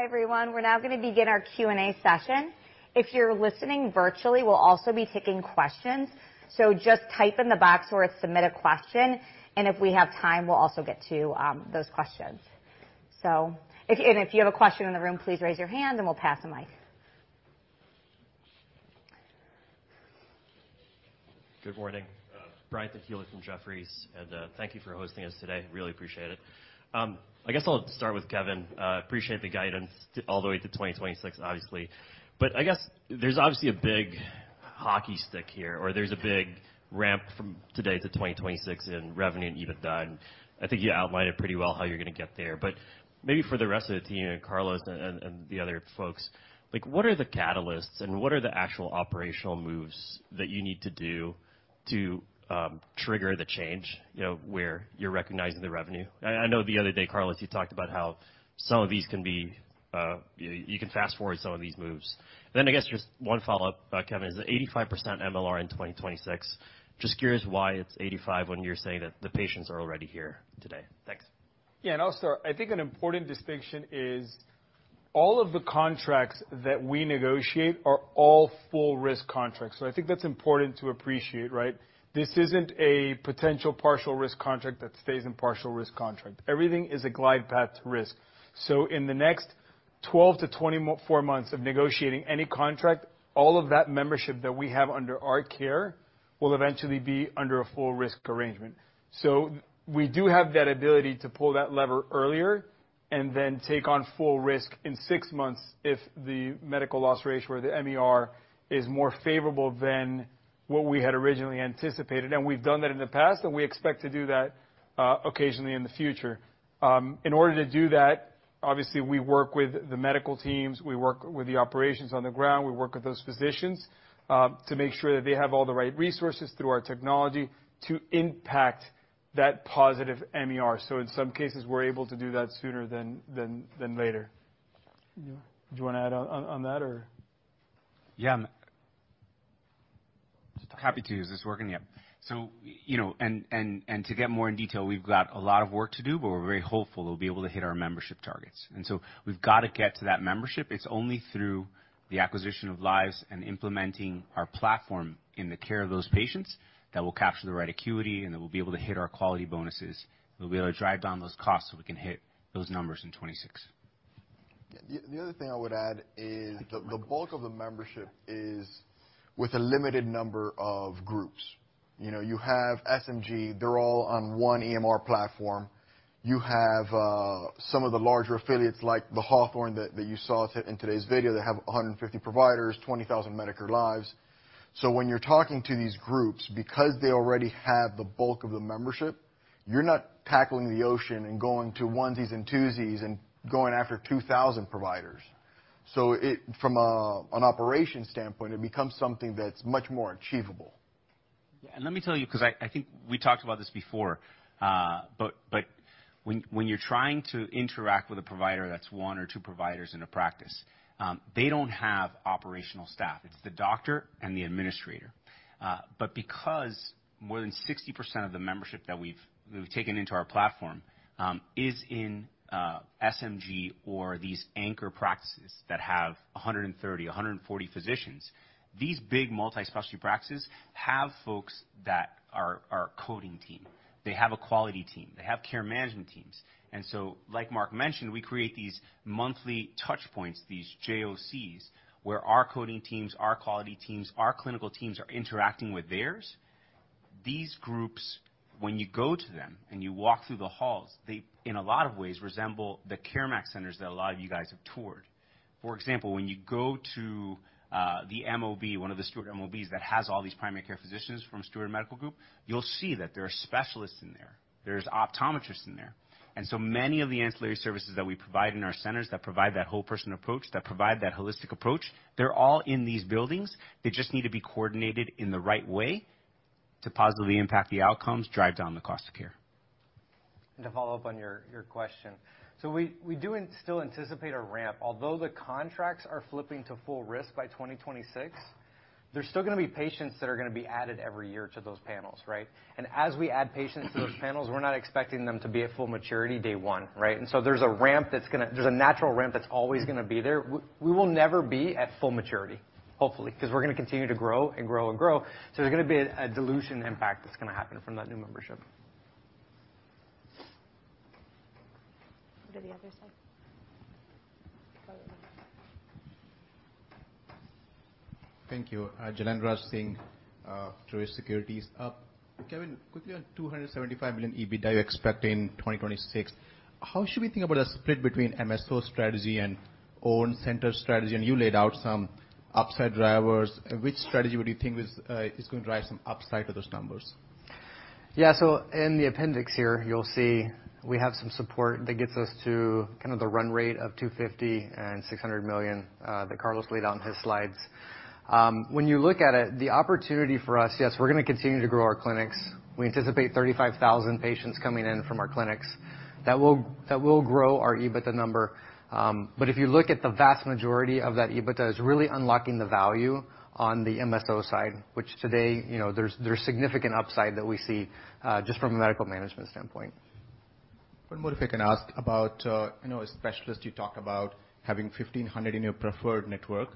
Hi, everyone. We're now going to begin our Q&A session. If you're listening virtually, we'll also be taking questions. Just type in the box where it's submit a question, if we have time, we'll also get to those questions. If you have a question in the room, please raise your hand and we'll pass the mic. Good morning. Brian Tanquilut from Jefferies, thank you for hosting us today. Really appreciate it. I guess I'll start with Kevin. Appreciate the guidance all the way to 2026, obviously. I guess there's obviously a big hockey stick here, or there's a big ramp from today to 2026 in revenue and EBITDA, and I think you outlined it pretty well how you're gonna get there. Maybe for the rest of the team and Carlos and the other folks, like, what are the catalysts and what are the actual operational moves that you need to do to trigger the change, you know, where you're recognizing the revenue? I know the other day, Carlos, you talked about how some of these can be, you can fast-forward some of these moves. I guess just 1 follow-up, Kevin, is the 85% MLR in 2026? Just curious why it's 85 when you're saying that the patients are already here today? Thanks. Yeah, I'll start. I think an important distinction is all of the contracts that we negotiate are all full risk contracts. I think that's important to appreciate, right? This isn't a potential partial risk contract that stays in partial risk contract. Everything is a glide path to risk. In the next- 12 to 24 months of negotiating any contract, all of that membership that we have under our care will eventually be under a full risk arrangement. We do have that ability to pull that lever earlier and then take on full risk in 6 months if the medical loss ratio or the MER is more favorable than what we had originally anticipated. We've done that in the past, and we expect to do that occasionally in the future. In order to do that, obviously, we work with the medical teams, we work with the operations on the ground, we work with those physicians to make sure that they have all the right resources through our technology to impact that positive MER. In some cases, we're able to do that sooner than later. Do you wanna add on that or? Yeah. Happy to. Is this working? Yep. You know, to get more in detail, we've got a lot of work to do, but we're very hopeful we'll be able to hit our membership targets. We've gotta get to that membership. It's only through the acquisition of lives and implementing our platform in the care of those patients that will capture the right acuity and that we'll be able to hit our quality bonuses. We'll be able to drive down those costs so we can hit those numbers in 2026. The, the other thing I would add is the bulk of the membership is with a limited number of groups. You know, you have SMG, they're all on one EMR platform. You have some of the larger affiliates, like the Hawthorne that you saw in today's video that have 150 providers, 20,000 Medicare lives. When you're talking to these groups, because they already have the bulk of the membership, you're not tackling the ocean and going to onesies and twosies and going after 2,000 providers. From a, an operation standpoint, it becomes something that's much more achievable. Yeah. Let me tell you, 'cause I think we talked about this before, but when you're trying to interact with a provider that's 1 or 2 providers in a practice, they don't have operational staff. It's the doctor and the administrator. Because more than 60% of the membership that we've taken into our platform, is in SMG or these anchor practices that have 130, 140 physicians, these big multi-specialty practices have folks that are coding team. They have a quality team. They have care management teams. Like Mark mentioned, we create these monthly touch points, these JOCs, where our coding teams, our quality teams, our clinical teams are interacting with theirs. These groups, when you go to them and you walk through the halls, they, in a lot of ways, resemble the CareMax centers that a lot of you guys have toured. For example, when you go to the MOB, one of the Steward MOBs that has all these primary care physicians from Steward Medical Group, you'll see that there are specialists in there. There's optometrists in there. Many of the ancillary services that we provide in our centers that provide that whole person approach, that provide that holistic approach, they're all in these buildings. They just need to be coordinated in the right way to positively impact the outcomes, drive down the cost of care. To follow up on your question. We do still anticipate a ramp. Although the contracts are flipping to full risk by 2026, there's still gonna be patients that are gonna be added every year to those panels, right? As we add patients to those panels, we're not expecting them to be at full maturity day one, right? There's a natural ramp that's always gonna be there. We will never be at full maturity, hopefully, 'cause we're gonna continue to grow and grow and grow. There's gonna be a dilution impact that's gonna happen from that new membership. Go to the other side. Thank you. Jailendra Singh, Truist Securities. Kevin, quickly on $275 million EBITDA you expect in 2026. How should we think about a split between MSO strategy and own center strategy? You laid out some upside drivers. Which strategy would you think is going to drive some upside to those numbers? Yeah. In the appendix here, you'll see we have some support that gets us to kind of the run rate of $250 million and $600 million that Carlos laid out in his slides. You look at it, the opportunity for us, yes, we're gonna continue to grow our clinics. We anticipate 35,000 patients coming in from our clinics. That will grow our EBITDA number. If you look at the vast majority of that EBITDA is really unlocking the value on the MSO side, which today, you know, there's significant upside that we see just from a medical management standpoint. One more, if I can ask about, you know, specialists. You talk about having 1,500 in your preferred network,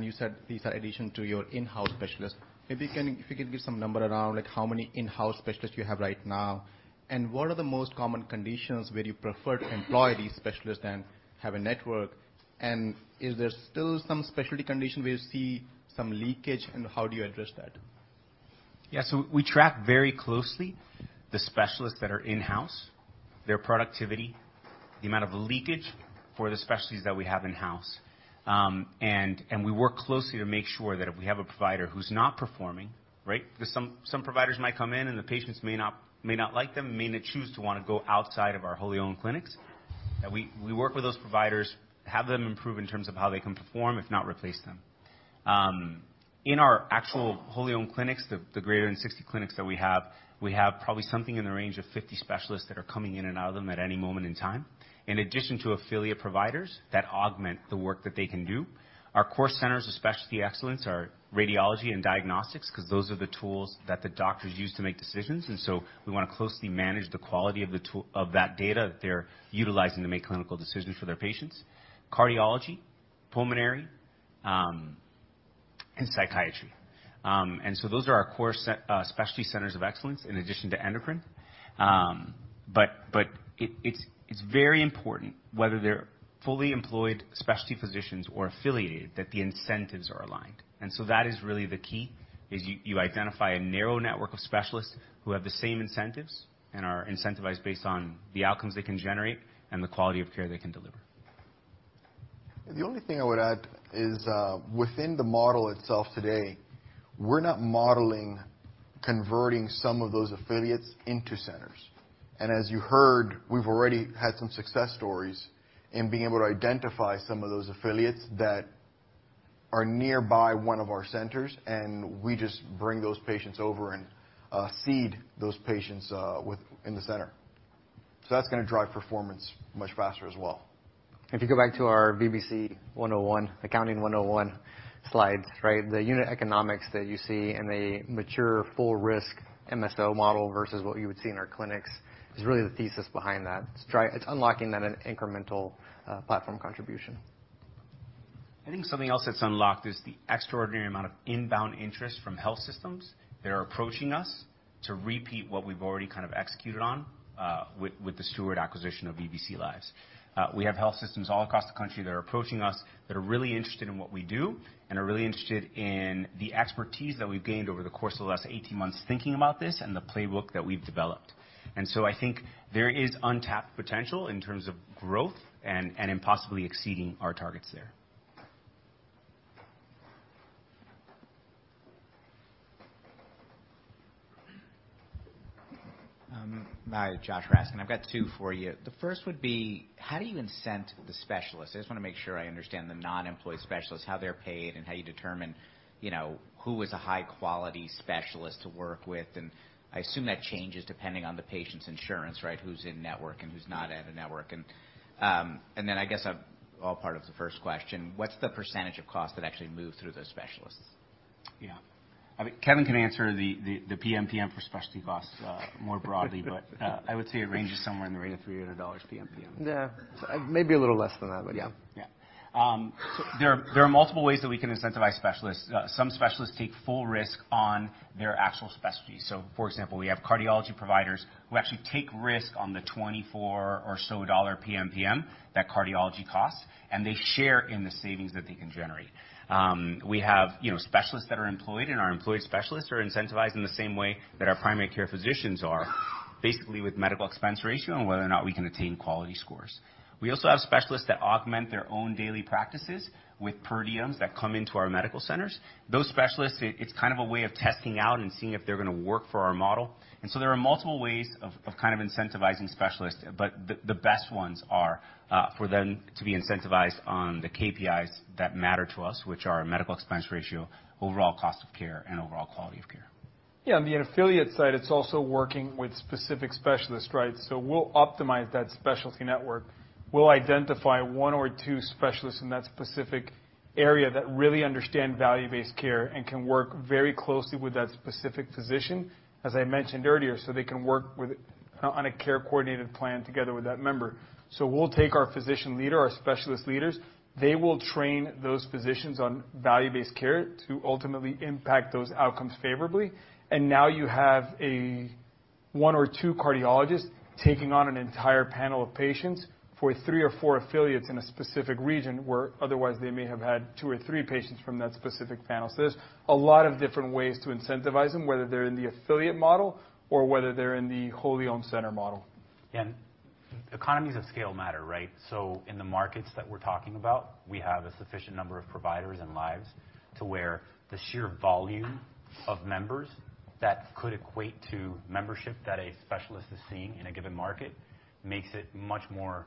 you said these are addition to your in-house specialists. If you can give some number around, like how many in-house specialists you have right now, and what are the most common conditions where you prefer to employ these specialists than have a network? Is there still some specialty condition where you see some leakage, and how do you address that? Yeah. We track very closely the specialists that are in-house, their productivity, the amount of leakage for the specialties that we have in-house. We work closely to make sure that if we have a provider who's not performing, right? Because some providers might come in and the patients may not like them, may not choose to wanna go outside of our wholly owned clinics. We work with those providers, have them improve in terms of how they can perform, if not replace them. In our actual wholly owned clinics, the greater than 60 clinics that we have, we have probably something in the range of 50 specialists that are coming in and out of them at any moment in time, in addition to affiliate providers that augment the work that they can do. Our core centers of specialty excellence are radiology and diagnostics, 'cause those are the tools that the doctors use to make decisions. So we wanna closely manage the quality of that data that they're utilizing to make clinical decisions for their patients. Cardiology, pulmonary, psychiatry. So those are our core set, specialty centers of excellence in addition to endocrine. But it's very important, whether they're fully employed specialty physicians or affiliated, that the incentives are aligned. So that is really the key, is you identify a narrow network of specialists who have the same incentives and are incentivized based on the outcomes they can generate and the quality of care they can deliver. The only thing I would add is, within the model itself today, we're not modeling converting some of those affiliates into centers. As you heard, we've already had some success stories in being able to identify some of those affiliates that are nearby one of our centers, and we just bring those patients over and seed those patients in the center. That's gonna drive performance much faster as well. If you go back to our VBC 101, accounting 101 slide, right? The unit economics that you see in a mature full risk MSO model versus what you would see in our clinics is really the thesis behind that. It's unlocking that incremental platform contribution. I think something else that's unlocked is the extraordinary amount of inbound interest from health systems that are approaching us to repeat what we've already kind of executed on, with the Steward acquisition of VBC lives. We have health systems all across the country that are approaching us, that are really interested in what we do, and are really interested in the expertise that we've gained over the course of the last 18 months thinking about this and the playbook that we've developed. I think there is untapped potential in terms of growth and in possibly exceeding our targets there. Hi, Josh Raskin. I've got two for you. The first would be, how do you incent the specialists? I just wanna make sure I understand the non-employee specialists, how they're paid and how you determine, you know, who is a high quality specialist to work with, and I assume that changes depending on the patient's insurance, right? Who's in network and who's not in a network. I guess all part of the first question, what's the % of cost that actually move through those specialists? Yeah. I think Kevin can answer the PMPM for specialty costs more broadly, but I would say it ranges somewhere in the range of $300 PMPM. Yeah. Maybe a little less than that, but yeah. There are multiple ways that we can incentivize specialists. Some specialists take full risk on their actual specialty. For example, we have cardiology providers who actually take risk on the $24 or so PMPM that cardiology costs, and they share in the savings that they can generate. We have, you know, specialists that are employed. Our employed specialists are incentivized in the same way that our primary care physicians are, basically with medical expense ratio and whether or not we can attain quality scores. We also have specialists that augment their own daily practices with per diems that come into our medical centers. Those specialists, it's kind of a way of testing out and seeing if they're gonna work for our model. There are multiple ways of kind of incentivizing specialists, but the best ones are for them to be incentivized on the KPIs that matter to us, which are medical expense ratio, overall cost of care, and overall quality of care. Yeah. On the affiliate side, it's also working with specific specialists, right? We'll optimize that specialty network. We'll identify one or two specialists in that specific area that really understand value-based care and can work very closely with that specific physician, as I mentioned earlier, they can work with, on a care coordinated plan together with that member. We'll take our physician leader, our specialist leaders, they will train those physicians on value-based care to ultimately impact those outcomes favorably. Now you have a one or two cardiologists taking on an entire panel of patients for three or four affiliates in a specific region, where otherwise they may have had two or three patients from that specific panel. There's a lot of different ways to incentivize them, whether they're in the affiliate model or whether they're in the wholly owned center model. Economies of scale matter, right? In the markets that we're talking about, we have a sufficient number of providers and lives to where the sheer volume of members that could equate to membership that a specialist is seeing in a given market makes it much more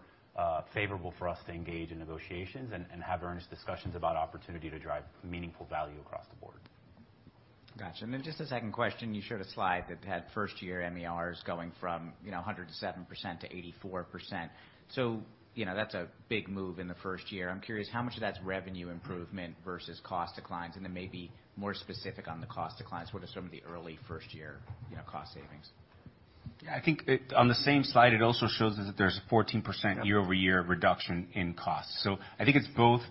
favorable for us to engage in negotiations and have earnest discussions about opportunity to drive meaningful value across the board. Gotcha. Just a second question. You showed a slide that had first-year MERs going from, you know, 107% to 84%. You know, that's a big move in the first year. I'm curious how much of that's revenue improvement versus cost declines, and then maybe more specific on the cost declines. What are some of the early first-year, you know, cost savings? I think on the same slide, it also shows that there's a 14% year-over-year reduction in cost. I think it's both,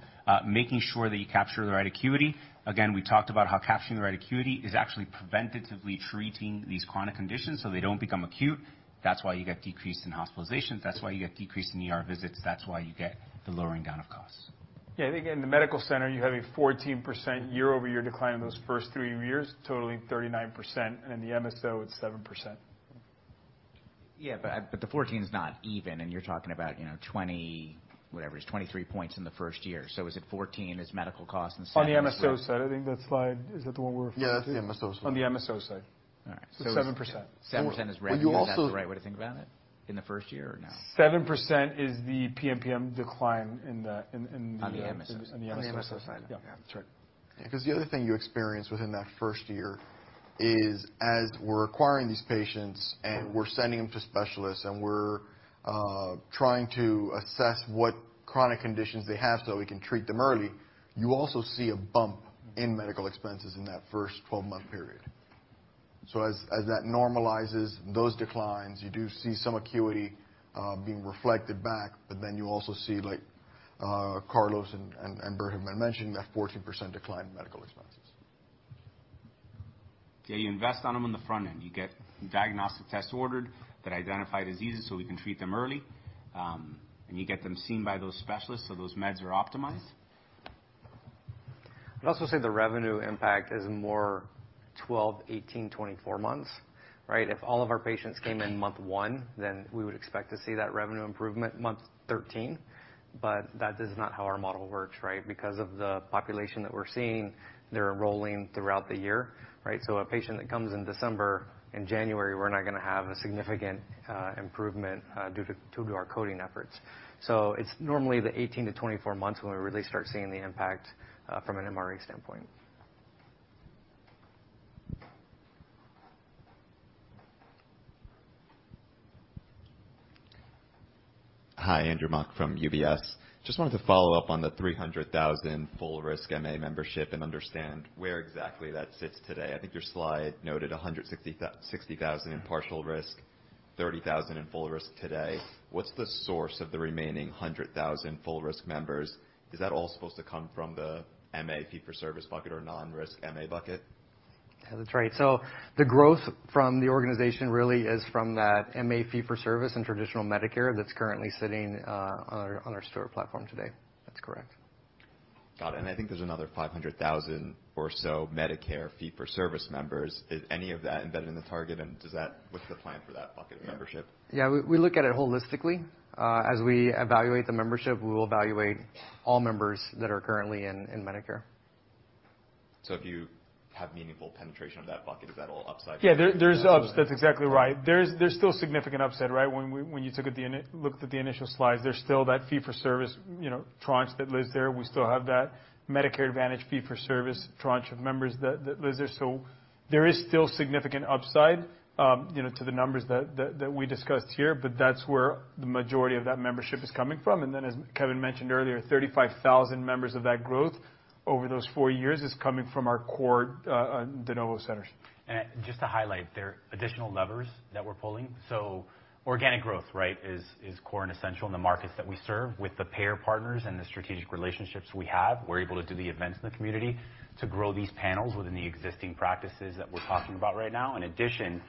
making sure that you capture the right acuity. Again, we talked about how capturing the right acuity is actually preventatively treating these chronic conditions, so they don't become acute. That's why you get decrease in hospitalizations. That's why you get decrease in ER visits. That's why you get the lowering down of costs. Yeah. I think in the medical center, you have a 14% year-over-year decline in those first 3 years, totaling 39%, and in the MSO, it's 7%. Yeah. But the 14's not even, and you're talking about, you know, whatever it is, 23 points in the 1st year. Is it 14 is medical cost and 7-? On the MSO side. I think that slide... Is that the one we're referring to? Yeah. That's the MSO side. On the MSO side. All right. 7%. 7% is revenue. Is that the right way to think about it in the first year or no? 7% is the PMPM decline in the. On the MSO. Yeah. That's right. The other thing you experience within that first year is as we're acquiring these patients and we're sending them to specialists and we're trying to assess what chronic conditions they have so we can treat them early, you also see a bump in medical expenses in that first 12-month period. As that normalizes those declines, you do see some acuity being reflected back, you also see, like, Carlos and Burt have been mentioning, that 14% decline in medical expenses. Yeah, you invest on them on the front end. You get diagnostic tests ordered that identify diseases so we can treat them early. You get them seen by those specialists, so those meds are optimized. I'd also say the revenue impact is more 12, 18, 24 months, right? If all of our patients came in month 1, then we would expect to see that revenue improvement month 13. That is not how our model works, right? Because of the population that we're seeing, they're enrolling throughout the year, right? A patient that comes in December, in January, we're not gonna have a significant improvement due to our coding efforts. It's normally the 18-24 months when we really start seeing the impact from an MER standpoint. Hi, Andrew Mok from UBS. Just wanted to follow up on the 300,000 full risk MA membership and understand where exactly that sits today. I think your slide noted 160,000 in partial risk, 30,000 in full risk today. What's the source of the remaining 100,000 full risk members? Is that all supposed to come from the MA fee for service bucket or non-risk MA bucket? Yeah, that's right. The growth from the organization really is from that MA fee for service and traditional Medicare that's currently sitting on our, on our Steward platform today. That's correct. Got it. I think there's another 500,000 or so Medicare fee-for-service members. Is any of that embedded in the target? What's the plan for that bucket of membership? Yeah, we look at it holistically. As we evaluate the membership, we will evaluate all members that are currently in Medicare. If you have meaningful penetration of that bucket, is that all upside? Yeah, there's. That's exactly right. There's still significant upside, right? When you looked at the initial slides, there's still that fee for service, you know, tranche that lives there. We still have that Medicare Advantage fee for service tranche of members that lives there. There is still significant upside, you know, to the numbers that we discussed here, but that's where the majority of that membership is coming from. As Kevin mentioned earlier, 35,000 members of that growth over those four years is coming from our core de novo centers. Just to highlight, there are additional levers that we're pulling. Organic growth, right, is core and essential in the markets that we serve. With the payer partners and the strategic relationships we have, we're able to do the events in the community to grow these panels within the existing practices that we're talking about right now. In addition,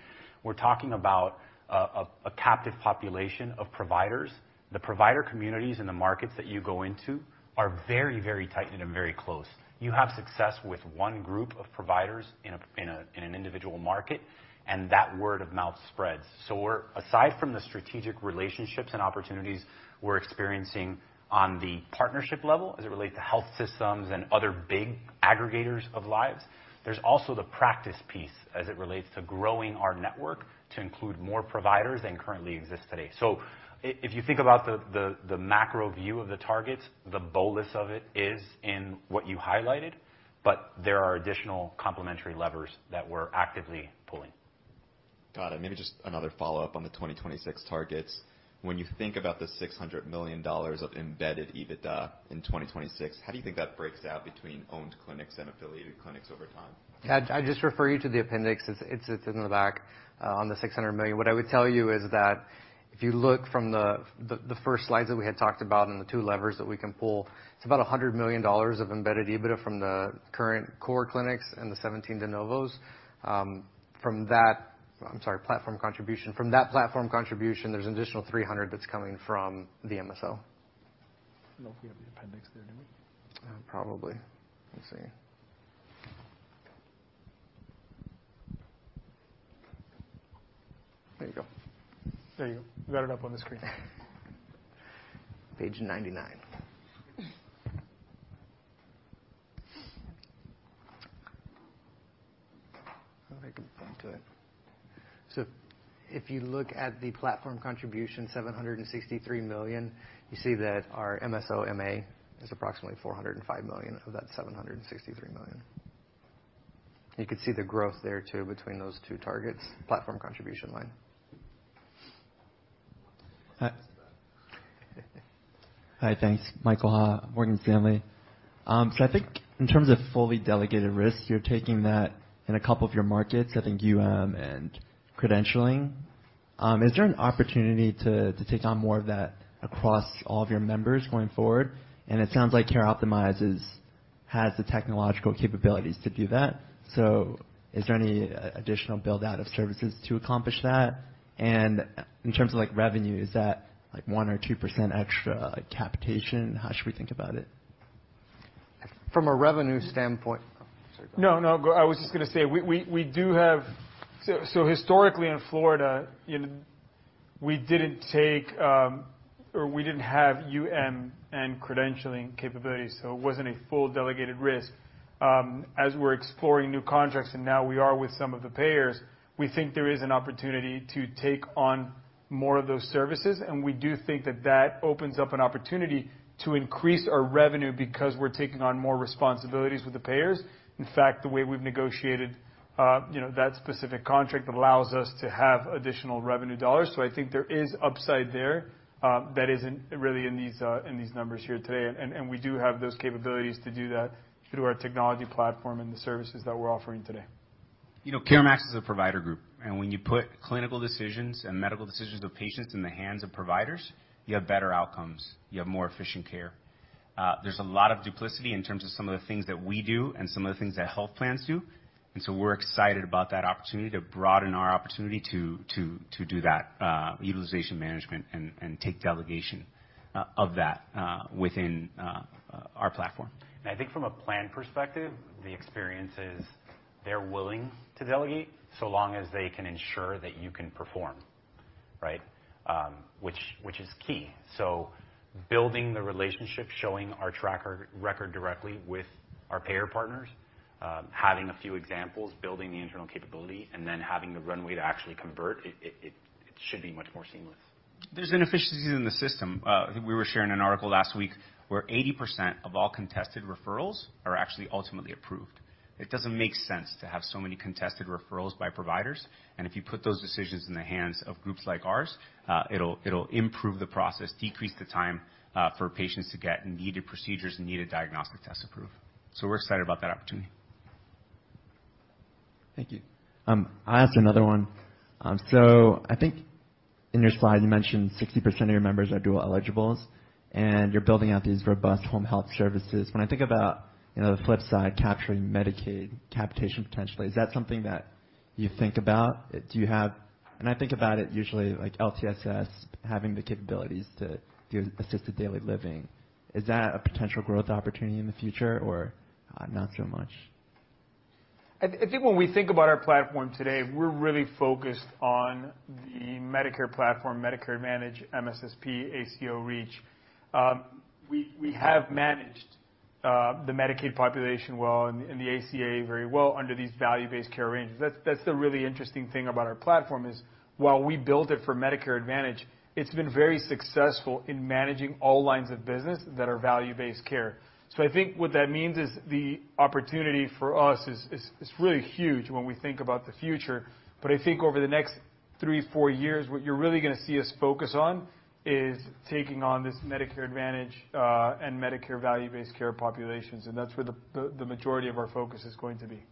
we're talking about a captive population of providers. The provider communities in the markets that you go into are very tight-knit and very close. You have success with one group of providers in an individual market, and that word of mouth spreads. We're, aside from the strategic relationships and opportunities we're experiencing on the partnership level as it relates to health systems and other big aggregators of lives, there's also the practice piece as it relates to growing our network to include more providers than currently exist today. If you think about the macro view of the targets, the bolus of it is in what you highlighted, but there are additional complementary levers that we're actively pulling. Got it. Maybe just another follow-up on the 2026 targets. When you think about the $600 million of embedded EBITDA in 2026, how do you think that breaks out between owned clinics and affiliated clinics over time? I'd just refer you to the appendix. It's in the back, on the $600 million. What I would tell you is that if you look from the first slides that we had talked about and the two levers that we can pull, it's about $100 million of embedded EBITDA from the current core clinics and the 17 de novos. From that I'm sorry, platform contribution. From that platform contribution, there's an additional $300 million that's coming from the MSO. I don't think we have the appendix there, do we? Probably. Let's see. There you go. There you go. You got it up on the screen. Page 99. If I can find it. If you look at the platform contribution, $763 million, you see that our MSO MA is approximately $405 million of that $763 million. You can see the growth there too between those two targets, platform contribution line. Hi. Thanks. Michael Ha, Morgan Stanley. So I think in terms of fully delegated risk, you're taking that in a couple of your markets, I think UM and credentialing. Is there an opportunity to take on more of that across all of your members going forward? It sounds like CareOptimize has the technological capabilities to do that. Is there any additional build-out of services to accomplish that? In terms of, like, revenue, is that, like, 1% or 2% extra, like, capitation? How should we think about it? From a revenue standpoint. Oh, sorry. Go ahead. No, no. Go. I was just gonna say, we do have. Historically in Florida, you know, we didn't take, or we didn't have UM and credentialing capabilities, so it wasn't a full delegated risk. As we're exploring new contracts, and now we are with some of the payers, we think there is an opportunity to take on more of those services, and we do think that that opens up an opportunity to increase our revenue because we're taking on more responsibilities with the payers. In fact, the way we've negotiated, you know, that specific contract allows us to have additional revenue dollars. I think there is upside there, that isn't really in these, in these numbers here today. We do have those capabilities to do that through our technology platform and the services that we're offering today. You know, CareMax is a provider group. When you put clinical decisions and medical decisions of patients in the hands of providers, you have better outcomes, you have more efficient care. There's a lot of duplicity in terms of some of the things that we do and some of the things that health plans do. We're excited about that opportunity to broaden our opportunity to do that utilization management and take delegation of that within our platform. I think from a plan perspective, the experience is they're willing to delegate so long as they can ensure that you can perform, right? Which is key. Building the relationship, showing our record directly with our payer partners, having a few examples, building the internal capability, and then having the runway to actually convert it should be much more seamless. There's inefficiencies in the system. We were sharing an article last week where 80% of all contested referrals are actually ultimately approved. It doesn't make sense to have so many contested referrals by providers, and if you put those decisions in the hands of groups like ours, it'll improve the process, decrease the time for patients to get needed procedures and needed diagnostic tests approved. We're excited about that opportunity. Thank you. I'll ask another one. I think in your slide, you mentioned 60% of your members are dual eligibles, and you're building out these robust home health services. When I think about, you know, the flip side, capturing Medicaid capitation potentially, is that something that you think about? I think about it usually like LTSS having the capabilities to do assisted daily living. Is that a potential growth opportunity in the future, or not so much? I think when we think about our platform today, we're really focused on the Medicare platform, Medicare Advantage, MSSP, ACO REACH. We have managed the Medicaid population well and the ACA very well under these value-based care arrangements. That's the really interesting thing about our platform, is while we built it for Medicare Advantage, it's been very successful in managing all lines of business that are value-based care. I think what that means is the opportunity for us is really huge when we think about the future. I think over the next three, four years, what you're really gonna see us focus on is taking on this Medicare Advantage and Medicare value-based care populations, and that's where the majority of our focus is going to be.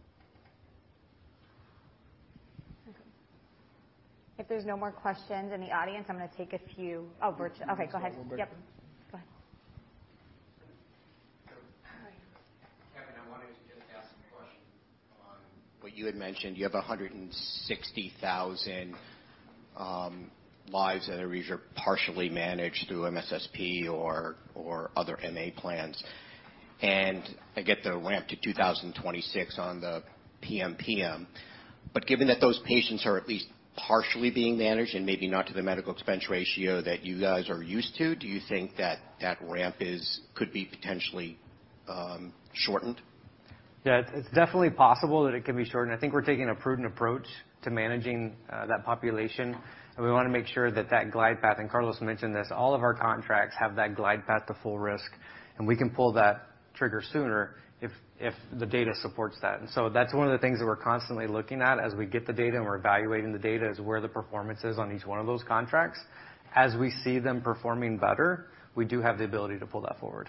If there's no more questions in the audience, I'm gonna take a few. Oh, virtual. Okay, go ahead. Just one more. Yep. Go ahead. Kevin, I wanted to just ask a question on what you had mentioned. You have 160,000 lives that are either partially managed through MSSP or other MA plans. I get the ramp to 2026 on the PMPM. Given that those patients are at least partially being managed and maybe not to the medical expense ratio that you guys are used to, do you think that that ramp could be potentially shortened? Yeah. It's definitely possible that it could be shortened. I think we're taking a prudent approach to managing that population. We wanna make sure that that glide path, and Carlos mentioned this, all of our contracts have that glide path to full risk, and we can pull that trigger sooner if the data supports that. That's one of the things that we're constantly looking at as we get the data and we're evaluating the data, is where the performance is on each one of those contracts. As we see them performing better, we do have the ability to pull that forward.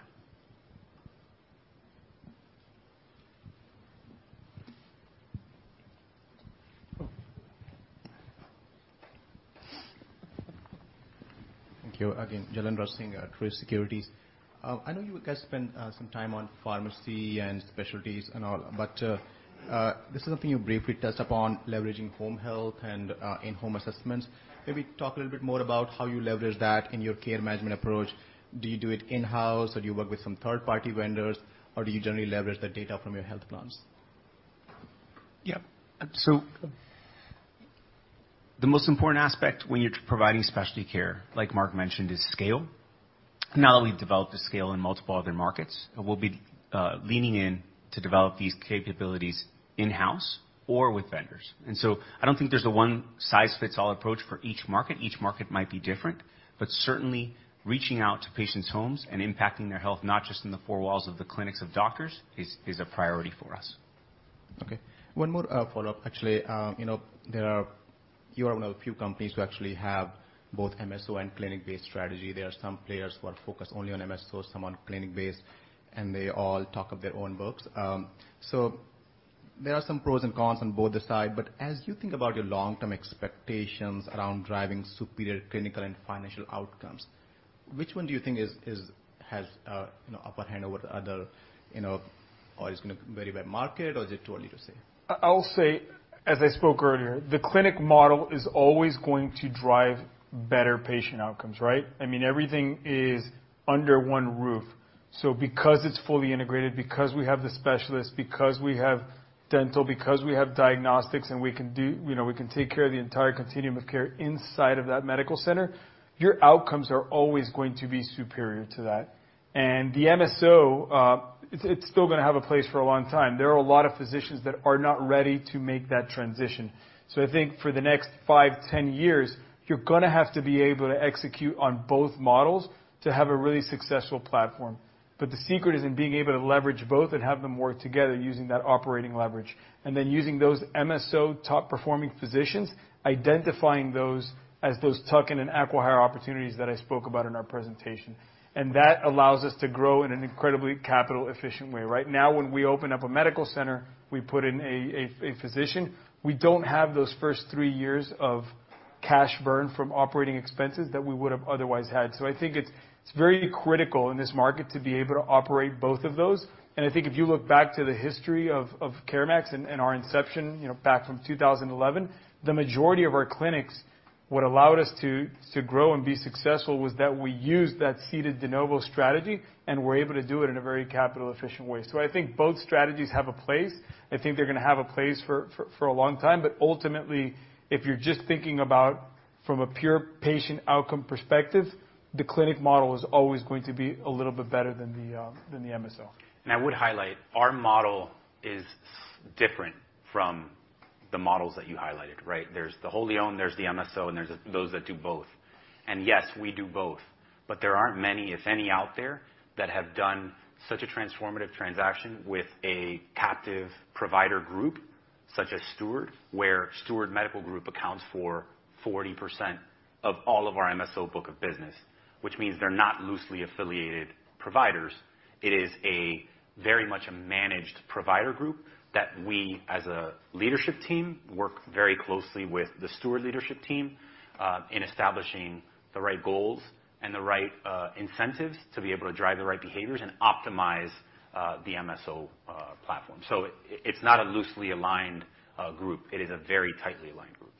Thank you. Thank you. Again, Jailendra Singh from Truist Securities. I know you guys spent, some time on pharmacy and specialties and all, but, this is something you briefly touched upon, leveraging home health and, in-home assessments. Maybe talk a little bit more about how you leverage that in your care management approach. Do you do it in-house, or do you work with some third-party vendors, or do you generally leverage the data from your health plans? The most important aspect when you're providing specialty care, like Mark mentioned, is scale. Not only have we developed the scale in multiple other markets, but we'll be leaning in to develop these capabilities in-house or with vendors. I don't think there's a one-size-fits-all approach for each market. Each market might be different, but certainly reaching out to patients' homes and impacting their health, not just in the four walls of the clinics of doctors, is a priority for us. Okay. One more follow-up. Actually, you know, You are one of the few companies who actually have both MSO and clinic-based strategy. There are some players who are focused only on MSO, some on clinic-based, and they all talk of their own books. There are some pros and cons on both the side, but as you think about your long-term expectations around driving superior clinical and financial outcomes, which one do you think has, you know, upper hand over the other, you know, or is gonna vary by market, or is it too early to say? I will say, as I spoke earlier, the clinic model is always going to drive better patient outcomes, right? I mean, everything is under one roof. Because it's fully integrated, because we have the specialists, because we have dental, because we have diagnostics, and we can do, you know, we can take care of the entire continuum of care inside of that medical center, your outcomes are always going to be superior to that. The MSO, it's still going to have a place for a long time. There are a lot of physicians that are not ready to make that transition. I think for the next 5, 10 years, you're going to have to be able to execute on both models to have a really successful platform. The secret is in being able to leverage both and have them work together using that operating leverage, and then using those MSO top-performing physicians, identifying those as those tuck-in and acquihire opportunities that I spoke about in our presentation. That allows us to grow in an incredibly capital-efficient way. Right now, when we open up a medical center, we put in a physician. We don't have those first three years of cash burn from operating expenses that we would've otherwise had. I think it's very critical in this market to be able to operate both of those. I think if you look back to the history of CareMax and our inception, you know, back from 2011, the majority of our clinics, what allowed us to grow and be successful, was that we used that seeded de novo strategy, and we're able to do it in a very capital-efficient way. I think both strategies have a place. I think they're gonna have a place for a long time. Ultimately, if you're just thinking about from a pure patient outcome perspective, the clinic model is always going to be a little bit better than the MSO. I would highlight, our model is different from The models that you highlighted, right? There's the wholly-owned, there's the MSO, and there's those that do both. Yes, we do both. There aren't many, if any, out there that have done such a transformative transaction with a captive provider group such as Steward, where Steward Medical Group accounts for 40% of all of our MSO book of business, which means they're not loosely affiliated providers. It is a very much a managed provider group that we, as a leadership team, work very closely with the Steward leadership team, in establishing the right goals and the right incentives to be able to drive the right behaviors and optimize the MSO platform. It's not a loosely aligned group. It is a very tightly aligned group.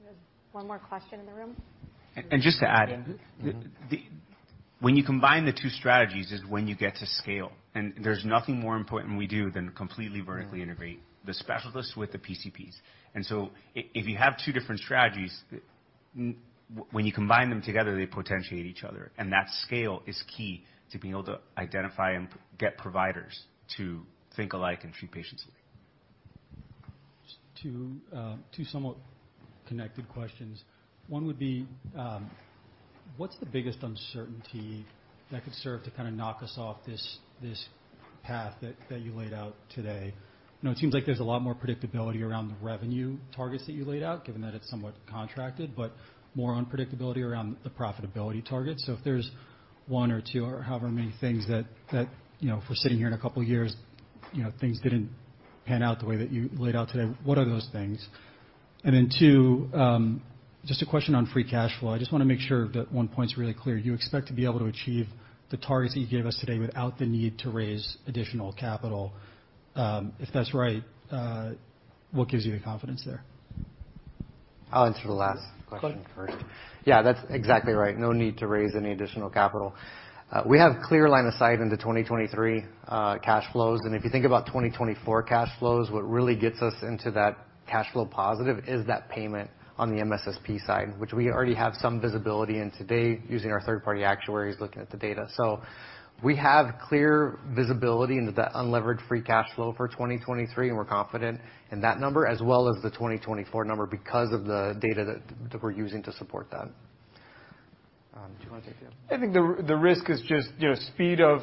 We have one more question in the room. Just to add. When you combine the two strategies is when you get to scale. There's nothing more important we do than completely vertically integrate the specialists with the PCPs. If you have two different strategies, when you combine them together, they potentiate each other. That scale is key to being able to identify and get providers to think alike and treat patients alike. Two, two somewhat connected questions. One would be, what's the biggest uncertainty that could serve to kind of knock us off this path that you laid out today? You know, it seems like there's a lot more predictability around the revenue targets that you laid out, given that it's somewhat contracted, but more unpredictability around the profitability target. If there's 1 or 2 or however many things that, you know, if we're sitting here in a couple of years, you know, things didn't pan out the way that you laid out today, what are those things? Two, just a question on free cash flow. I just wanna make sure that 1 point's really clear. You expect to be able to achieve the targets that you gave us today without the need to raise additional capital. If that's right, what gives you the confidence there? I'll answer the last question first. Go ahead. Yeah, that's exactly right. No need to raise any additional capital. We have clear line of sight into 2023 cash flows. If you think about 2024 cash flows, what really gets us into that cash flow positive is that payment on the MSSP side, which we already have some visibility in today using our third-party actuaries looking at the data. We have clear visibility into the unlevered free cash flow for 2023, and we're confident in that number, as well as the 2024 number because of the data that we're using to support that. Do you wanna take the other one? I think the risk is just, you know, speed of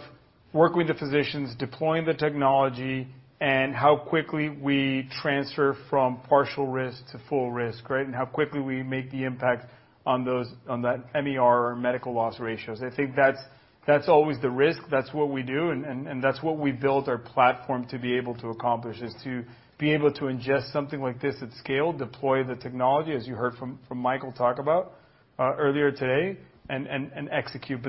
working with the physicians, deploying the technology, and how quickly we transfer from partial risk to full risk, right? How quickly we make the impact on that MER medical loss ratios. I think that's always the risk. That's what we do, and that's what we built our platform to be able to accomplish, is to be able to ingest something like this at scale, deploy the technology, as you heard from Michael talk about earlier today, and execute.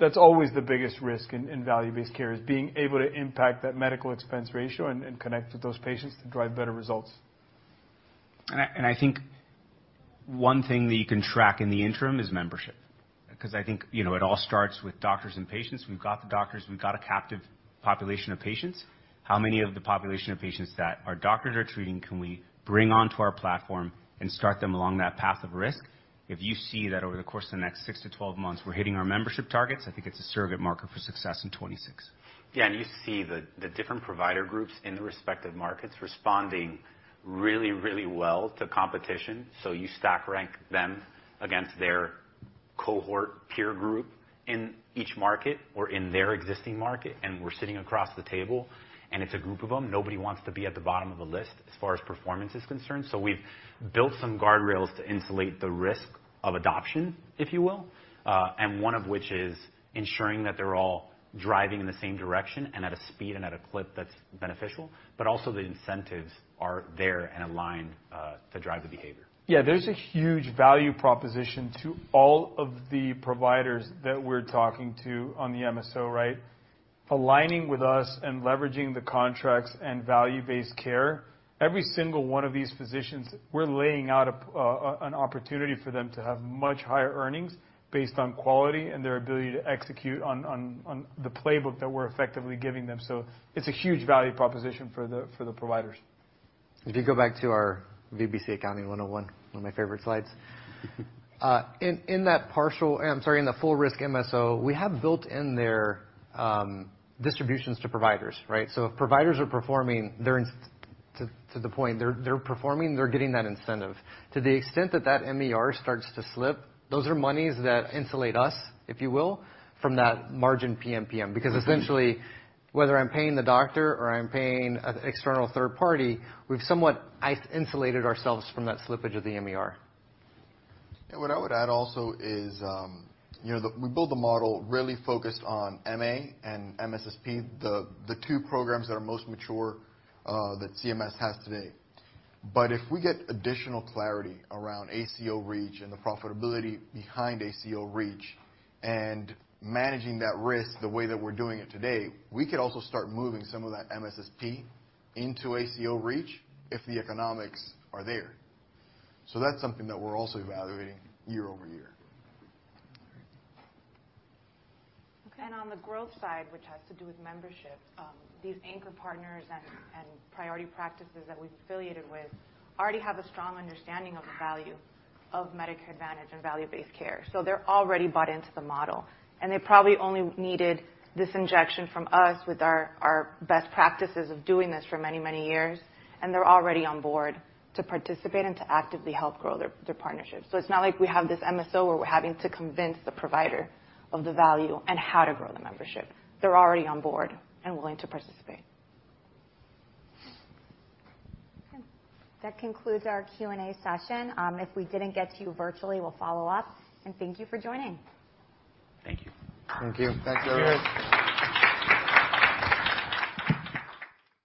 That's always the biggest risk in value-based care, is being able to impact that medical expense ratio and connect with those patients to drive better results. I think one thing that you can track in the interim is membership. I think, you know, it all starts with doctors and patients. We've got the doctors, we've got a captive population of patients. How many of the population of patients that our doctors are treating can we bring onto our platform and start them along that path of risk? If you see that over the course of the next 6 to 12 months, we're hitting our membership targets, I think it's a surrogate marker for success in 2026. You see the different provider groups in the respective markets responding really, really well to competition. You stack rank them against their cohort peer group in each market or in their existing market, and we're sitting across the table, and it's a group of them. Nobody wants to be at the bottom of the list as far as performance is concerned. We've built some guardrails to insulate the risk of adoption, if you will, and one of which is ensuring that they're all driving in the same direction and at a speed and at a clip that's beneficial. Also the incentives are there and aligned to drive the behavior. Yeah, there's a huge value proposition to all of the providers that we're talking to on the MSO, right? Aligning with us and leveraging the contracts and value-based care, every single one of these physicians, we're laying out an opportunity for them to have much higher earnings based on quality and their ability to execute on the playbook that we're effectively giving them. It's a huge value proposition for the providers. If you go back to our VBC Accounting 101, one of my favorite slides. In the full risk MSO, we have built in there, distributions to providers, right? If providers are performing, to the point, they're performing, they're getting that incentive. To the extent that that MER starts to slip, those are monies that insulate us, if you will, from that margin PMPM. Essentially, whether I'm paying the doctor or I'm paying an external third party, we've somewhat insulated ourselves from that slippage of the MER. What I would add also is, you know, we built the model really focused on MA and MSSP, the two programs that are most mature that CMS has today. If we get additional clarity around ACO REACH and the profitability behind ACO REACH and managing that risk the way that we're doing it today, we could also start moving some of that MSSP into ACO REACH if the economics are there. That's something that we're also evaluating year-over-year. Okay. On the growth side, which has to do with membership, these anchor partners and priority practices that we've affiliated with already have a strong understanding of the value of Medicare Advantage and value-based care. They're already bought into the model, and they probably only needed this injection from us with our best practices of doing this for many years, and they're already on board to participate and to actively help grow their partnerships. It's not like we have this MSO where we're having to convince the provider of the value and how to grow the membership. They're already on board and willing to participate. Okay. That concludes our Q&A session. If we didn't get to you virtually, we'll follow up, and thank you for joining. Thank you. Thank you. Thanks, everyone.